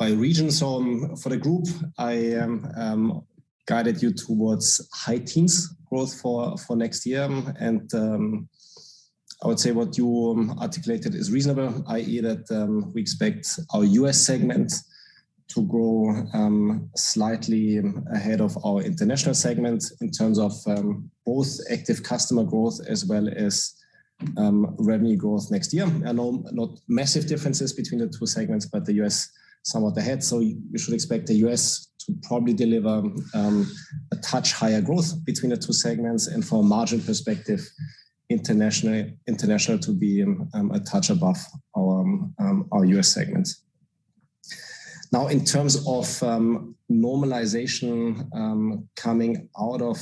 region. For the group, I guided you towards high-teens growth for next year. I would say what you articulated is reasonable, i.e., that we expect our U.S. segment to grow slightly ahead of our International segment in terms of both active customer growth as well as revenue growth next year. Not massive differences between the two segments, but the U.S. somewhat ahead. We should expect the U.S. to probably deliver a touch higher growth between the two segments and from a margin perspective, International to be a touch above our U.S. segment. Now, in terms of normalization, coming out of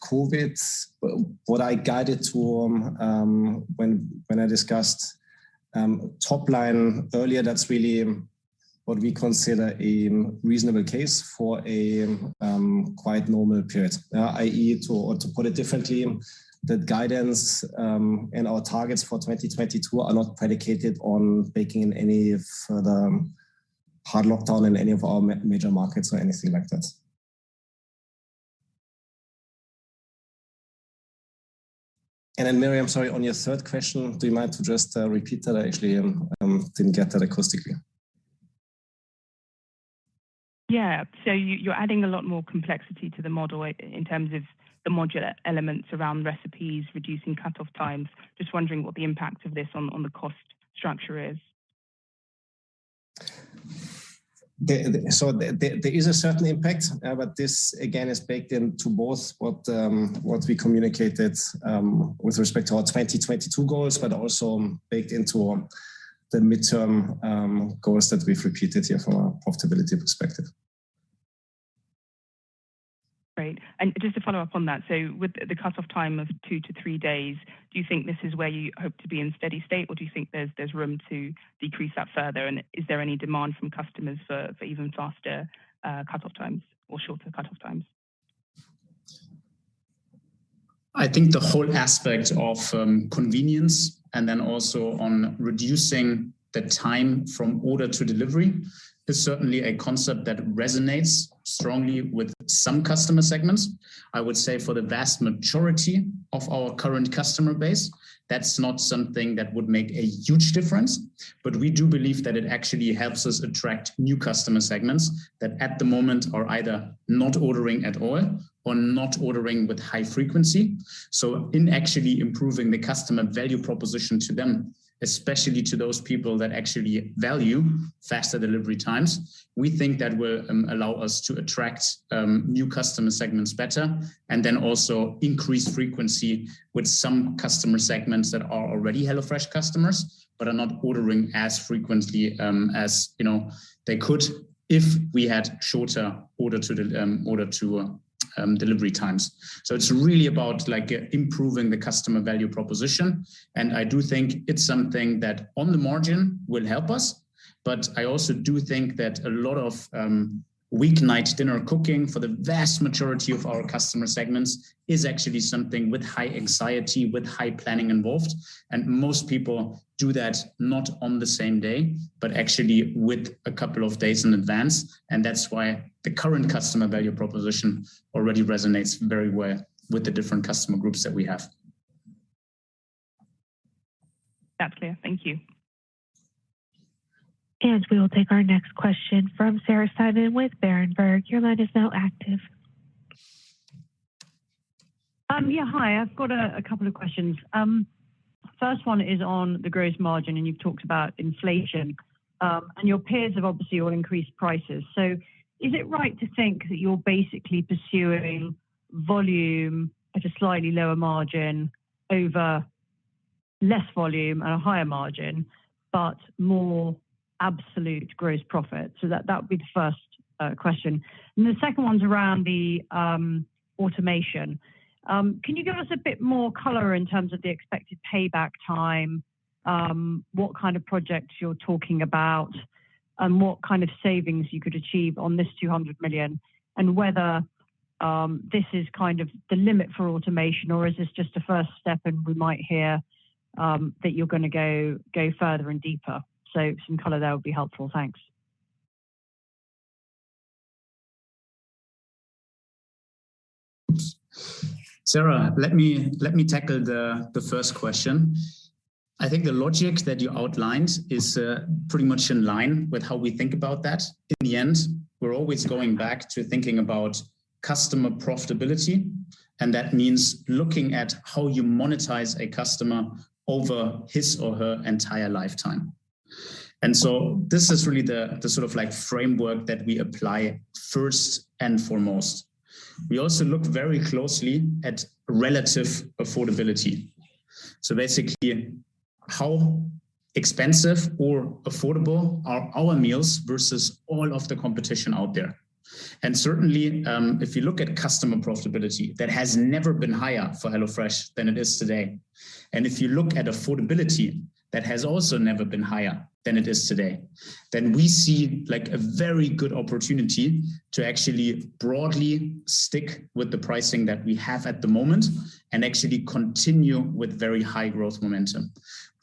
COVID, what I guided to when I discussed top line earlier, that's really what we consider a reasonable case for a quite normal period. I.e., or to put it differently, the guidance and our targets for 2022 are not predicated on baking in any further hard lockdown in any of our major markets or anything like that. Then Maryam, I'm sorry, on your third question, do you mind to just repeat that? I actually didn't get that acoustically. Yeah. You're adding a lot more complexity to the model in terms of the modular elements around recipes, reducing cutoff times. Just wondering what the impact of this on the cost structure is? There is a certain impact, but this again is baked into both what we communicated with respect to our 2022 goals, but also baked into the midterm goals that we've repeated here from a profitability perspective. Great. Just to follow up on that, so with the cutoff time of two to three days, do you think this is where you hope to be in steady state, or do you think there's room to decrease that further? Is there any demand from customers for even faster cutoff times or shorter cutoff times? I think the whole aspect of convenience and then also on reducing the time from order to delivery is certainly a concept that resonates strongly with some customer segments. I would say for the vast majority of our current customer base, that's not something that would make a huge difference. We do believe that it actually helps us attract new customer segments that at the moment are either not ordering at all or not ordering with high frequency. In actually improving the customer value proposition to them, especially to those people that actually value faster delivery times, we think that will allow us to attract new customer segments better and then also increase frequency with some customer segments that are already HelloFresh customers, but are not ordering as frequently, as, you know, they could if we had shorter order to delivery times. It's really about, like, improving the customer value proposition, and I do think it's something that on the margin will help us. I also do think that a lot of weeknight dinner cooking for the vast majority of our customer segments is actually something with high anxiety, with high planning involved, and most people do that not on the same day, but actually with a couple of days in advance. That's why the current customer value proposition already resonates very well with the different customer groups that we have. That's clear. Thank you. We will take our next question from Sarah Simon with Berenberg. Your line is now active. Yeah. Hi. I've got a couple of questions. First one is on the gross margin, and you've talked about inflation. Your peers have obviously all increased prices. Is it right to think that you're basically pursuing volume at a slightly lower margin over less volume at a higher margin, but more absolute gross profit? That would be the first question. The second one is around the automation. Can you give us a bit more color in terms of the expected payback time, what kind of projects you're talking about, and what kind of savings you could achieve on this 200 million, and whether this is kind of the limit for automation, or is this just a first step and we might hear that you're gonna go further and deeper? Some color there would be helpful. Thanks. Sarah, let me tackle the first question. I think the logic that you outlined is pretty much in line with how we think about that. In the end, we're always going back to thinking about customer profitability, and that means looking at how you monetize a customer over his or her entire lifetime. This is really the sort of like framework that we apply first and foremost. We also look very closely at relative affordability. Basically, how expensive or affordable are our meals versus all of the competition out there? Certainly, if you look at customer profitability, that has never been higher for HelloFresh than it is today. If you look at affordability, that has also never been higher than it is today. We see like a very good opportunity to actually broadly stick with the pricing that we have at the moment and actually continue with very high growth momentum.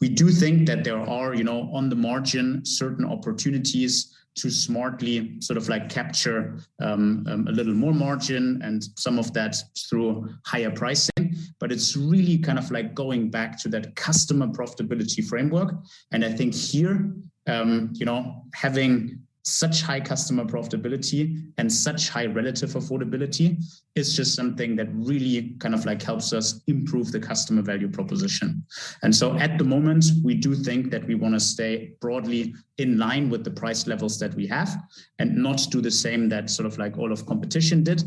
We do think that there are, you know, on the margin, certain opportunities to smartly sort of like capture a little more margin and some of that through higher pricing, but it's really kind of like going back to that customer profitability framework. I think here, you know, having such high customer profitability and such high relative affordability is just something that really kind of like helps us improve the customer value proposition. At the moment, we do think that we wanna stay broadly in line with the price levels that we have and not do the same that sort of like all of competition did.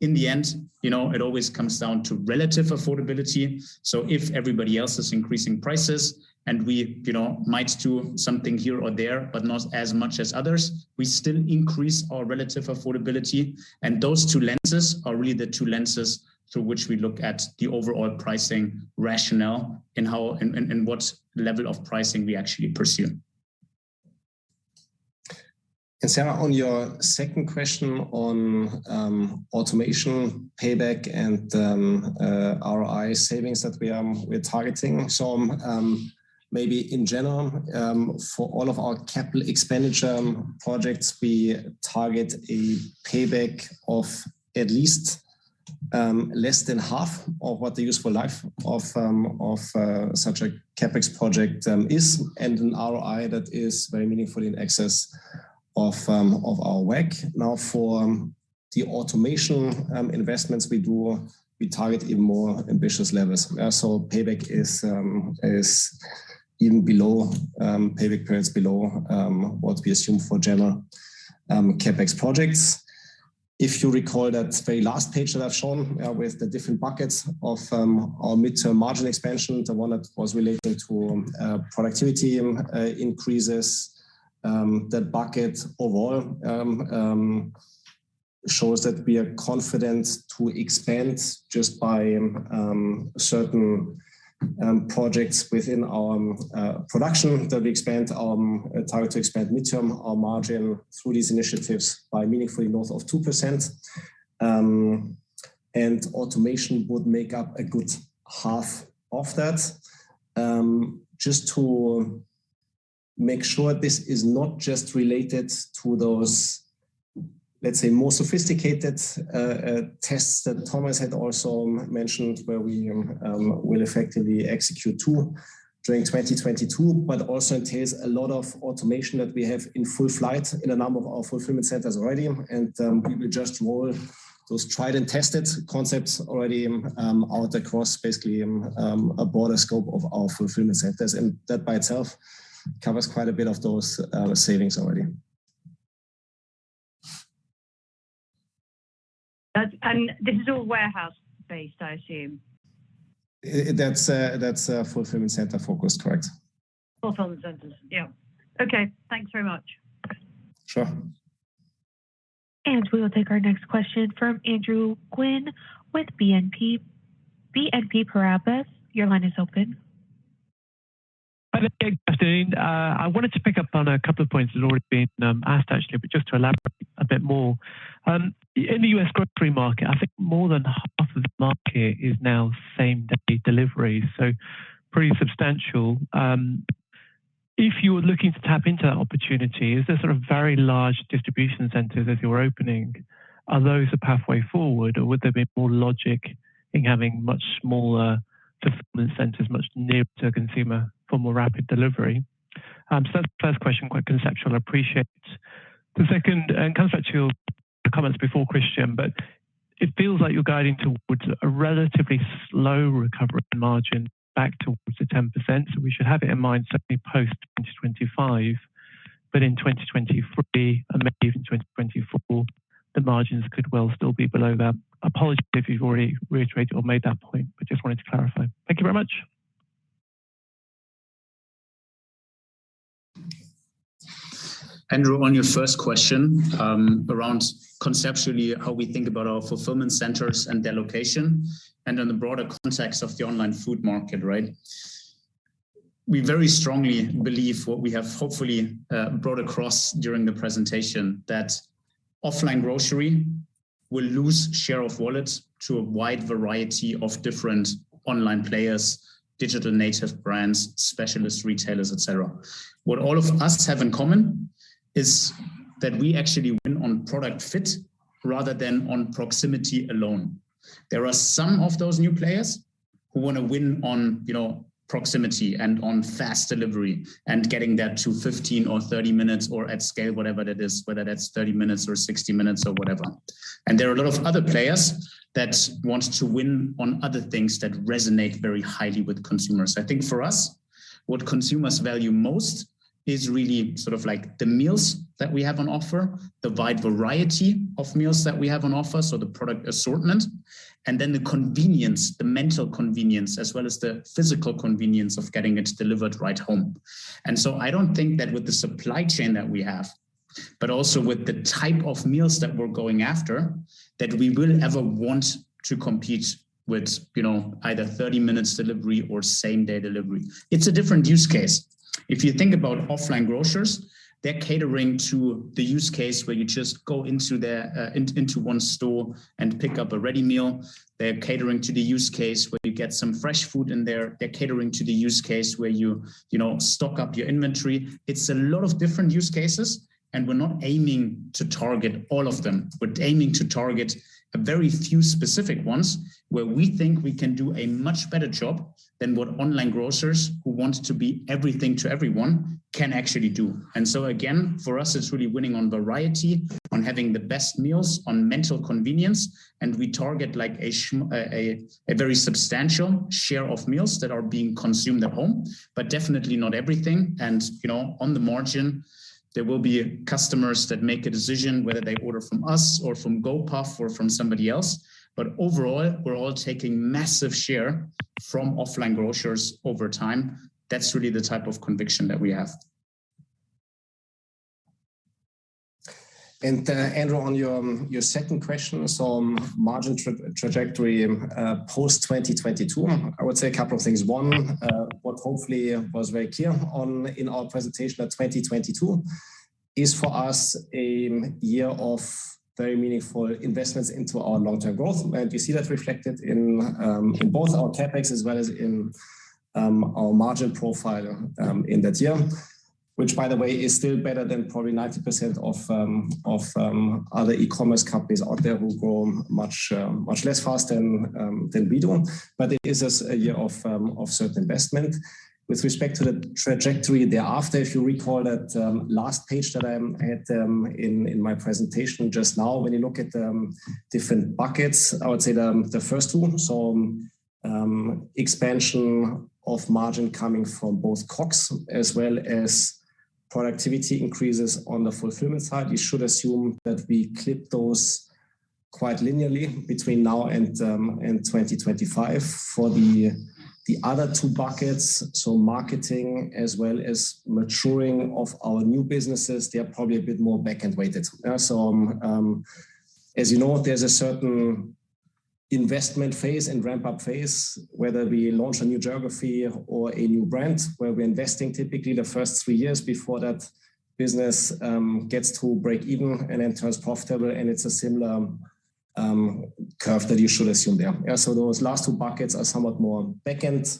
In the end, you know, it always comes down to relative affordability. If everybody else is increasing prices and we, you know, might do something here or there, but not as much as others, we still increase our relative affordability. Those two lenses are really the two lenses through which we look at the overall pricing rationale and how and what level of pricing we actually pursue. Sarah, on your second question on automation payback and ROI savings that we're targeting. Maybe in general, for all of our capital expenditure projects, we target a payback of less than half of what the useful life of such a CapEx project is, and an ROI that is very meaningfully in excess of our WACC. Now for the automation investments we do, we target even more ambitious levels, payback periods below what we assume for general CapEx projects. If you recall that very last page that I've shown with the different buckets of our midterm margin expansion, the one that was related to productivity increases, that bucket overall shows that we are confident to expand just by certain projects within our production that we target to expand midterm our margin through these initiatives by meaningfully north of 2%. Automation would make up a good half of that. Just to make sure this is not just related to those, let's say, more sophisticated tests that Thomas had also mentioned, where we will effectively execute two during 2022, but also it is a lot of automation that we have in full flight in a number of our fulfillment centers already. We will just roll those tried and tested concepts already out across basically a broader scope of our fulfillment centers. That by itself covers quite a bit of those savings already. This is all warehouse-based, I assume? That's fulfillment center focused. Correct. Fulfillment centers. Yeah. Okay. Thanks very much. Sure. We will take our next question from Andrew Quinn with BNP Paribas. Your line is open. Hi there. Good afternoon. I wanted to pick up on a couple of points that have already been asked actually, but just to elaborate a bit more. In the U.S. grocery market, I think more than half of the market is now same-day delivery, so pretty substantial. If you were looking to tap into that opportunity, is there sort of very large distribution centers that you're opening? Are those a pathway forward, or would there be more logic in having much smaller fulfillment centers much nearer to a consumer for more rapid delivery? That's the first question, quite conceptual. I appreciate it. The second, and it comes back to your comments before Christian, but it feels like you're guiding towards a relatively slow recovery in margin back towards the 10%. We should have it in mind certainly post-2025. In 2023, and maybe even 2024, the margins could well still be below that. Apologies if you've already reiterated or made that point, but just wanted to clarify. Thank you very much. Andrew, on your first question, around conceptually how we think about our fulfillment centers and their location and in the broader context of the online food market, right? We very strongly believe what we have hopefully brought across during the presentation, that offline grocery will lose share of wallet to a wide variety of different online players, digital native brands, specialist retailers, et cetera. What all of us have in common is that we actually win on product fit rather than on proximity alone. There are some of those new players who want to win on, you know, proximity and on fast delivery and getting that to 15 or 30 minutes or at scale, whatever that is, whether that's 30 minutes or 60 minutes or whatever. There are a lot of other players that want to win on other things that resonate very highly with consumers. I think for us, what consumers value most is really sort of like the meals that we have on offer, the wide variety of meals that we have on offer, so the product assortment, and then the convenience, the mental convenience, as well as the physical convenience of getting it delivered right home. I don't think that with the supply chain that we have, but also with the type of meals that we're going after, that we will ever want to compete with, you know, either 30 minutes delivery or same-day delivery. It's a different use case. If you think about offline grocers, they're catering to the use case where you just go into one store and pick up a ready meal. They're catering to the use case where you get some fresh food in there. They're catering to the use case where you know, stock up your inventory. It's a lot of different use cases, and we're not aiming to target all of them. We're aiming to target a very few specific ones where we think we can do a much better job than what online grocers who want to be everything to everyone can actually do. Again, for us, it's really winning on variety, on having the best meals, on convenience, and we target like a very substantial share of meals that are being consumed at home, but definitely not everything. You know, on the margin, there will be customers that make a decision whether they order from us or from Gopuff or from somebody else. Overall, we're all taking massive share from offline grocers over time. That's really the type of conviction that we have. Andrew, on your second question, on margin trajectory, post-2022, I would say a couple of things. One, what hopefully was very clear on, in our presentation that 2022 is for us a year of very meaningful investments into our long-term growth. You see that reflected in both our CapEx as well as in our margin profile in that year, which by the way, is still better than probably 90% of other e-commerce companies out there who grow much less fast than we do. It is a year of certain investment. With respect to the trajectory thereafter, if you recall that last page that I had in my presentation just now, when you look at the different buckets, I would say the first one, so expansion of margin coming from both COGS as well as productivity increases on the fulfillment side, you should assume that we clip those quite linearly between now and 2025. For the other two buckets, so marketing as well as maturing of our new businesses, they are probably a bit more back-end weighted. As you know, there's a certain investment phase and ramp-up phase, whether we launch a new geography or a new brand, where we're investing typically the first three years before that business gets to break even and then turns profitable. It's a similar curve that you should assume there. Yeah. Those last two buckets are somewhat more back-end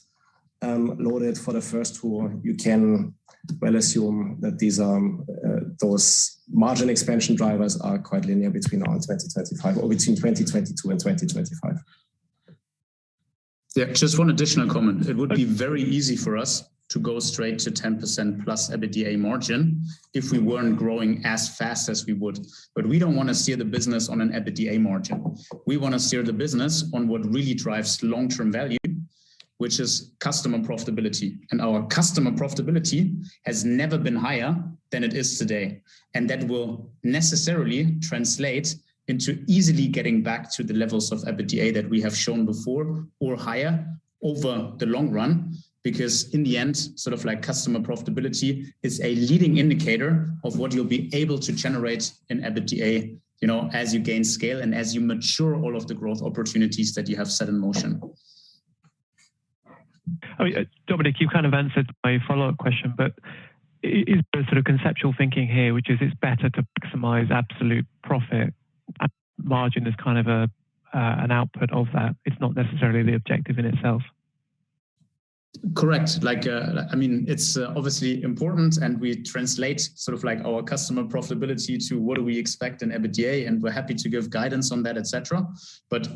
loaded. For the first two, you can well assume that those margin expansion drivers are quite linear between now and 2025 or between 2022 and 2025. Yeah. Just one additional comment. It would be very easy for us to go straight to 10%+ EBITDA margin if we weren't growing as fast as we would. We don't wanna steer the business on an EBITDA margin. We wanna steer the business on what really drives long-term value, which is customer profitability. Our customer profitability has never been higher than it is today. That will necessarily translate into easily getting back to the levels of EBITDA that we have shown before or higher over the long run. In the end, sort of like customer profitability is a leading indicator of what you'll be able to generate in EBITDA, you know, as you gain scale and as you mature all of the growth opportunities that you have set in motion. I mean, Dominik, you kind of answered my follow-up question, but is there sort of conceptual thinking here, which is it's better to maximize absolute profit and margin is kind of a, an output of that. It's not necessarily the objective in itself. Correct. Like, I mean, it's obviously important, and we translate sort of like our customer profitability to what do we expect in EBITDA, and we're happy to give guidance on that, et cetera.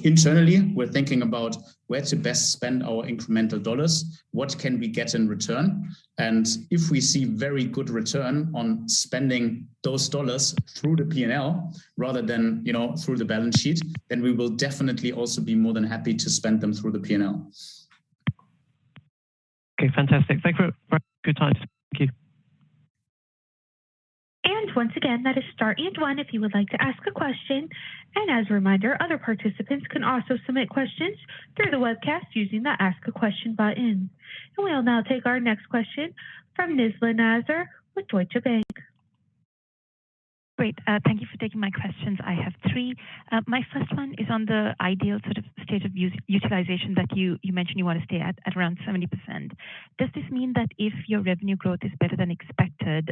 Internally, we're thinking about where to best spend our incremental dollars, what can we get in return, and if we see very good return on spending those dollars through the P&L rather than, you know, through the balance sheet, then we will definitely also be more than happy to spend them through the P&L. Okay. Fantastic. Thank you for your time. Thank you. Once again, that is star and one if you would like to ask a question. As a reminder, other participants can also submit questions through the webcast using the Ask a Question button. We'll now take our next question from Fathima-Nizla Naizer with Deutsche Bank. Great. Thank you for taking my questions. I have three. My first one is on the ideal sort of state of U.S. utilization that you mentioned you wanna stay at around 70%. Does this mean that if your revenue growth is better than expected,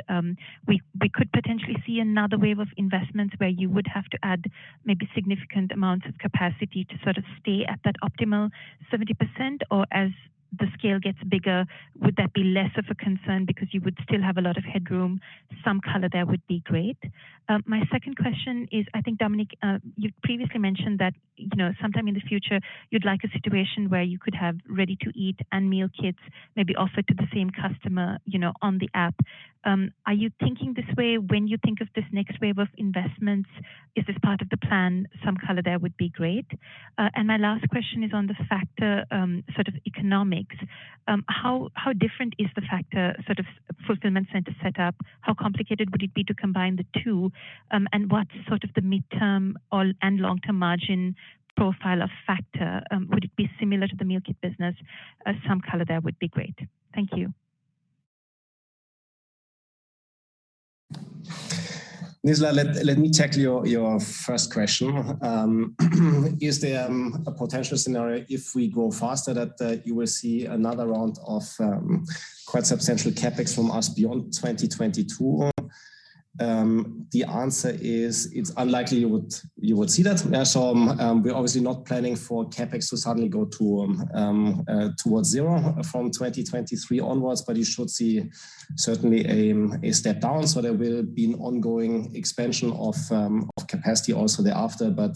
we could potentially see another wave of investments where you would have to add maybe significant amounts of capacity to sort of stay at that optimal 70%, or as the scale gets bigger, would that be less of a concern because you would still have a lot of headroom? Some color there would be great. My second question is, I think, Dominik, you previously mentioned that, you know, sometime in the future, you'd like a situation where you could have Ready-to-Eat and Meal Kits maybe offered to the same customer, you know, on the app. Are you thinking this way when you think of this next wave of investments? Is this part of the plan? Some color there would be great. My last question is on the Factor sort of economics. How different is the Factor sort of fulfillment center set up? How complicated would it be to combine the two, and what's sort of the midterm and long-term margin profile of Factor? Would it be similar to the meal kit business? Some color there would be great. Thank you. Nisla, let me tackle your first question. Is there a potential scenario if we grow faster that you will see another round of quite substantial CapEx from us beyond 2022? The answer is it's unlikely you would see that. We're obviously not planning for CapEx to suddenly go towards zero from 2023 onwards, but you should see certainly a step down. There will be an ongoing expansion of capacity also thereafter, but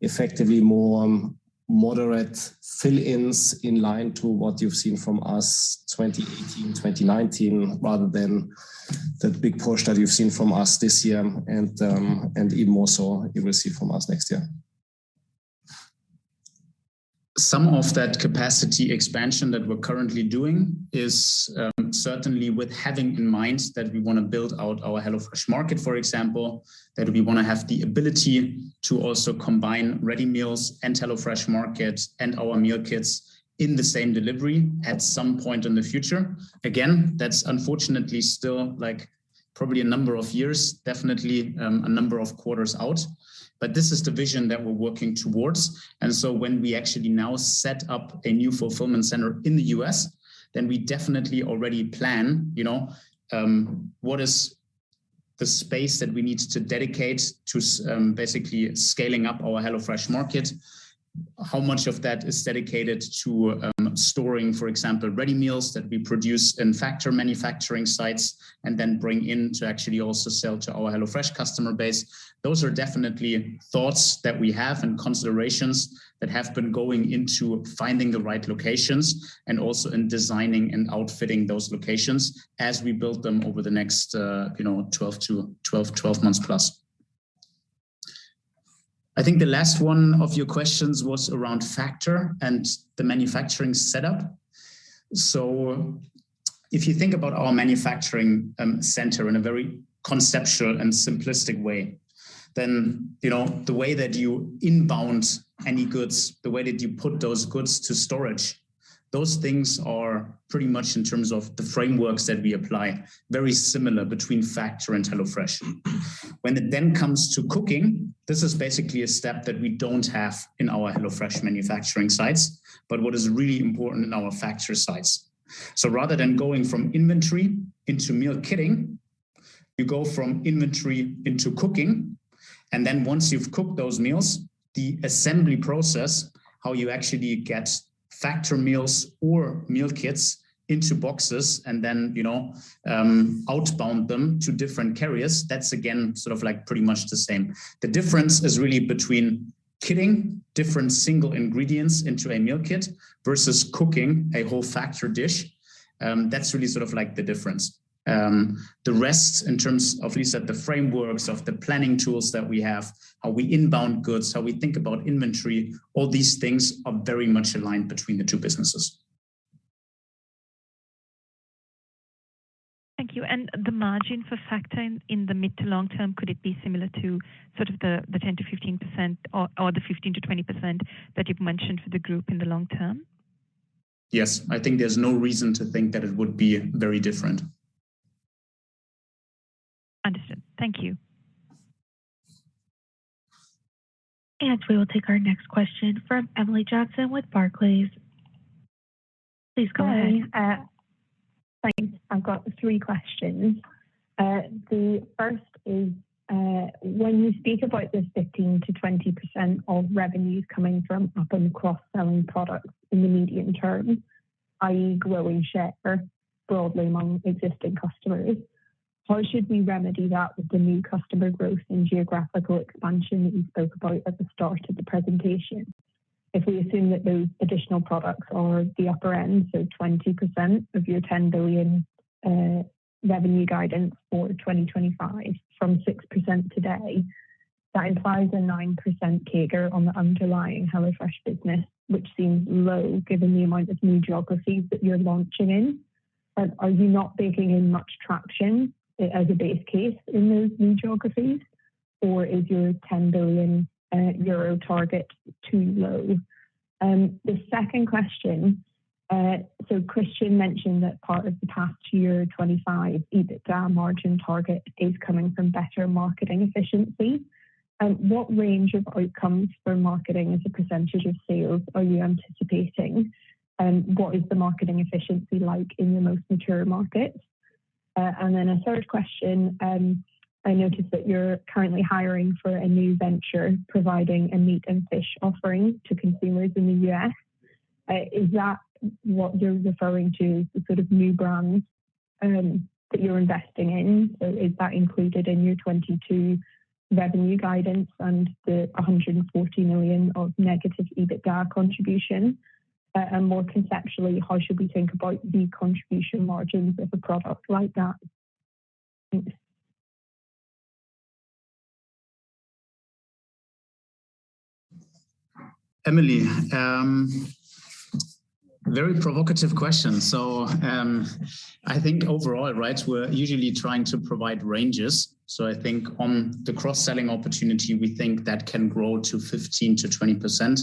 effectively more moderate fill-ins in line to what you've seen from us 2018, 2019, rather than the big push that you've seen from us this year and even more so you will see from us next year. Some of that capacity expansion that we're currently doing is certainly with having in mind that we wanna build out our HelloFresh Market, for example, that we wanna have the ability to also combine ready meals and HelloFresh Market and our meal kits in the same delivery at some point in the future. Again, that's unfortunately still, like, probably a number of years, definitely a number of quarters out. This is the vision that we're working towards. When we actually now set up a new fulfillment center in the U.S., then we definitely already plan, you know, what is the space that we need to dedicate to scaling up our HelloFresh Market. How much of that is dedicated to storing, for example, ready meals that we produce in Factor manufacturing sites and then bring in to actually also sell to our HelloFresh customer base? Those are definitely thoughts that we have and considerations that have been going into finding the right locations and also in designing and outfitting those locations as we build them over the next, you know, 12 months plus. I think the last one of your questions was around Factor and the manufacturing setup. If you think about our manufacturing center in a very conceptual and simplistic way, then, you know, the way that you inbound any goods, the way that you put those goods to storage, those things are pretty much in terms of the frameworks that we apply, very similar between Factor and HelloFresh. When it then comes to cooking, this is basically a step that we don't have in our HelloFresh manufacturing sites, but what is really important in our Factor sites. Rather than going from inventory into meal kitting, you go from inventory into cooking, and then once you've cooked those meals, the assembly process, how you actually get Factor meals or meal kits into boxes and then, you know, outbound them to different carriers, that's again, sort of like pretty much the same. The difference is really between kitting different single ingredients into a meal kit versus cooking a whole Factor dish. That's really sort of like the difference. The rest in terms of, Nizla, the frameworks of the planning tools that we have, how we inbound goods, how we think about inventory, all these things are very much aligned between the two businesses. Thank you. The margin for Factor in the mid to long term, could it be similar to sort of the 10%-15% or the 15%-20% that you've mentioned for the group in the long term? Yes. I think there's no reason to think that it would be very different. Understood. Thank you. We will take our next question from Emily Johnson with Barclays. Please go ahead. Hi. Thanks. I've got three questions. The first is, when you speak about this 15%-20% of revenues coming from up and cross-selling products in the medium term, i.e., growing share broadly among existing customers, how should we remedy that with the new customer growth and geographical expansion that you spoke about at the start of the presentation? If we assume that those additional products are the upper end, so 20% of your €10 billion revenue guidance for 2025 from 6% today, that implies a 9% CAGR on the underlying HelloFresh business, which seems low given the amount of new geographies that you're launching in. Are you not baking in much traction as a base case in those new geographies, or is your €10 billion euro target too low? The second question, Christian mentioned that part of the past year 25 EBITDA margin target is coming from better marketing efficiency. What range of outcomes for marketing as a percentage of sales are you anticipating? What is the marketing efficiency like in your most mature markets? A third question, I noticed that you're currently hiring for a new venture providing a meat and fish offering to consumers in the U.S. Is that what you're referring to, the sort of new brand that you're investing in? Is that included in your 2022 revenue guidance and the 140 million of negative EBITDA contribution? More conceptually, how should we think about the contribution margins of a product like that? Thanks. Emily, very provocative questions. I think overall, right, we're usually trying to provide ranges. I think on the cross-selling opportunity, we think that can grow to 15%-20%.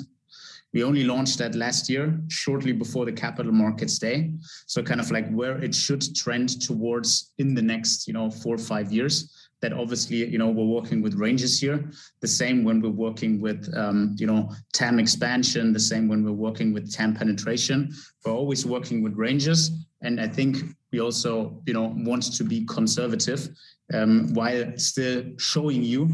We only launched that last year, shortly before the Capital Markets Day. Kind of like where it should trend towards in the next, you know, four or five years. That obviously, you know, we're working with ranges here. The same when we're working with, you know, TAM expansion, the same when we're working with TAM penetration. We're always working with ranges. I think we also, you know, want to be conservative, while still showing you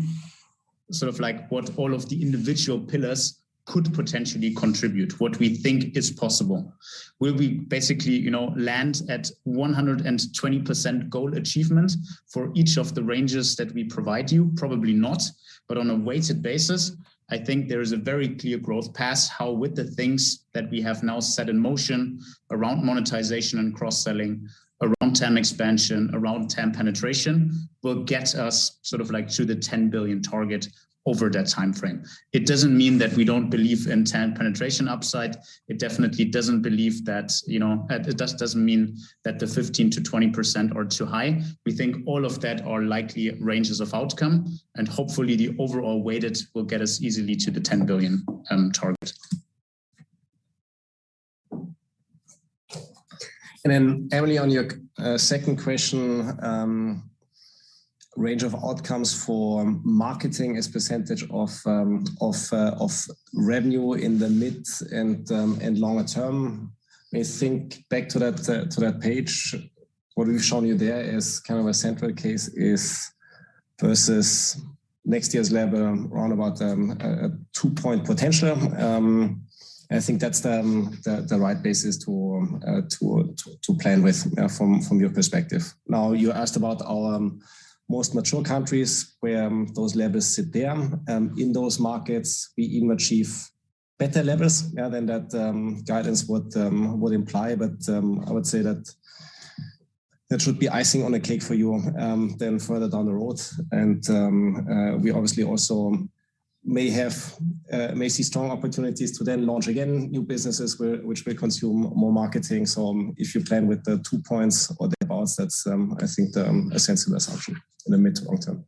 sort of like what all of the individual pillars could potentially contribute, what we think is possible. Will we basically, you know, land at 120% goal achievement for each of the ranges that we provide you? Probably not. On a weighted basis, I think there is a very clear growth path how with the things that we have now set in motion around monetization and cross-selling, around TAM expansion, around TAM penetration, will get us sort of like to the 10 billion target over that timeframe. It doesn't mean that we don't believe in TAM penetration upside. It definitely doesn't mean that, you know. It just doesn't mean that the 15%-20% are too high. We think all of that are likely ranges of outcome, and hopefully, the overall weighted will get us easily to the EUR 10 billion target. Emily, on your second question, range of outcomes for marketing as percentage of revenue in the mid- and longer term. I think back to that page, what we've shown you there is kind of a central case versus next year's level around about 2% potential. I think that's the right basis to plan with from your perspective. Now, you asked about our most mature countries where those levels sit there. In those markets, we even achieve better levels, yeah, than that guidance would imply. I would say that should be icing on the cake for you then further down the road. We obviously also may see strong opportunities to then launch again new businesses which may consume more marketing. If you plan with the two points or thereabouts, that's, I think, a sensible assumption in the mid to long term.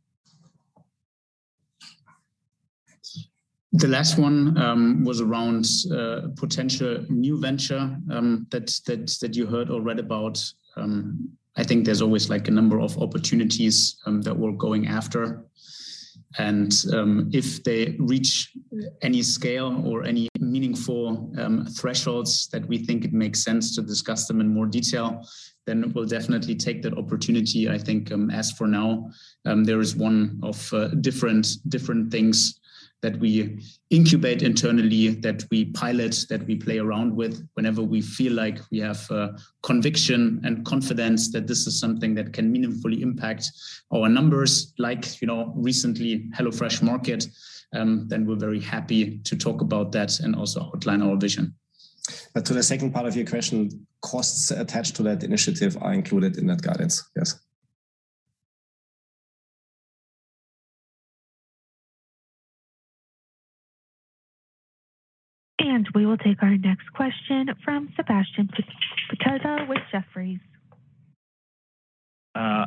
The last one was around potential new venture that you heard or read about. I think there's always like a number of opportunities that we're going after. If they reach any scale or any meaningful thresholds that we think it makes sense to discuss them in more detail, then we'll definitely take that opportunity. I think, as for now, there is one of different things that we incubate internally, that we pilot, that we play around with. Whenever we feel like we have conviction and confidence that this is something that can meaningfully impact our numbers, like, you know, recently, HelloFresh Market, then we're very happy to talk about that and also outline our vision. To the second part of your question, costs attached to that initiative are included in that guidance. Yes. We will take our next question from Sebastian Patulea with Jefferies.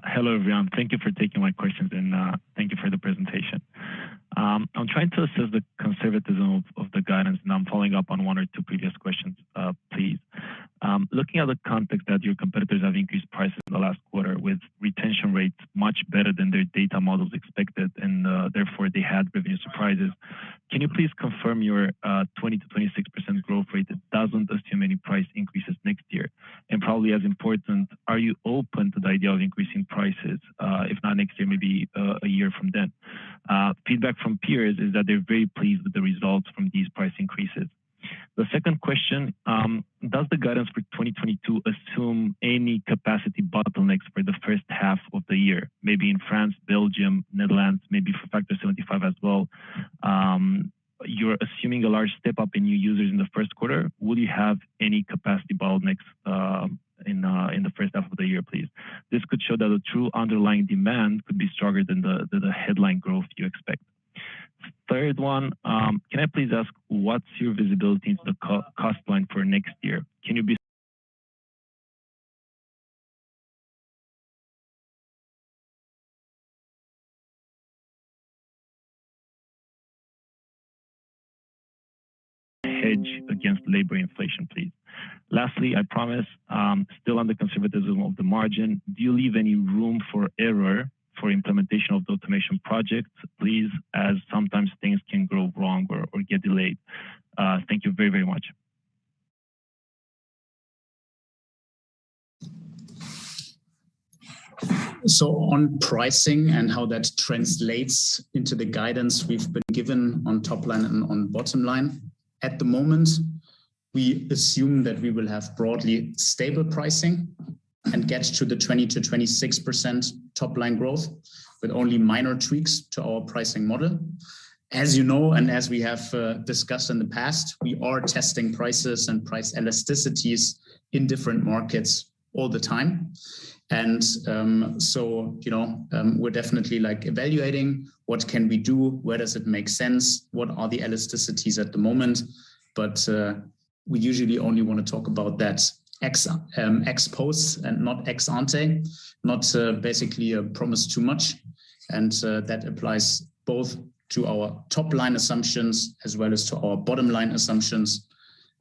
Hello, everyone. Thank you for taking my questions and thank you for the presentation. I'm trying to assess the conservatism of the guidance, and I'm following up on one or two previous questions, please. Looking at the context that your competitors have increased prices in the last quarter with retention rates much better than their data models expected, and therefore, they had revenue surprises, can you please confirm your 20%-26% growth rate that doesn't assume any price increases next year? Probably as important, are you open to the idea of increasing prices, if not next year, maybe a year from then? Feedback from peers is that they're very pleased with the results from these price increases. The second question, does the guidance for 2022 assume any capacity bottlenecks for the first half of the year, maybe in France, Belgium, Netherlands, maybe for Factor75 as well? You're assuming a large step up in new users in the first quarter. Will you have any capacity bottlenecks in the first half of the year, please? This could show that the true underlying demand could be stronger than the headline growth you expect. Third one, can I please ask what's your visibility into the COGS line for next year? Can you hedge against labor inflation, please? Lastly, I promise, still on the conservatism of the margin, do you leave any room for error for implementation of the automation project, please, as sometimes things can go wrong or get delayed? Thank you very, very much. On pricing and how that translates into the guidance we've been given on top line and on bottom line, at the moment, we assume that we will have broadly stable pricing and get to the 20%-26% top-line growth with only minor tweaks to our pricing model. As you know, and as we have discussed in the past, we are testing prices and price elasticities in different markets all the time. You know, we're definitely, like, evaluating what can we do, where does it make sense, what are the elasticities at the moment. But we usually only wanna talk about that ex-post and not ex-ante, not basically promise too much. That applies both to our top-line assumptions as well as to our bottom-line assumptions.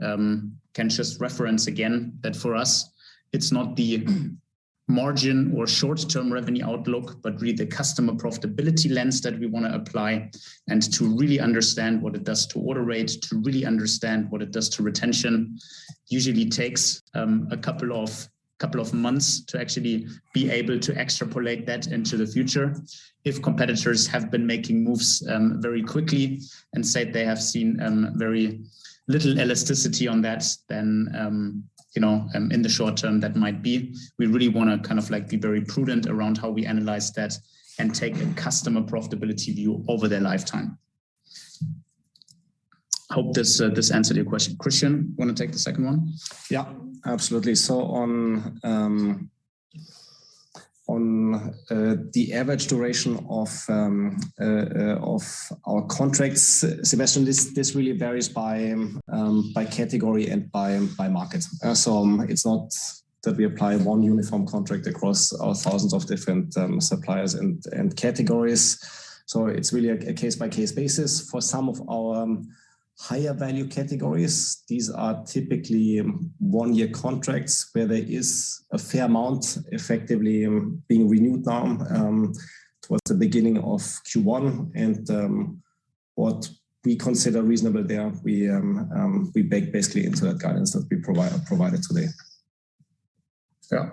Can just reference again that for us, it's not the margin or short-term revenue outlook, but really the customer profitability lens that we wanna apply. To really understand what it does to order rate, to really understand what it does to retention usually takes a couple of months to actually be able to extrapolate that into the future. If competitors have been making moves very quickly and said they have seen very little elasticity on that, then you know in the short term, that might be. We really wanna kind of like be very prudent around how we analyze that and take a customer profitability view over their lifetime. Hope this answered your question. Christian, wanna take the second one? Yeah, absolutely. On the average duration of our contracts, Sebastian, this really varies by category and by market. It’s not that we apply one uniform contract across our thousands of different suppliers and categories. It’s really a case-by-case basis. For some of our higher value categories, these are typically one-year contracts where there is a fair amount effectively being renewed towards the beginning of Q1 and what we consider reasonable there, we bake basically into the guidance that we provided today. Yeah.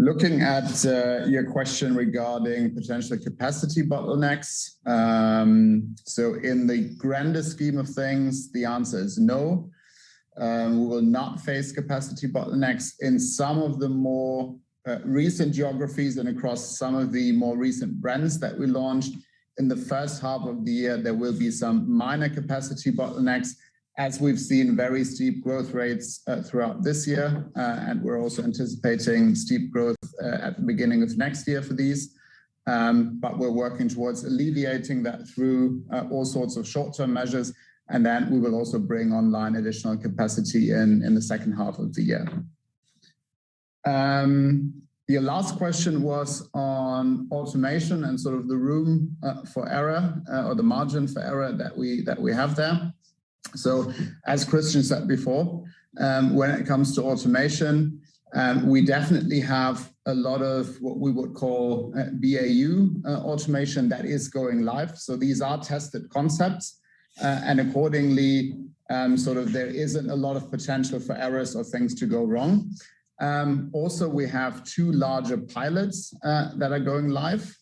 Looking at your question regarding potential capacity bottlenecks. In the grander scheme of things, the answer is no. We will not face capacity bottlenecks. In some of the more recent geographies and across some of the more recent brands that we launched in the first half of the year, there will be some minor capacity bottlenecks as we've seen very steep growth rates throughout this year. We're also anticipating steep growth at the beginning of next year for these. We're working towards alleviating that through all sorts of short-term measures, and then we will also bring online additional capacity in the second half of the year. Your last question was on automation and sort of the room for error or the margin for error that we have there. As Christian said before, when it comes to automation, we definitely have a lot of what we would call BAU automation that is going live. These are tested concepts. Accordingly, sort of there isn't a lot of potential for errors or things to go wrong. We have two larger pilots that are going live.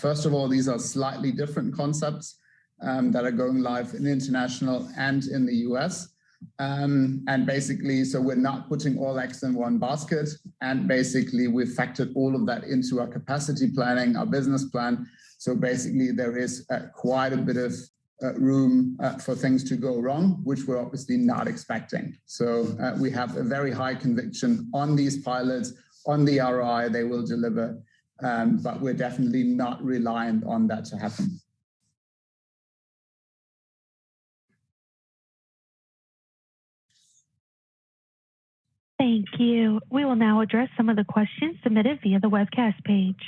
First of all, these are slightly different concepts that are going live in International and in the U.S. We're not putting all eggs in one basket, and basically, we've factored all of that into our capacity planning, our business plan. Basically, there is quite a bit of room for things to go wrong, which we're obviously not expecting. We have a very high conviction on these pilots, on the ROI they will deliver, but we're definitely not reliant on that to happen. Thank you. We will now address some of the questions submitted via the webcast page.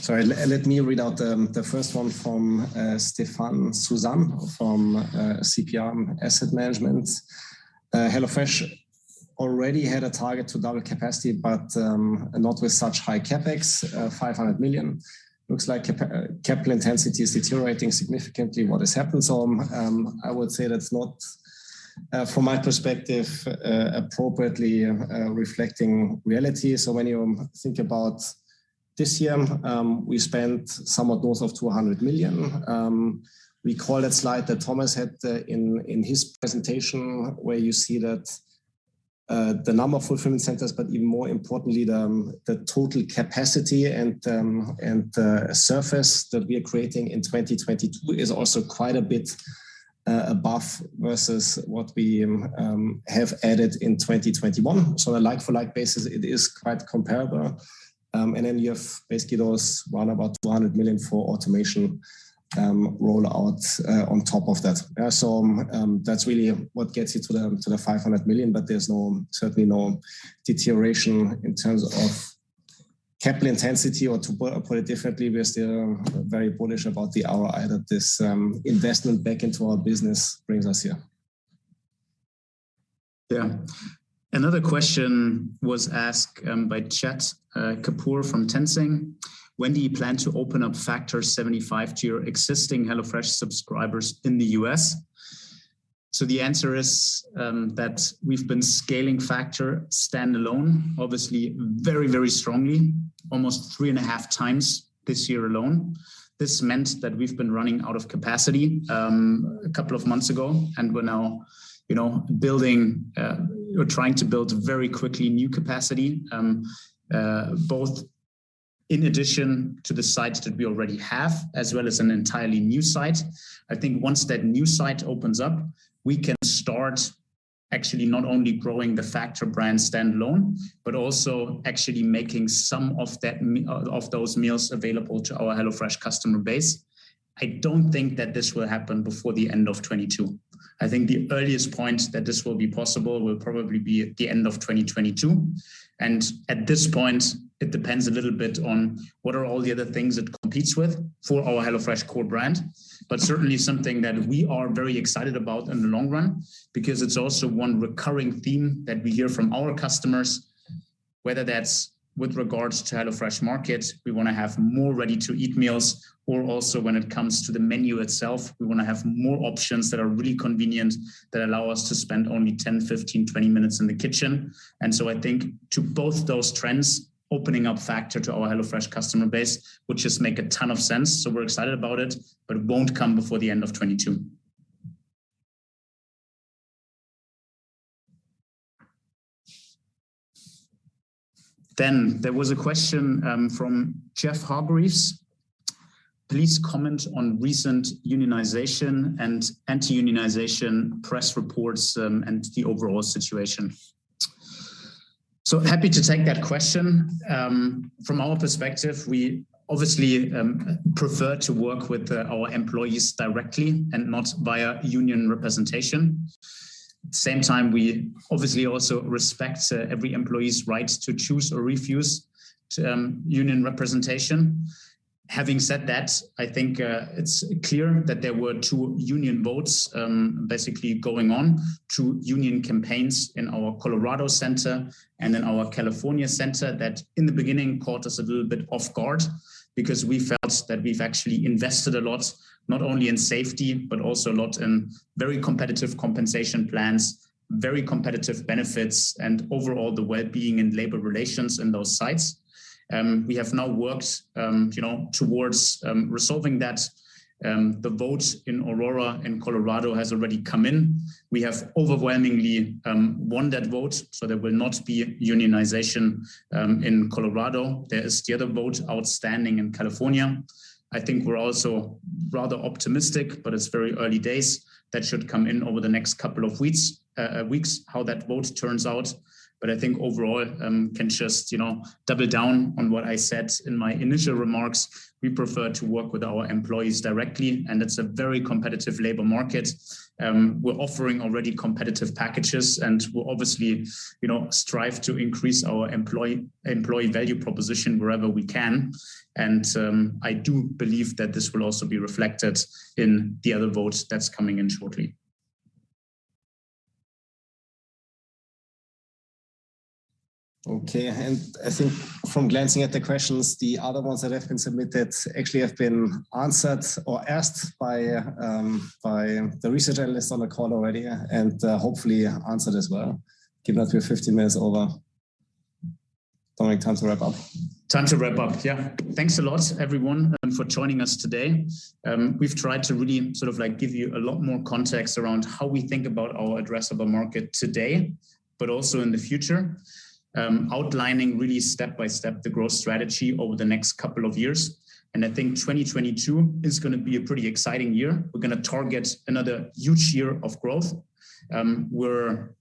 Sorry. Let me read out the first one from Stéphane Soussan from CPR Asset Management. "HelloFresh already had a target to double capacity, but not with such high CapEx, 500 million. Looks like capital intensity is deteriorating significantly. What has happened?" I would say that's not, from my perspective, appropriately reflecting reality. When you think about this year, we spent somewhat close to 200 million. Recall that slide that Thomas had in his presentation where you see that the number of fulfillment centers, but even more importantly, the total capacity and the surface that we are creating in 2022 is also quite a bit above versus what we have added in 2021. On the like-for-like basis, it is quite comparable. You have basically those around about 200 million for automation rollout on top of that. That's really what gets you to the 500 million. There's certainly no deterioration in terms of capital intensity. To put it differently, we are still very bullish about the ROI that this investment back into our business brings us here. Another question was asked by Chet Kapoor from Tenzing. "When do you plan to open up Factor75 to your existing HelloFresh subscribers in the U.S.?" The answer is that we've been scaling Factor standalone, obviously very, very strongly, almost 3.5 times this year alone. This meant that we've been running out of capacity a couple of months ago, and we're now building or trying to build very quickly new capacity both in addition to the sites that we already have, as well as an entirely new site. I think once that new site opens up, we can start actually not only growing the Factor brand standalone, but also actually making some of that of those meals available to our HelloFresh customer base. I don't think that this will happen before the end of 2022. I think the earliest point that this will be possible will probably be at the end of 2022. At this point, it depends a little bit on what are all the other things it competes with for our HelloFresh core brand. Certainly something that we are very excited about in the long run, because it's also one recurring theme that we hear from our customers, whether that's with regards to HelloFresh Market, we wanna have more ready-to-eat meals, or also when it comes to the menu itself, we wanna have more options that are really convenient, that allow us to spend only 10, 15, 20 minutes in the kitchen. I think to both those trends, opening up Factor to our HelloFresh customer base would just make a ton of sense. We're excited about it, but it won't come before the end of 2022. There was a question from Jeff Hargreaves. "Please comment on recent unionization and anti-unionization press reports and the overall situation." Happy to take that question. From our perspective, we obviously prefer to work with our employees directly and not via union representation. same time, we obviously also respect every employee's rights to choose or refuse union representation. Having said that, I think it's clear that there were two union votes basically going on, two union campaigns in our Colorado Center and in our California Center that in the beginning caught us a little bit off guard because we felt that we've actually invested a lot, not only in safety, but also a lot in very competitive compensation plans, very competitive benefits, and overall the wellbeing and labor relations in those sites. We have now worked, you know, towards resolving that. The vote in Aurora in Colorado has already come in. We have overwhelmingly won that vote, so there will not be unionization in Colorado. There is the other vote outstanding in California. I think we're also rather optimistic, but it's very early days. That should come in over the next couple of weeks, how that vote turns out. I think overall, we can just, you know, double down on what I said in my initial remarks. We prefer to work with our employees directly, and it's a very competitive labor market. We're offering already competitive packages, and we'll obviously, you know, strive to increase our employee value proposition wherever we can. I do believe that this will also be reflected in the other vote that's coming in shortly. Okay. I think from glancing at the questions, the other ones that have been submitted actually have been answered or asked by the research analysts on the call already, and hopefully answered as well, given that we're 15 minutes over. Dominik, time to wrap up. Time to wrap up, yeah. Thanks a lot everyone for joining us today. We've tried to really sort of like give you a lot more context around how we think about our addressable market today, but also in the future, outlining really step-by-step the growth strategy over the next couple of years. I think 2022 is gonna be a pretty exciting year. We're gonna target another huge year of growth. We're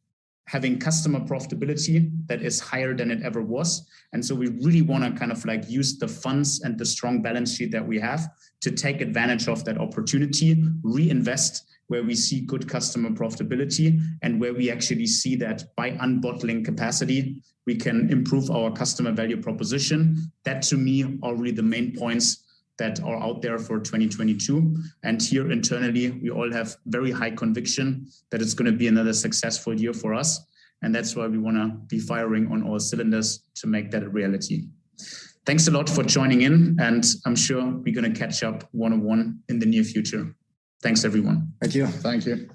having customer profitability that is higher than it ever was, and so we really wanna kind of like use the funds and the strong balance sheet that we have to take advantage of that opportunity, reinvest where we see good customer profitability, and where we actually see that by unbottling capacity we can improve our customer value proposition. That to me are really the main points that are out there for 2022. Here internally, we all have very high conviction that it's gonna be another successful year for us, and that's why we wanna be firing on all cylinders to make that a reality. Thanks a lot for joining in, and I'm sure we're gonna catch up one-on-one in the near future. Thanks everyone. Thank you. Thank you.